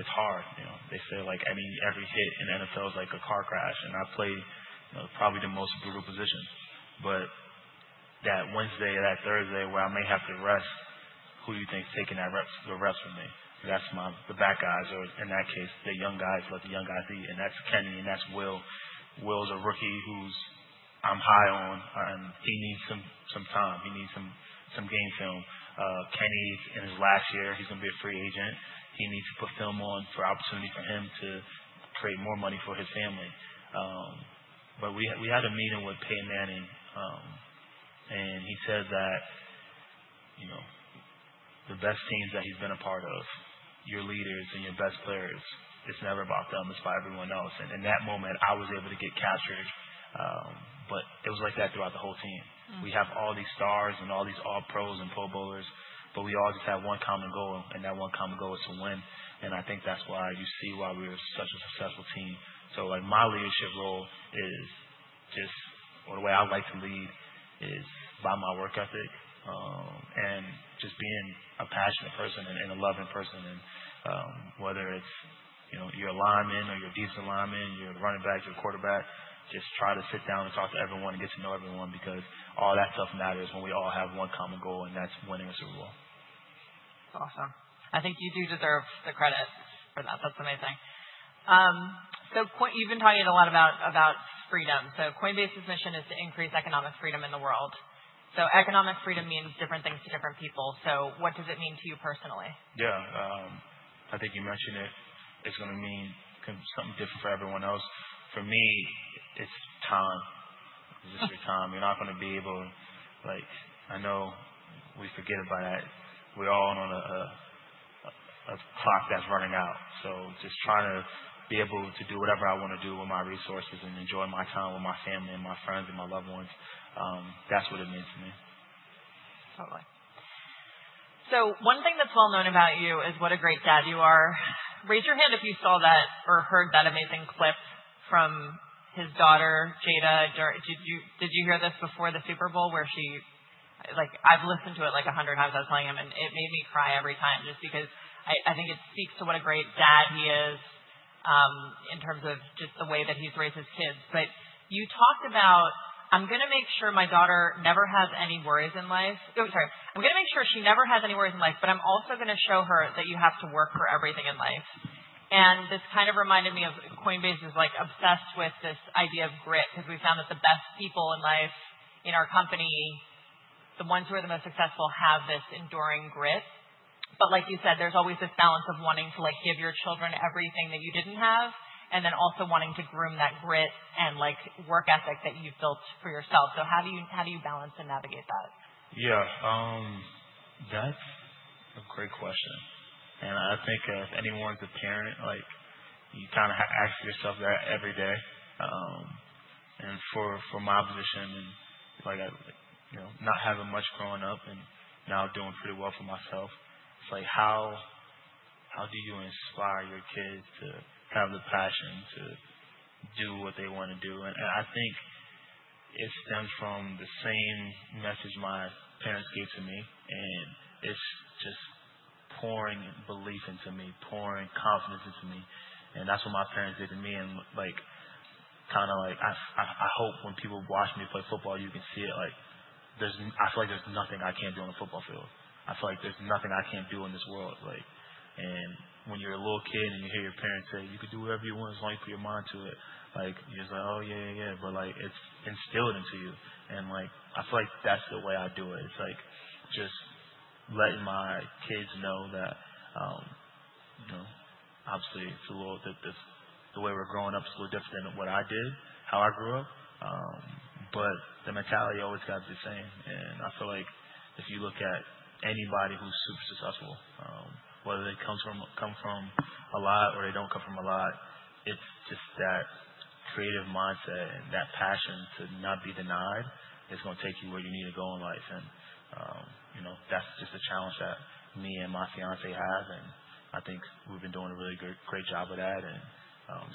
It's hard. They say every hit in the NFL is like a car crash. I play probably the most brutal position. That Wednesday or that Thursday where I may have to rest, who do you think's taking the reps from me? That's the bad guys, or in that case, the young guys. Let the young guys eat. That's Kenny, and that's Will. Will's a rookie who I'm high on, and he needs some time. He needs some game film. Kenny, in his last year, he's going to be a free agent. He needs to put film on for opportunity for him to create more money for his family. We had a meeting with Peyton Manning, and he said that the best teams that he's been a part of, your leaders and your best players, it's never about them. It's by everyone else. In that moment, I was able to get captured. It was like that throughout the whole team. We have all these stars and all these all-pros and pro bowlers, but we all just have one common goal. That one common goal is to win. I think that's why you see why we're such a successful team. My leadership role is just, or the way I like to lead, is by my work ethic and just being a passionate person and a loving person. Whether it's your lineman or your defensive lineman, your running back, your quarterback, just try to sit down and talk to everyone and get to know everyone because all that stuff matters when we all have one common goal, and that's winning a Super Bowl. That's awesome. I think you do deserve the credit for that. That's amazing. You've been talking a lot about freedom. Coinbase's mission is to increase economic freedom in the world. Economic freedom means different things to different people. What does it mean to you personally? Yeah. I think you mentioned it. It's going to mean something different for everyone else. For me, it's time. It's just your time. You're not going to be able to—I know we forget about that. We're all on a clock that's running out. Just trying to be able to do whatever I want to do with my resources and enjoy my time with my family and my friends and my loved ones, that's what it means to me. Totally. One thing that's well-known about you is what a great dad you are. Raise your hand if you saw that or heard that amazing clip from his daughter, Jada. Did you hear this before the Super Bowl where she—I have listened to it like 100 times, I was telling him, and it made me cry every time just because I think it speaks to what a great dad he is in terms of just the way that he has raised his kids. You talked about, "I'm going to make sure my daughter never has any worries in life." Oh, sorry. I'm going to make sure she never has any worries in life, but I'm also going to show her that you have to work for everything in life." This kind of reminded me of Coinbase is obsessed with this idea of grit because we found that the best people in life in our company, the ones who are the most successful, have this enduring grit. Like you said, there's always this balance of wanting to give your children everything that you didn't have and then also wanting to groom that grit and work ethic that you've built for yourself. How do you balance and navigate that? Yeah. That's a great question. I think if anyone's a parent, you kind of ask yourself that every day. For my position, and not having much growing up and now doing pretty well for myself, it's like, how do you inspire your kids to have the passion to do what they want to do? I think it stems from the same message my parents gave to me. It's just pouring belief into me, pouring confidence into me. That's what my parents did to me. Kind of like I hope when people watch me play football, you can see it. I feel like there's nothing I can't do on the football field. I feel like there's nothing I can't do in this world. When you're a little kid and you hear your parents say, "You can do whatever you want as long as you put your mind to it," you're just like, "Oh, yeah, yeah, yeah." It is instilled into you. I feel like that's the way I do it. It's like just letting my kids know that, obviously, the way we're growing up is a little different than what I did, how I grew up. The mentality always has to be the same. I feel like if you look at anybody who's super successful, whether they come from a lot or they do not come from a lot, it's just that creative mindset and that passion to not be denied is going to take you where you need to go in life. That's just a challenge that me and my fiancée have. I think we've been doing a really great job with that,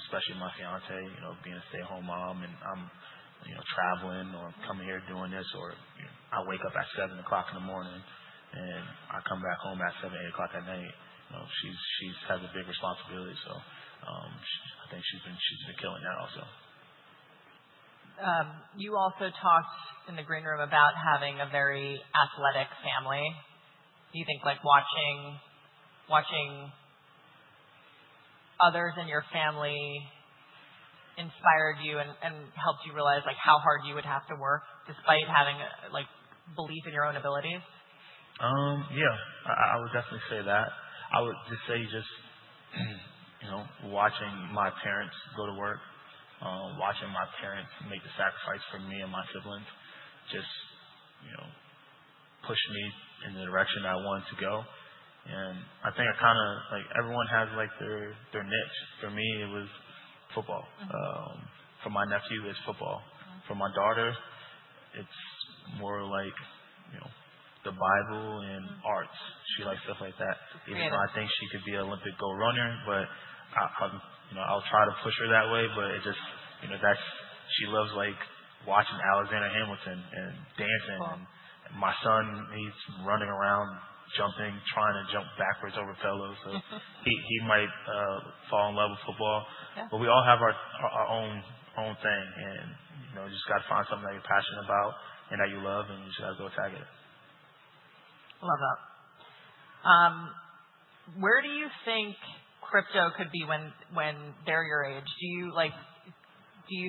especially my fiancée, being a stay-at-home mom. I'm traveling or coming here doing this, or I wake up at 7:00 in the morning, and I come back home at 7:00, 8:00 at night. She has a big responsibility. I think she's been killing it also. You also talked in the green room about having a very athletic family. Do you think watching others in your family inspired you and helped you realize how hard you would have to work despite having belief in your own abilities? Yeah. I would definitely say that. I would just say just watching my parents go to work, watching my parents make the sacrifice for me and my siblings just pushed me in the direction I wanted to go. I think kind of everyone has their niche. For me, it was football. For my nephew, it's football. For my daughter, it's more like the Bible and arts. She likes stuff like that. Even though I think she could be an Olympic gold runner, I will try to push her that way. She loves watching Alexander Hamilton and dancing. My son, he's running around, jumping, trying to jump backwards over fellows. He might fall in love with football. We all have our own thing. You just got to find something that you're passionate about and that you love, and you just got to go attack it. Love that. Where do you think crypto could be when they're your age? Do you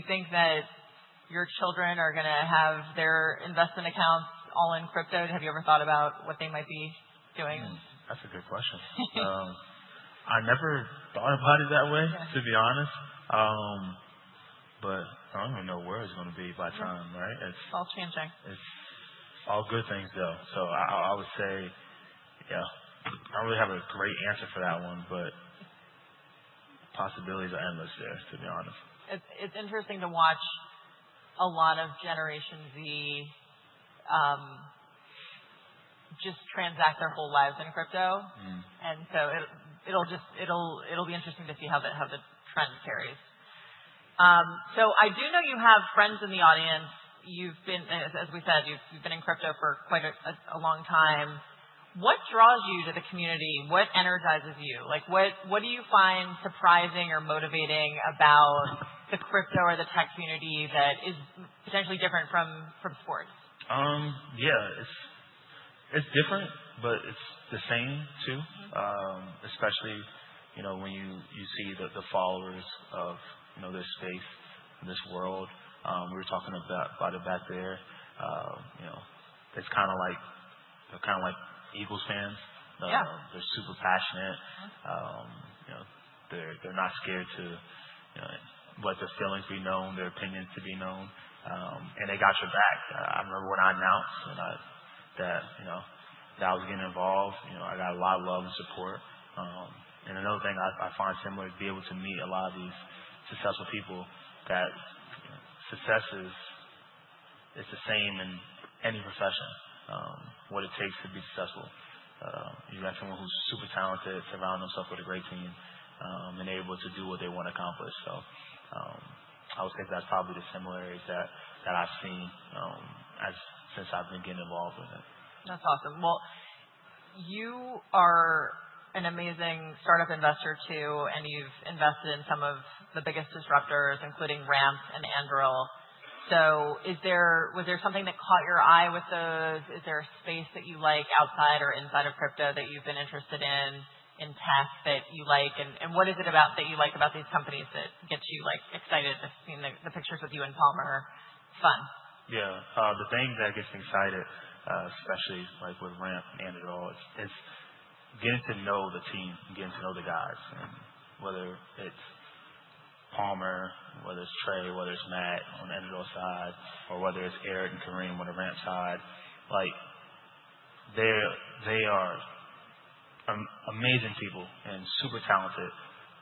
think that your children are going to have their investment accounts all in crypto? Have you ever thought about what they might be doing? That's a good question. I never thought about it that way, to be honest. I don't even know where it's going to be by time, right? It's all changing. It's all good things, though. I would say, yeah, I don't really have a great answer for that one. Possibilities are endless there, to be honest. It's interesting to watch a lot of Generation Z just transact their whole lives in crypto. It will be interesting to see how the trend carries. I do know you have friends in the audience. As we said, you've been in crypto for quite a long time. What draws you to the community? What energizes you? What do you find surprising or motivating about the crypto or the tech community that is potentially different from sports? Yeah. It's different, but it's the same too, especially when you see the followers of this space, this world. We were talking about it back there. It's kind of like the Eagles fans. They're super passionate. They're not scared to let their feelings be known, their opinions to be known. They got your back. I remember when I announced that I was getting involved, I got a lot of love and support. Another thing I find similar is to be able to meet a lot of these successful people, that success is the same in any profession, what it takes to be successful. You got someone who's super talented, surrounding themselves with a great team, and able to do what they want to accomplish. I would say that's probably the similarities that I've seen since I've been getting involved with it. That's awesome. You are an amazing startup investor too, and you've invested in some of the biggest disruptors, including Ramp and Anduril. Was there something that caught your eye with those? Is there a space that you like outside or inside of crypto that you've been interested in, in tech that you like? What is it about that you like about these companies that gets you excited? I've seen the pictures with you and Palmer. Fun. Yeah. The thing that gets me excited, especially with Ramp and Anduril, it's getting to know the team and getting to know the guys. Whether it's Palmer, whether it's Trey, whether it's Matt on the Anduril side, or whether it's Eric and Kareem on the Ramp side, they are amazing people and super talented.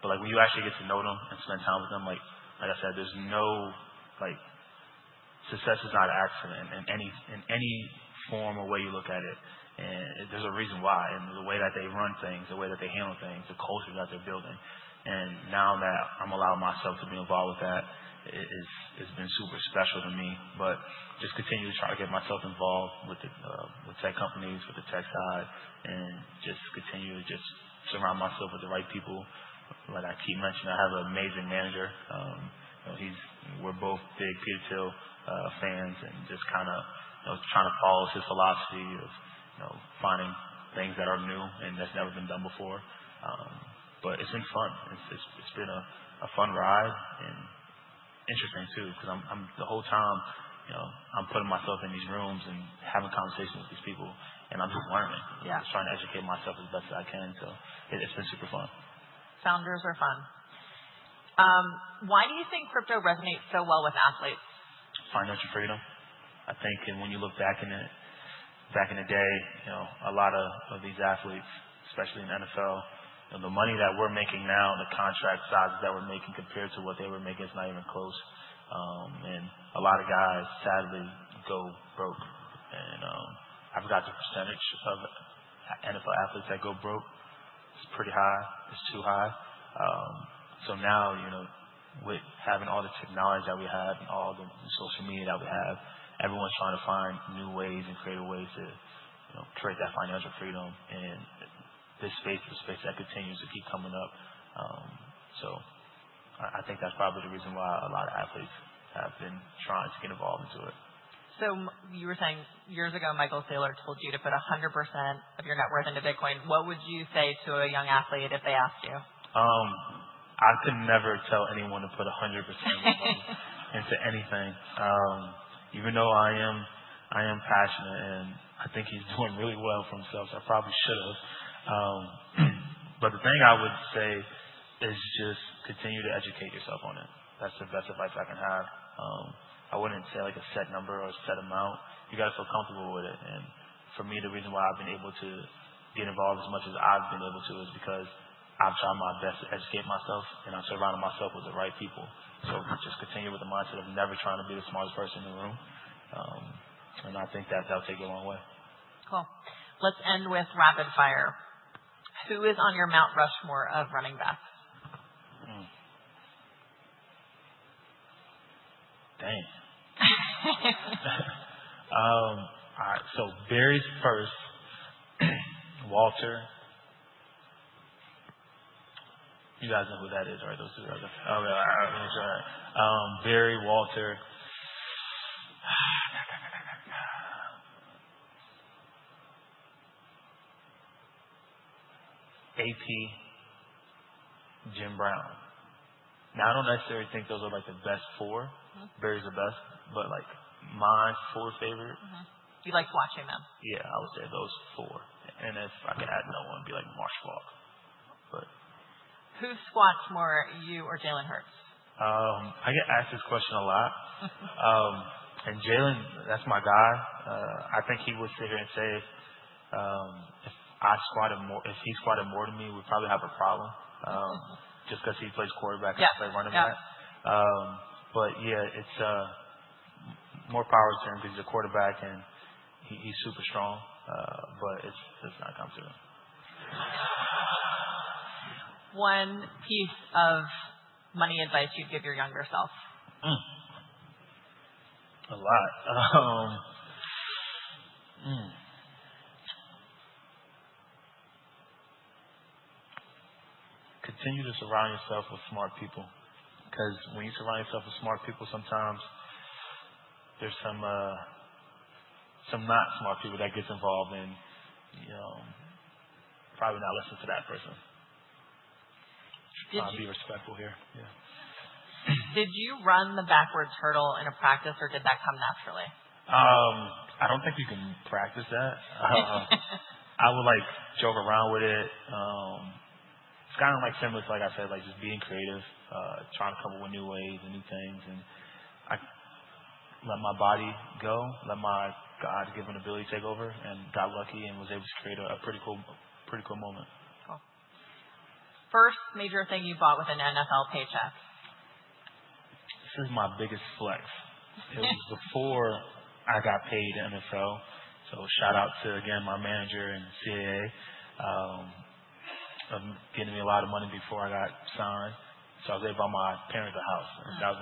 When you actually get to know them and spend time with them, like I said, success is not an accident in any form or way you look at it. There's a reason why. The way that they run things, the way that they handle things, the culture that they're building. Now that I'm allowing myself to be involved with that, it's been super special to me. Just continue to try to get myself involved with tech companies, with the tech side, and just continue to surround myself with the right people. Like I keep mentioning, I have an amazing manager. We're both big Peter Thiel fans and just kind of trying to follow his philosophy of finding things that are new and that's never been done before. It has been fun. It has been a fun ride. Interesting too because the whole time I'm putting myself in these rooms and having conversations with these people, and I'm just learning. I'm just trying to educate myself as best as I can. It has been super fun. Founders are fun. Why do you think crypto resonates so well with athletes? Financial freedom. I think when you look back in it, back in the day, a lot of these athletes, especially in the NFL, the money that we're making now, the contract sizes that we're making compared to what they were making, it's not even close. A lot of guys, sadly, go broke. I forgot the percentage of NFL athletes that go broke. It's pretty high. It's too high. Now, with having all the technology that we have and all the social media that we have, everyone's trying to find new ways and creative ways to create that financial freedom. This space is a space that continues to keep coming up. I think that's probably the reason why a lot of athletes have been trying to get involved into it. You were saying years ago, Michael Saylor told you to put 100% of your net worth into Bitcoin. What would you say to a young athlete if they asked you? I could never tell anyone to put 100% of their money into anything. Even though I am passionate and I think he's doing really well for himself, I probably should have. The thing I would say is just continue to educate yourself on it. That's the best advice I can have. I wouldn't say a set number or a set amount. You got to feel comfortable with it. For me, the reason why I've been able to get involved as much as I've been able to is because I've tried my best to educate myself, and I'm surrounding myself with the right people. Just continue with the mindset of never trying to be the smartest person in the room. I think that that'll take you a long way. Cool. Let's end with rapid fire. Who is on your Mount Rushmore of running back? Dang. All right. Barry's first. Walter. You guys know who that is, right, those two guys? Oh, really? I really enjoy that. Barry, Walter, AP, Jim Brown. Now, I do not necessarily think those are the best four. Barry's the best, but my four favorites. You liked watching them. Yeah. I would say those four. If I could add another one, it'd be like Marshawn Lynch. Who squats more? You or Jalen Hurts? I get asked this question a lot. Jalen, that's my guy. I think he would sit here and say, if he squatted more than me, we'd probably have a problem just because he plays quarterback and I play running back. Yeah, it's more power to him because he's a quarterback and he's super strong. It's not comfortable. One piece of money advice you'd give your younger self? A lot. Continue to surround yourself with smart people. Because when you surround yourself with smart people, sometimes there's some not smart people that get involved and probably not listen to that person. I'll be respectful here. Yeah. Did you run the backwards hurdle in a practice, or did that come naturally? I don't think you can practice that. I would joke around with it. It's kind of like similar, like I said, just being creative, trying to come up with new ways and new things. I let my body go, let my God-given ability take over, and got lucky and was able to create a pretty cool moment. Cool. First major thing you bought with an NFL paycheck? This is my biggest flex. It was before I got paid in the NFL. Shout out to, again, my manager and CAA of getting me a lot of money before I got signed. I was able to buy my parents a house. That was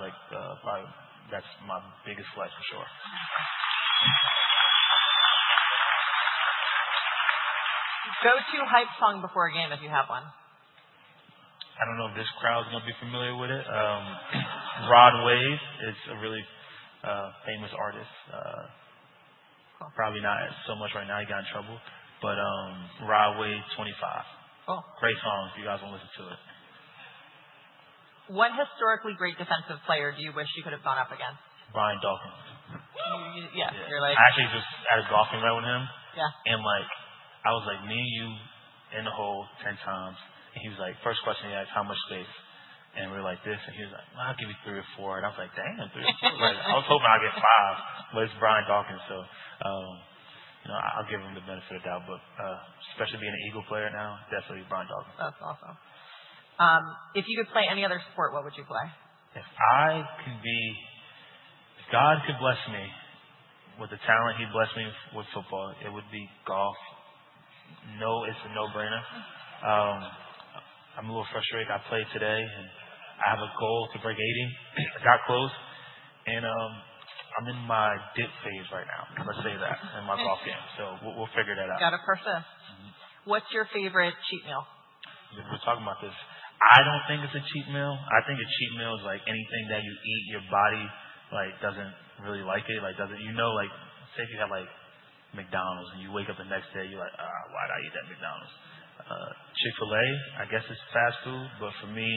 probably my biggest flex, for sure. Go to hype song before a game if you have one. I don't know if this crowd is going to be familiar with it. Broadway is a really famous artist. Probably not so much right now. He got in trouble. But Broadway 25. Great song. If you guys want to listen to it. What historically great defensive player do you wish you could have gone up against? Brian Dawkins. Yeah. You're like. Actually, I was golfing right with him. I was like, "Me and you in the hole 10 times." He was like, first question he asked, "How much space?" We were like this. He was like, "Well, I'll give you three or four." I was like, "Dang, three or four?" I was hoping I'd get five, but it's Brian Dawkins. I give him the benefit of doubt. Especially being an Eagle player now, definitely Brian Dawkins. That's awesome. If you could play any other sport, what would you play? If God could bless me with the talent he blessed me with football, it would be golf. It's a no-brainer. I'm a little frustrated. I played today. I have a goal to break 80. I got close. I'm in my dip phase right now, let's say that, in my golf game. We'll figure that out. You got to persist. What's your favorite cheat meal? We're talking about this. I don't think it's a cheat meal. I think a cheat meal is anything that you eat, your body doesn't really like it. You know, say if you have McDonald's and you wake up the next day, you're like, why did I eat that McDonald's? Chick-fil-A, I guess it's fast food. But for me,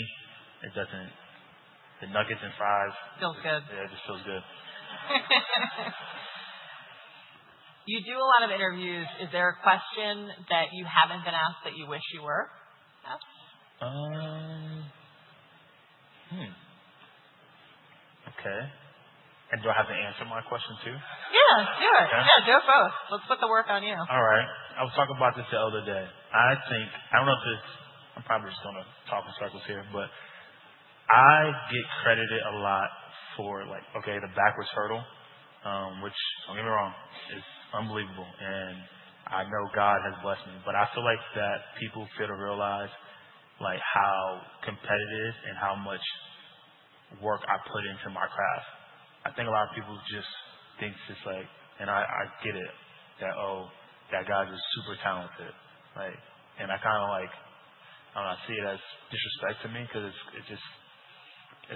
the nuggets and fries. Feels good. Yeah, it just feels good. You do a lot of interviews. Is there a question that you haven't been asked that you wish you were asked? Okay. Do I have to answer my question too? Yeah. Do it. Yeah. Do it both. Let's put the work on you. All right. I was talking about this the other day. I do not know if this, I am probably just going to talk in circles here, but I get credited a lot for, okay, the backwards hurdle, which, do not get me wrong, is unbelievable. I know God has blessed me. I feel like people fail to realize how competitive and how much work I put into my craft. I think a lot of people just think it is just like, and I get it, that, "Oh, that guy is just super talented." I kind of, like, I do not know. I see it as disrespect to me because it is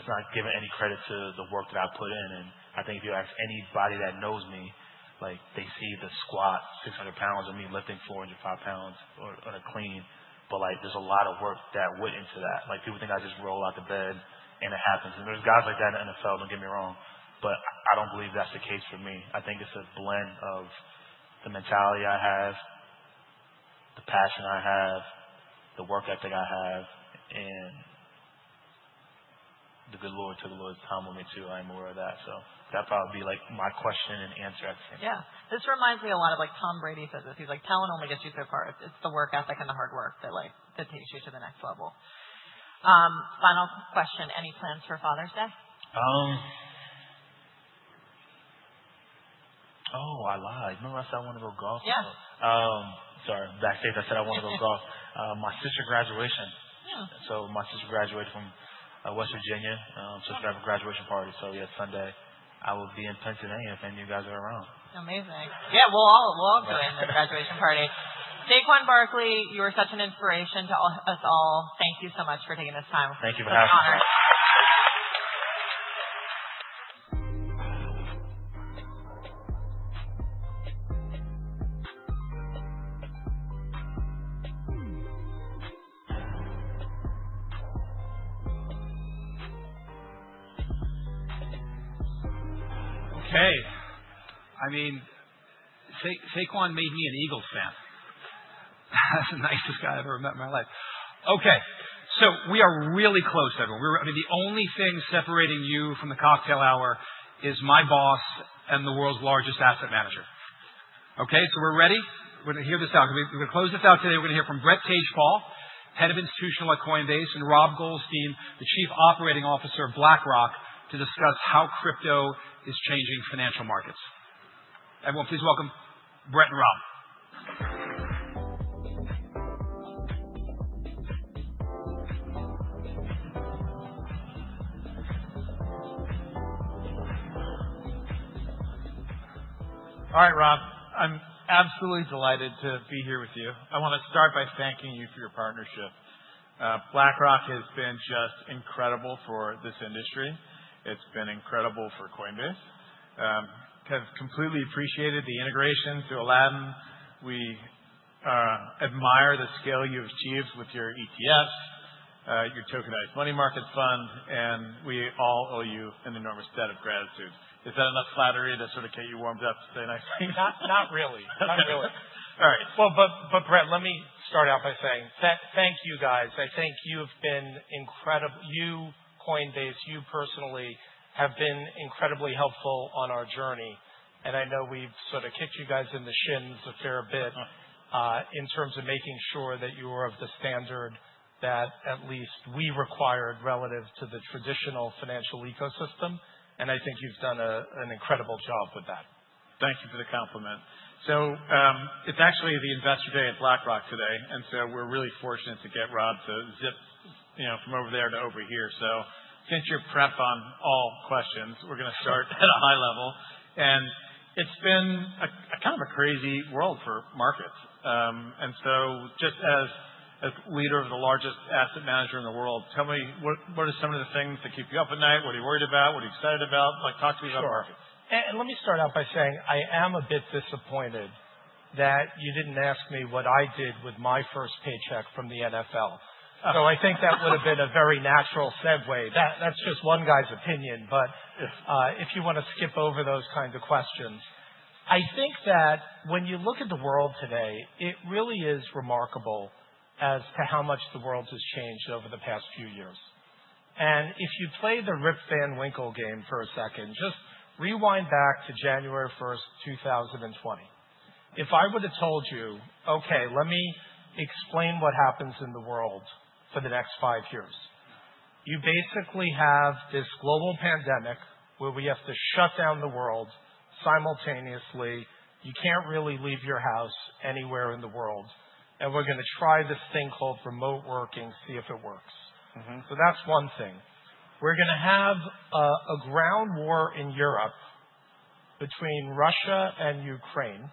not giving any credit to the work that I put in. I think if you ask anybody that knows me, they see the squat 600 pounds of me lifting 405 pounds on a clean. There is a lot of work that went into that. People think I just roll out the bed and it happens. There are guys like that in the NFL, do not get me wrong. I do not believe that is the case for me. I think it is a blend of the mentality I have, the passion I have, the work ethic I have, and the good Lord took a little time with me too. I am aware of that. That would probably be my question and answer at the same time. Yeah. This reminds me a lot of like Tom Brady says this. He's like, "Talent only gets you so far. It's the work ethic and the hard work that takes you to the next level." Final question. Any plans for Father's Day? Oh, I lied. Remember I said I wanted to go golf? Yeah. Sorry. Backstage, I said I wanted to go golf. My sister graduated. My sister graduated from West Virginia. It's going to have a graduation party. Yeah, Sunday. I will be in Pennsylvania if any of you guys are around. Amazing. Yeah. We'll all join the graduation party. Saquon Barkley, you are such an inspiration to us all. Thank you so much for taking this time. Thank you for having me. It's an honor. Okay. I mean, Saquon made me an Eagle fan. That's the nicest guy I've ever met in my life. Okay. We are really close, everyone. I mean, the only thing separating you from the cocktail hour is my boss and the world's largest asset manager. Okay. We are ready. We are going to hear this out. We are going to close this out today. We are going to hear from Brett Tejpaul, Head of Institutional at Coinbase, and Rob Goldstein, the Chief Operating Officer of BlackRock, to discuss how crypto is changing financial markets. Everyone, please welcome Brett and Rob. All right, Rob. I'm absolutely delighted to be here with you. I want to start by thanking you for your partnership. BlackRock has been just incredible for this industry. It's been incredible for Coinbase. I have completely appreciated the integration to Aladdin. We admire the scale you've achieved with your ETFs, your tokenized money market fund, and we all owe you an enormous debt of gratitude. Is that enough flattery to sort of get you warmed up to say nice things? Not really. Not really. All right. Brett, let me start out by saying thank you, guys. I think you've been incredible. You, Coinbase, you personally have been incredibly helpful on our journey. I know we've sort of kicked you guys in the shins a fair bit in terms of making sure that you were of the standard that at least we required relative to the traditional financial ecosystem. I think you've done an incredible job with that. Thank you for the compliment. It is actually the investor day at BlackRock today. We are really fortunate to get Rob to zip from over there to over here. Since you are prepped on all questions, we are going to start at a high level. It has been kind of a crazy world for markets. Just as leader of the largest asset manager in the world, tell me, what are some of the things that keep you up at night? What are you worried about? What are you excited about? Talk to me about the markets. Sure. Let me start out by saying I am a bit disappointed that you did not ask me what I did with my first paycheck from the NFL. I think that would have been a very natural segue. That is just one guy's opinion. If you want to skip over those kinds of questions, I think that when you look at the world today, it really is remarkable as to how much the world has changed over the past few years. If you play the Rip Van Winkle game for a second, just rewind back to January 1, 2020. If I would have told you, "Okay, let me explain what happens in the world for the next five years." You basically have this global pandemic where we have to shut down the world simultaneously. You cannot really leave your house anywhere in the world. We're going to try this thing called remote working, see if it works. That is one thing. We're going to have a ground war in Europe between Russia and Ukraine.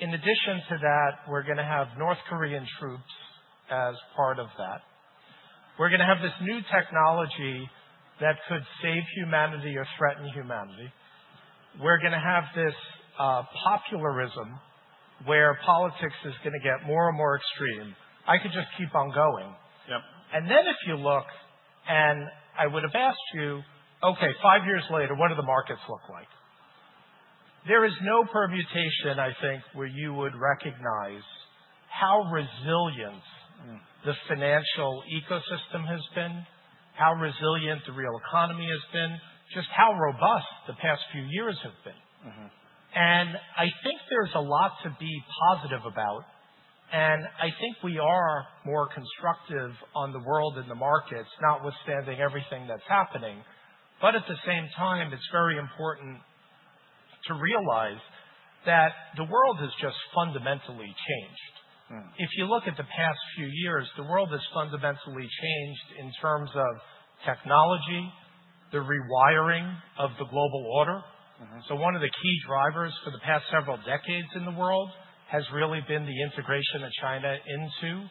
In addition to that, we're going to have North Korean troops as part of that. We're going to have this new technology that could save humanity or threaten humanity. We're going to have this popularism where politics is going to get more and more extreme. I could just keep on going. If you look and I would have asked you, "Okay, five years later, what do the markets look like?" There is no permutation, I think, where you would recognize how resilient the financial ecosystem has been, how resilient the real economy has been, just how robust the past few years have been. I think there's a lot to be positive about. I think we are more constructive on the world and the markets, notwithstanding everything that's happening. At the same time, it's very important to realize that the world has just fundamentally changed. If you look at the past few years, the world has fundamentally changed in terms of technology, the rewiring of the global order. One of the key drivers for the past several decades in the world has really been the integration of China into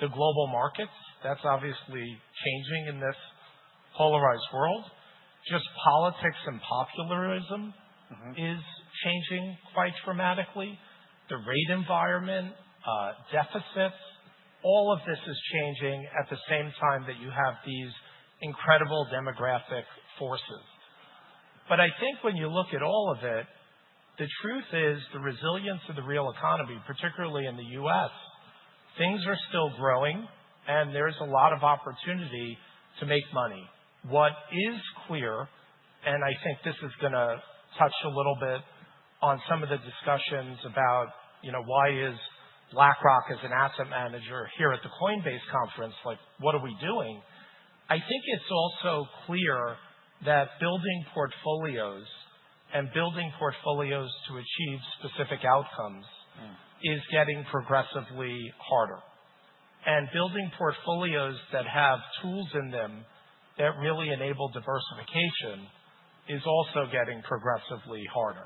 the global markets. That's obviously changing in this polarized world. Just politics and popularism is changing quite dramatically. The rate environment, deficits, all of this is changing at the same time that you have these incredible demographic forces. I think when you look at all of it, the truth is the resilience of the real economy, particularly in the U.S., things are still growing and there's a lot of opportunity to make money. What is clear, and I think this is going to touch a little bit on some of the discussions about why is BlackRock as an asset manager here at the Coinbase conference, what are we doing? I think it's also clear that building portfolios and building portfolios to achieve specific outcomes is getting progressively harder. Building portfolios that have tools in them that really enable diversification is also getting progressively harder.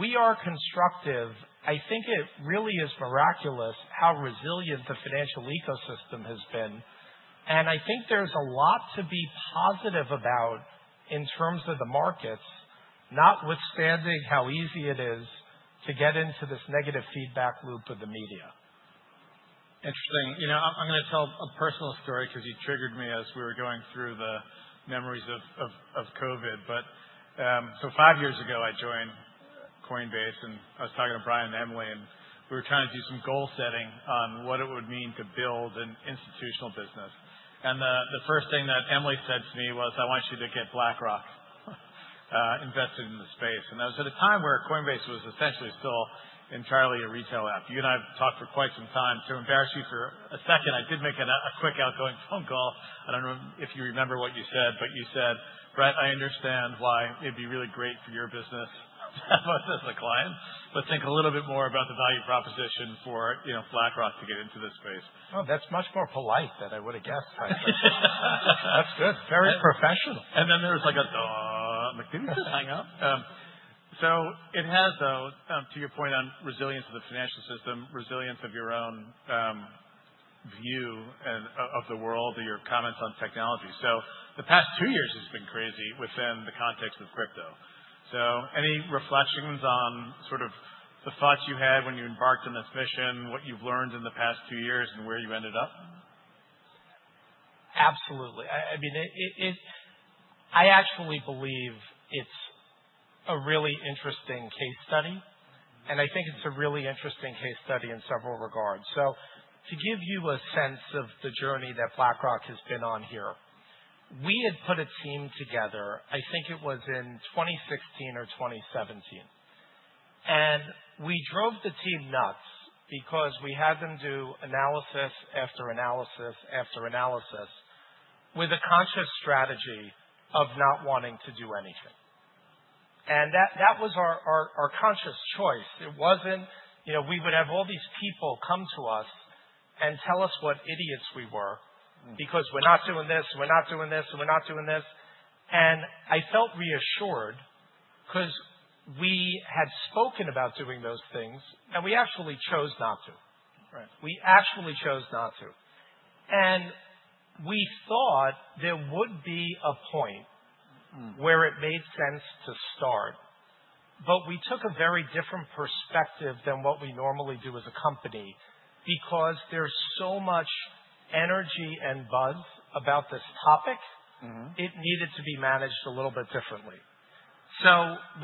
We are constructive. I think it really is miraculous how resilient the financial ecosystem has been. I think there's a lot to be positive about in terms of the markets, notwithstanding how easy it is to get into this negative feedback loop of the media. Interesting. I'm going to tell a personal story because you triggered me as we were going through the memories of COVID. Five years ago, I joined Coinbase and I was talking to Brian and Emily. We were trying to do some goal setting on what it would mean to build an institutional business. The first thing that Emily said to me was, "I want you to get BlackRock invested in the space." That was at a time where Coinbase was essentially still entirely a retail app. You and I have talked for quite some time. To embarrass you for a second, I did make a quick outgoing phone call. I don't know if you remember what you said, but you said, "Brett, I understand why it'd be really great for your business to have us as a client, but think a little bit more about the value proposition for BlackRock to get into this space. Oh, that's much more polite than I would have guessed. That's good. Very professional. There was like a, "Duh." I'm like, "Did he just hang up?" It has, though, to your point on resilience of the financial system, resilience of your own view of the world, your comments on technology. The past two years has been crazy within the context of crypto. Any reflections on sort of the thoughts you had when you embarked on this mission, what you've learned in the past two years, and where you ended up? Absolutely. I mean, I actually believe it's a really interesting case study. I think it's a really interesting case study in several regards. To give you a sense of the journey that BlackRock has been on here, we had put a team together. I think it was in 2016 or 2017. We drove the team nuts because we had them do analysis after analysis after analysis with a conscious strategy of not wanting to do anything. That was our conscious choice. It was not that we would have all these people come to us and tell us what idiots we were because we're not doing this, and we're not doing this, and we're not doing this. I felt reassured because we had spoken about doing those things, and we actually chose not to. We actually chose not to. We thought there would be a point where it made sense to start. We took a very different perspective than what we normally do as a company because there is so much energy and buzz about this topic, it needed to be managed a little bit differently.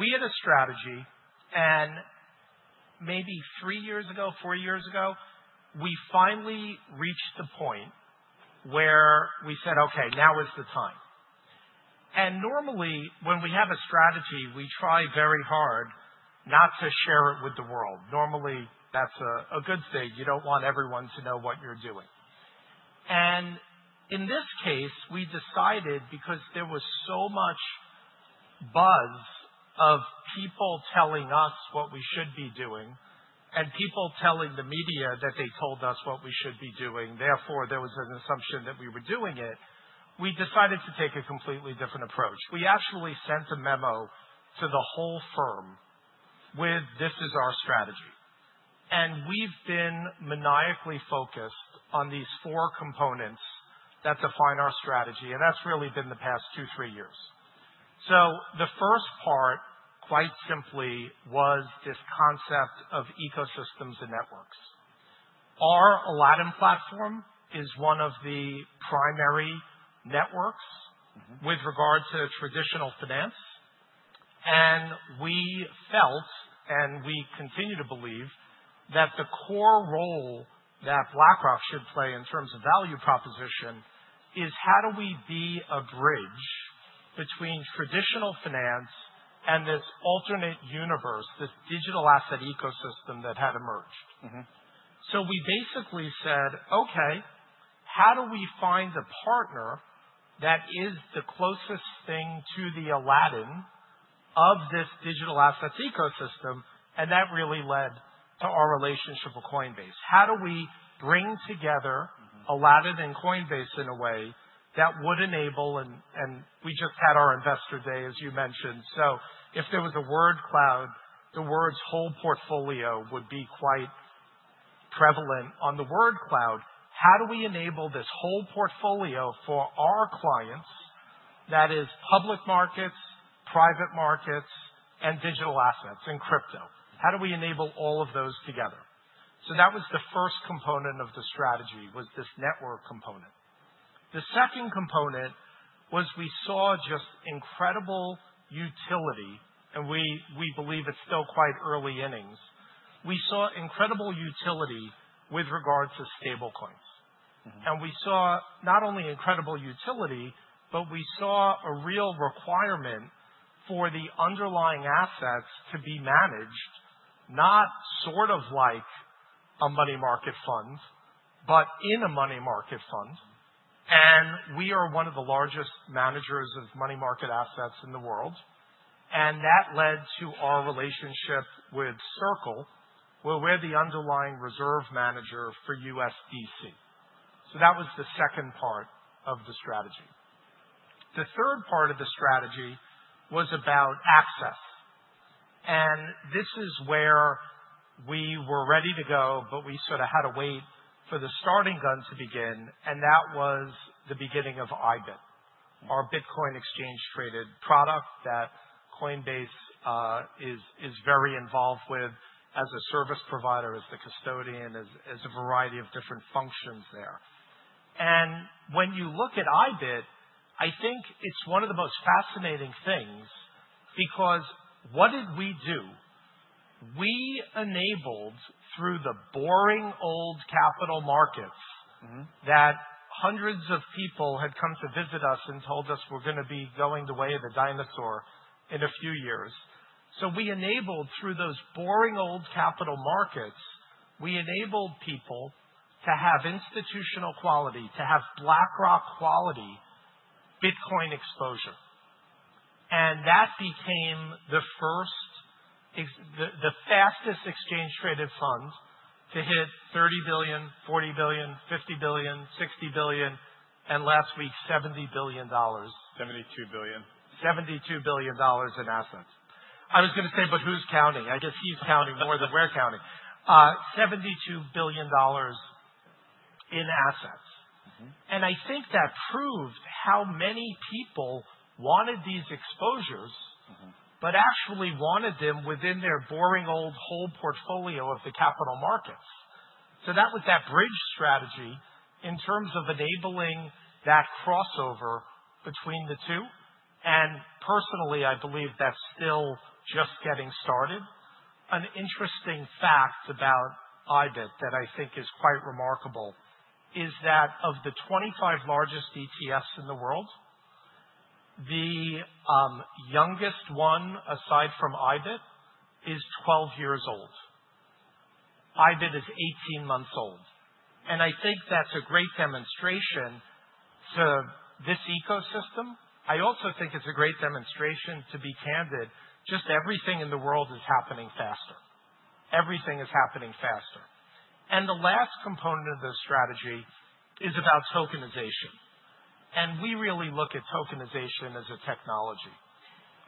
We had a strategy. Maybe three years ago, four years ago, we finally reached the point where we said, "Okay, now is the time." Normally, when we have a strategy, we try very hard not to share it with the world. Normally, that is a good thing. You do not want everyone to know what you are doing. In this case, we decided because there was so much buzz of people telling us what we should be doing and people telling the media that they told us what we should be doing, therefore there was an assumption that we were doing it, we decided to take a completely different approach. We actually sent a memo to the whole firm with, "This is our strategy." We've been maniacally focused on these four components that define our strategy. That's really been the past two, three years. The first part, quite simply, was this concept of ecosystems and networks. Our Aladdin platform is one of the primary networks with regard to traditional finance. We felt, and we continue to believe, that the core role that BlackRock should play in terms of value proposition is how do we be a bridge between traditional finance and this alternate universe, this digital asset ecosystem that had emerged. We basically said, "Okay, how do we find a partner that is the closest thing to the Aladdin of this digital assets ecosystem?" That really led to our relationship with Coinbase. How do we bring together Aladdin and Coinbase in a way that would enable, and we just had our investor day, as you mentioned. If there was a word cloud, the words "whole portfolio" would be quite prevalent on the word cloud. How do we enable this whole portfolio for our clients that is public markets, private markets, and digital assets and crypto? How do we enable all of those together? That was the first component of the strategy, was this network component. The second component was we saw just incredible utility, and we believe it's still quite early innings. We saw incredible utility with regard to stablecoins. We saw not only incredible utility, but we saw a real requirement for the underlying assets to be managed, not sort of like a money market fund, but in a money market fund. We are one of the largest managers of money market assets in the world. That led to our relationship with Circle, where we're the underlying reserve manager for USDC. That was the second part of the strategy. The third part of the strategy was about access. This is where we were ready to go, but we sort of had to wait for the starting gun to begin. That was the beginning of IBIT, our Bitcoin exchange-traded product that Coinbase is very involved with as a service provider, as the custodian, as a variety of different functions there. When you look at IBIT, I think it is one of the most fascinating things because what did we do? We enabled, through the boring old capital markets, that hundreds of people had come to visit us and told us we are going to be going the way of a dinosaur in a few years. We enabled, through those boring old capital markets, people to have institutional quality, to have BlackRock quality, Bitcoin exposure. That became the fastest exchange-traded fund to hit $30 billion, $40 billion, $50 billion, $60 billion, and last week, $70 billion. 72 billion. $72 billion in assets. I was going to say, but who's counting? I guess he's counting more than we're counting. $72 billion in assets. I think that proved how many people wanted these exposures, but actually wanted them within their boring old whole portfolio of the capital markets. That was that bridge strategy in terms of enabling that crossover between the two. Personally, I believe that's still just getting started. An interesting fact about IBIT that I think is quite remarkable is that of the 25 largest ETFs in the world, the youngest one, aside from IBIT, is 12 years old. IBIT is 18 months old. I think that's a great demonstration to this ecosystem. I also think it's a great demonstration, to be candid, just everything in the world is happening faster. Everything is happening faster. The last component of the strategy is about tokenization. We really look at tokenization as a technology.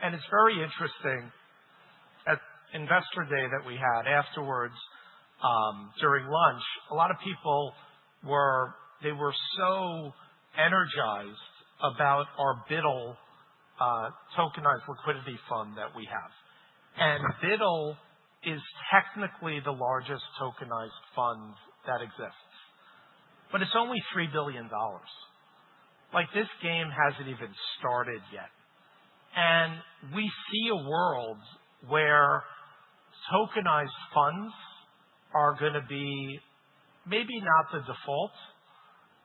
It is very interesting at investor day that we had afterwards during lunch, a lot of people were so energized about our BUIDL, tokenized liquidity fund that we have. BUIDL is technically the largest tokenized fund that exists. It is only $3 billion. This game has not even started yet. We see a world where tokenized funds are going to be maybe not the default,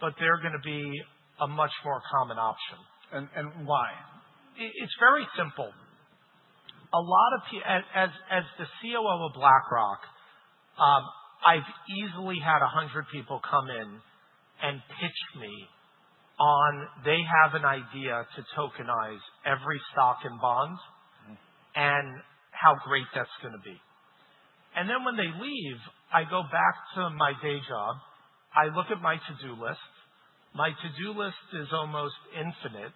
but they are going to be a much more common option. And why? It's very simple. As the COO of BlackRock, I've easily had 100 people come in and pitch me on they have an idea to tokenize every stock and bond and how great that's going to be. Then when they leave, I go back to my day job. I look at my to-do list. My to-do list is almost infinite.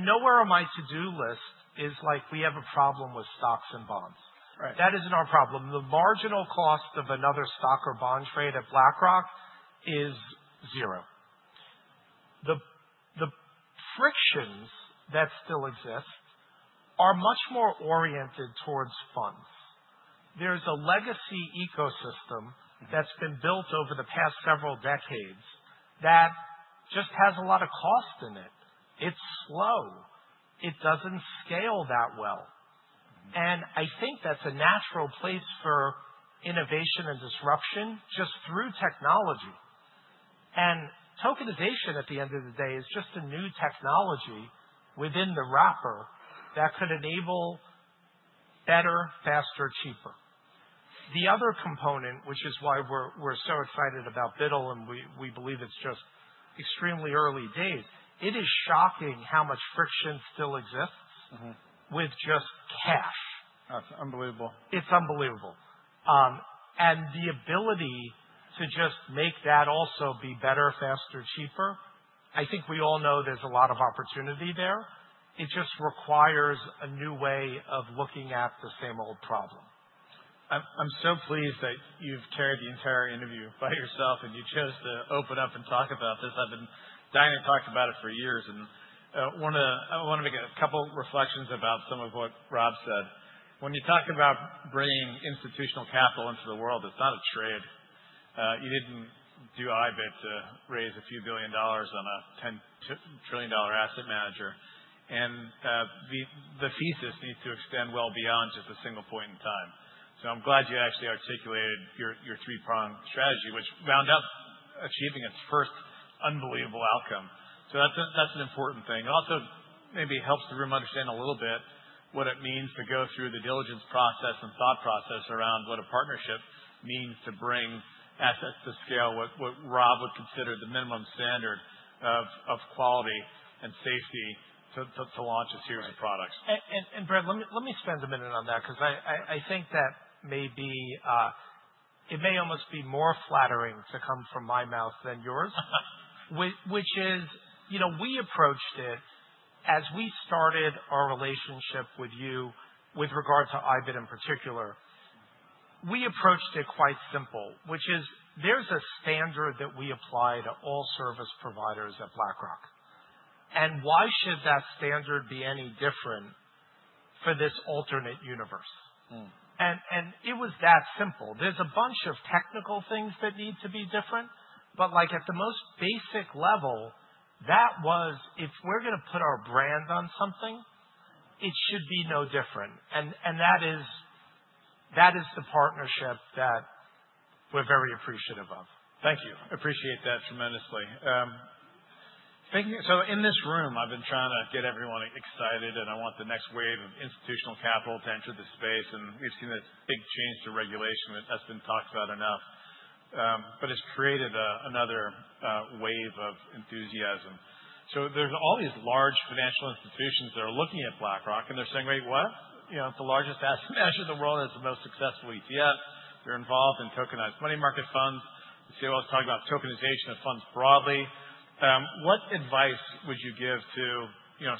Nowhere on my to-do list is like we have a problem with stocks and bonds. That isn't our problem. The marginal cost of another stock or bond trade at BlackRock is zero. The frictions that still exist are much more oriented towards funds. There's a legacy ecosystem that's been built over the past several decades that just has a lot of cost in it. It's slow. It doesn't scale that well. I think that's a natural place for innovation and disruption just through technology. Tokenization, at the end of the day, is just a new technology within the wrapper that could enable better, faster, cheaper. The other component, which is why we're so excited about BUIDL, and we believe it's just extremely early days, it is shocking how much friction still exists with just cash. That's unbelievable. It's unbelievable. The ability to just make that also be better, faster, cheaper, I think we all know there's a lot of opportunity there. It just requires a new way of looking at the same old problem. I'm so pleased that you've carried the entire interview by yourself and you chose to open up and talk about this. I've been dying to talk about it for years. I want to make a couple of reflections about some of what Rob said. When you talk about bringing institutional capital into the world, it's not a trade. You didn't do IBIT to raise a few billion dollars on a $10 trillion asset manager. The thesis needs to extend well beyond just a single point in time. I'm glad you actually articulated your three-pronged strategy, which wound up achieving its first unbelievable outcome. That's an important thing. It also maybe helps the room understand a little bit what it means to go through the diligence process and thought process around what a partnership means to bring assets to scale, what Rob would consider the minimum standard of quality and safety to launch a series of products. Brent, let me spend a minute on that because I think that maybe it may almost be more flattering to come from my mouth than yours, which is we approached it as we started our relationship with you with regard to IBIT in particular. We approached it quite simple, which is there is a standard that we apply to all service providers at BlackRock. Why should that standard be any different for this alternate universe? It was that simple. There are a bunch of technical things that need to be different. At the most basic level, that was if we are going to put our brand on something, it should be no different. That is the partnership that we are very appreciative of. Thank you. I appreciate that tremendously. In this room, I've been trying to get everyone excited, and I want the next wave of institutional capital to enter the space. We've seen this big change to regulation that hasn't been talked about enough, but it's created another wave of enthusiasm. There are all these large financial institutions that are looking at BlackRock, and they're saying, "Wait, what? It's the largest asset manager in the world. It's the most successful ETF. They're involved in tokenized money market funds." The COO was talking about tokenization of funds broadly. What advice would you give to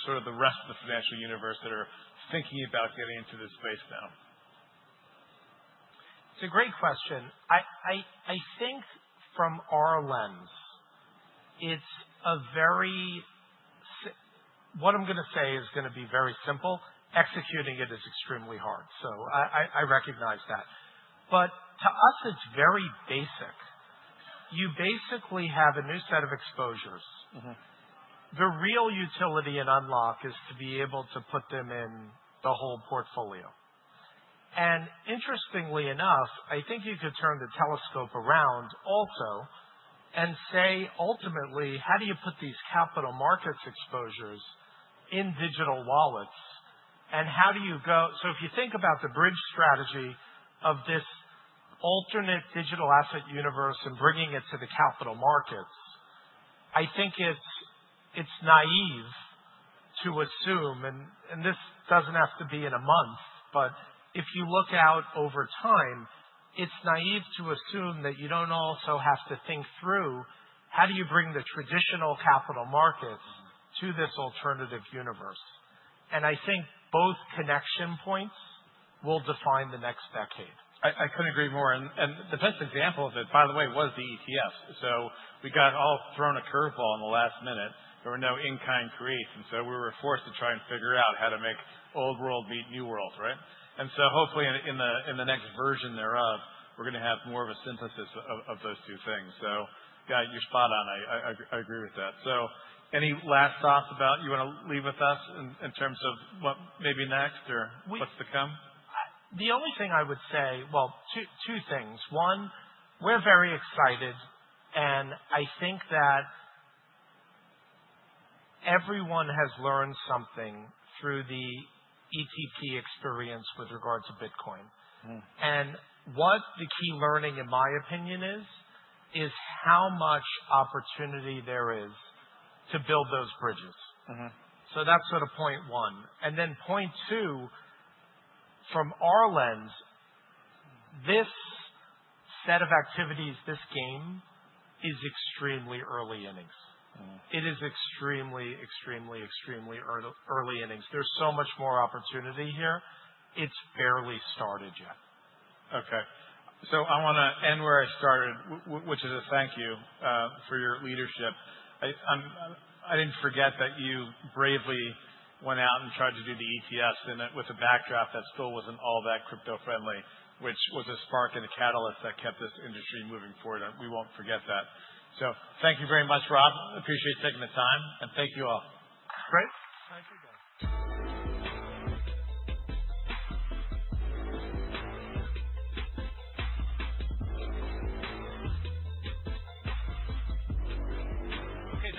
sort of the rest of the financial universe that are thinking about getting into this space now? It's a great question. I think from our lens, what I'm going to say is going to be very simple. Executing it is extremely hard. I recognize that. To us, it's very basic. You basically have a new set of exposures. The real utility in Unlock is to be able to put them in the whole portfolio. Interestingly enough, I think you could turn the telescope around also and say, ultimately, how do you put these capital markets exposures in digital wallets? How do you go? If you think about the bridge strategy of this alternate digital asset universe and bringing it to the capital markets, I think it's naive to assume, and this doesn't have to be in a month, but if you look out over time, it's naive to assume that you don't also have to think through how do you bring the traditional capital markets to this alternative universe. I think both connection points will define the next decade. I couldn't agree more. The best example of it, by the way, was the ETF. We got all thrown a curveball in the last minute. There were no in-kind creates. We were forced to try and figure out how to make old world meet new world, right? Hopefully in the next version thereof, we're going to have more of a synthesis of those two things. Yeah, you're spot on. I agree with that. Any last thoughts you want to leave with us in terms of what may be next or what's to come? The only thing I would say, two things. One, we're very excited. I think that everyone has learned something through the ETP experience with regard to Bitcoin. What the key learning, in my opinion, is, is how much opportunity there is to build those bridges. That is sort of point one. Point two, from our lens, this set of activities, this game is extremely early innings. It is extremely, extremely, extremely early innings. There's so much more opportunity here. It's barely started yet. Okay. I want to end where I started, which is a thank you for your leadership. I did not forget that you bravely went out and tried to do the ETFs with a backdrop that still was not all that crypto-friendly, which was a spark and a catalyst that kept this industry moving forward. We will not forget that. Thank you very much, Rob. Appreciate you taking the time. Thank you all. Great. Thank you guys.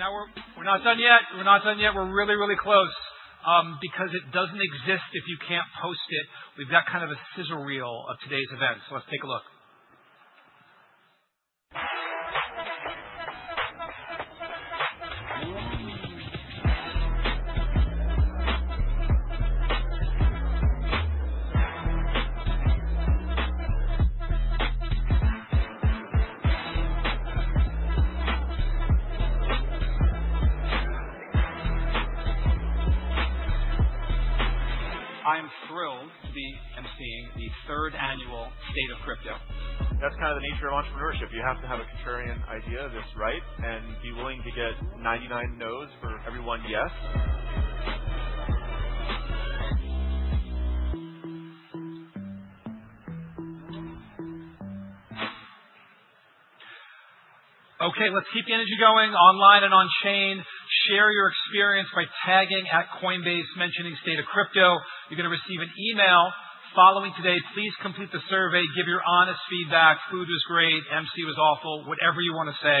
Okay, now we're not done yet. We're not done yet. We're really, really close because it doesn't exist if you can't post it. We've got kind of a sizzle reel of today's events. Let's take a look. I am thrilled to be emceeing the third annual State of Crypto. That's kind of the nature of entrepreneurship. You have to have a contrarian idea that's right and be willing to get 99 no's for every one yes. Okay, let's keep the energy going online and on-chain. Share your experience by tagging @Coinbase mentioning State of Crypto. You're going to receive an email following today. Please complete the survey. Give your honest feedback. Food was great. MC was awful. Whatever you want to say.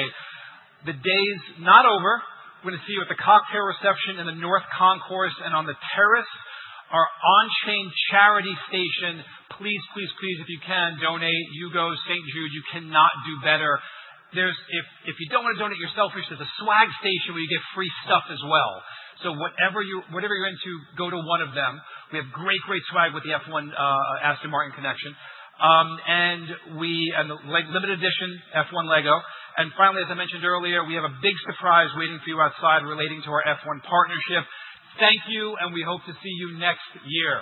The day's not over. We're going to see you at the Cocktail Reception in the North Concourse and on the Terrace, our on-chain charity station. Please, please, please, if you can, donate. Hugo, St. Jude, you cannot do better. If you do not want to donate yourself, we should have a swag station where you get free stuff as well. Whatever you are into, go to one of them. We have great, great swag with the F1 Aston Martin connection and the limited edition F1 Lego. Finally, as I mentioned earlier, we have a big surprise waiting for you outside relating to our F1 partnership. Thank you, and we hope to see you next year.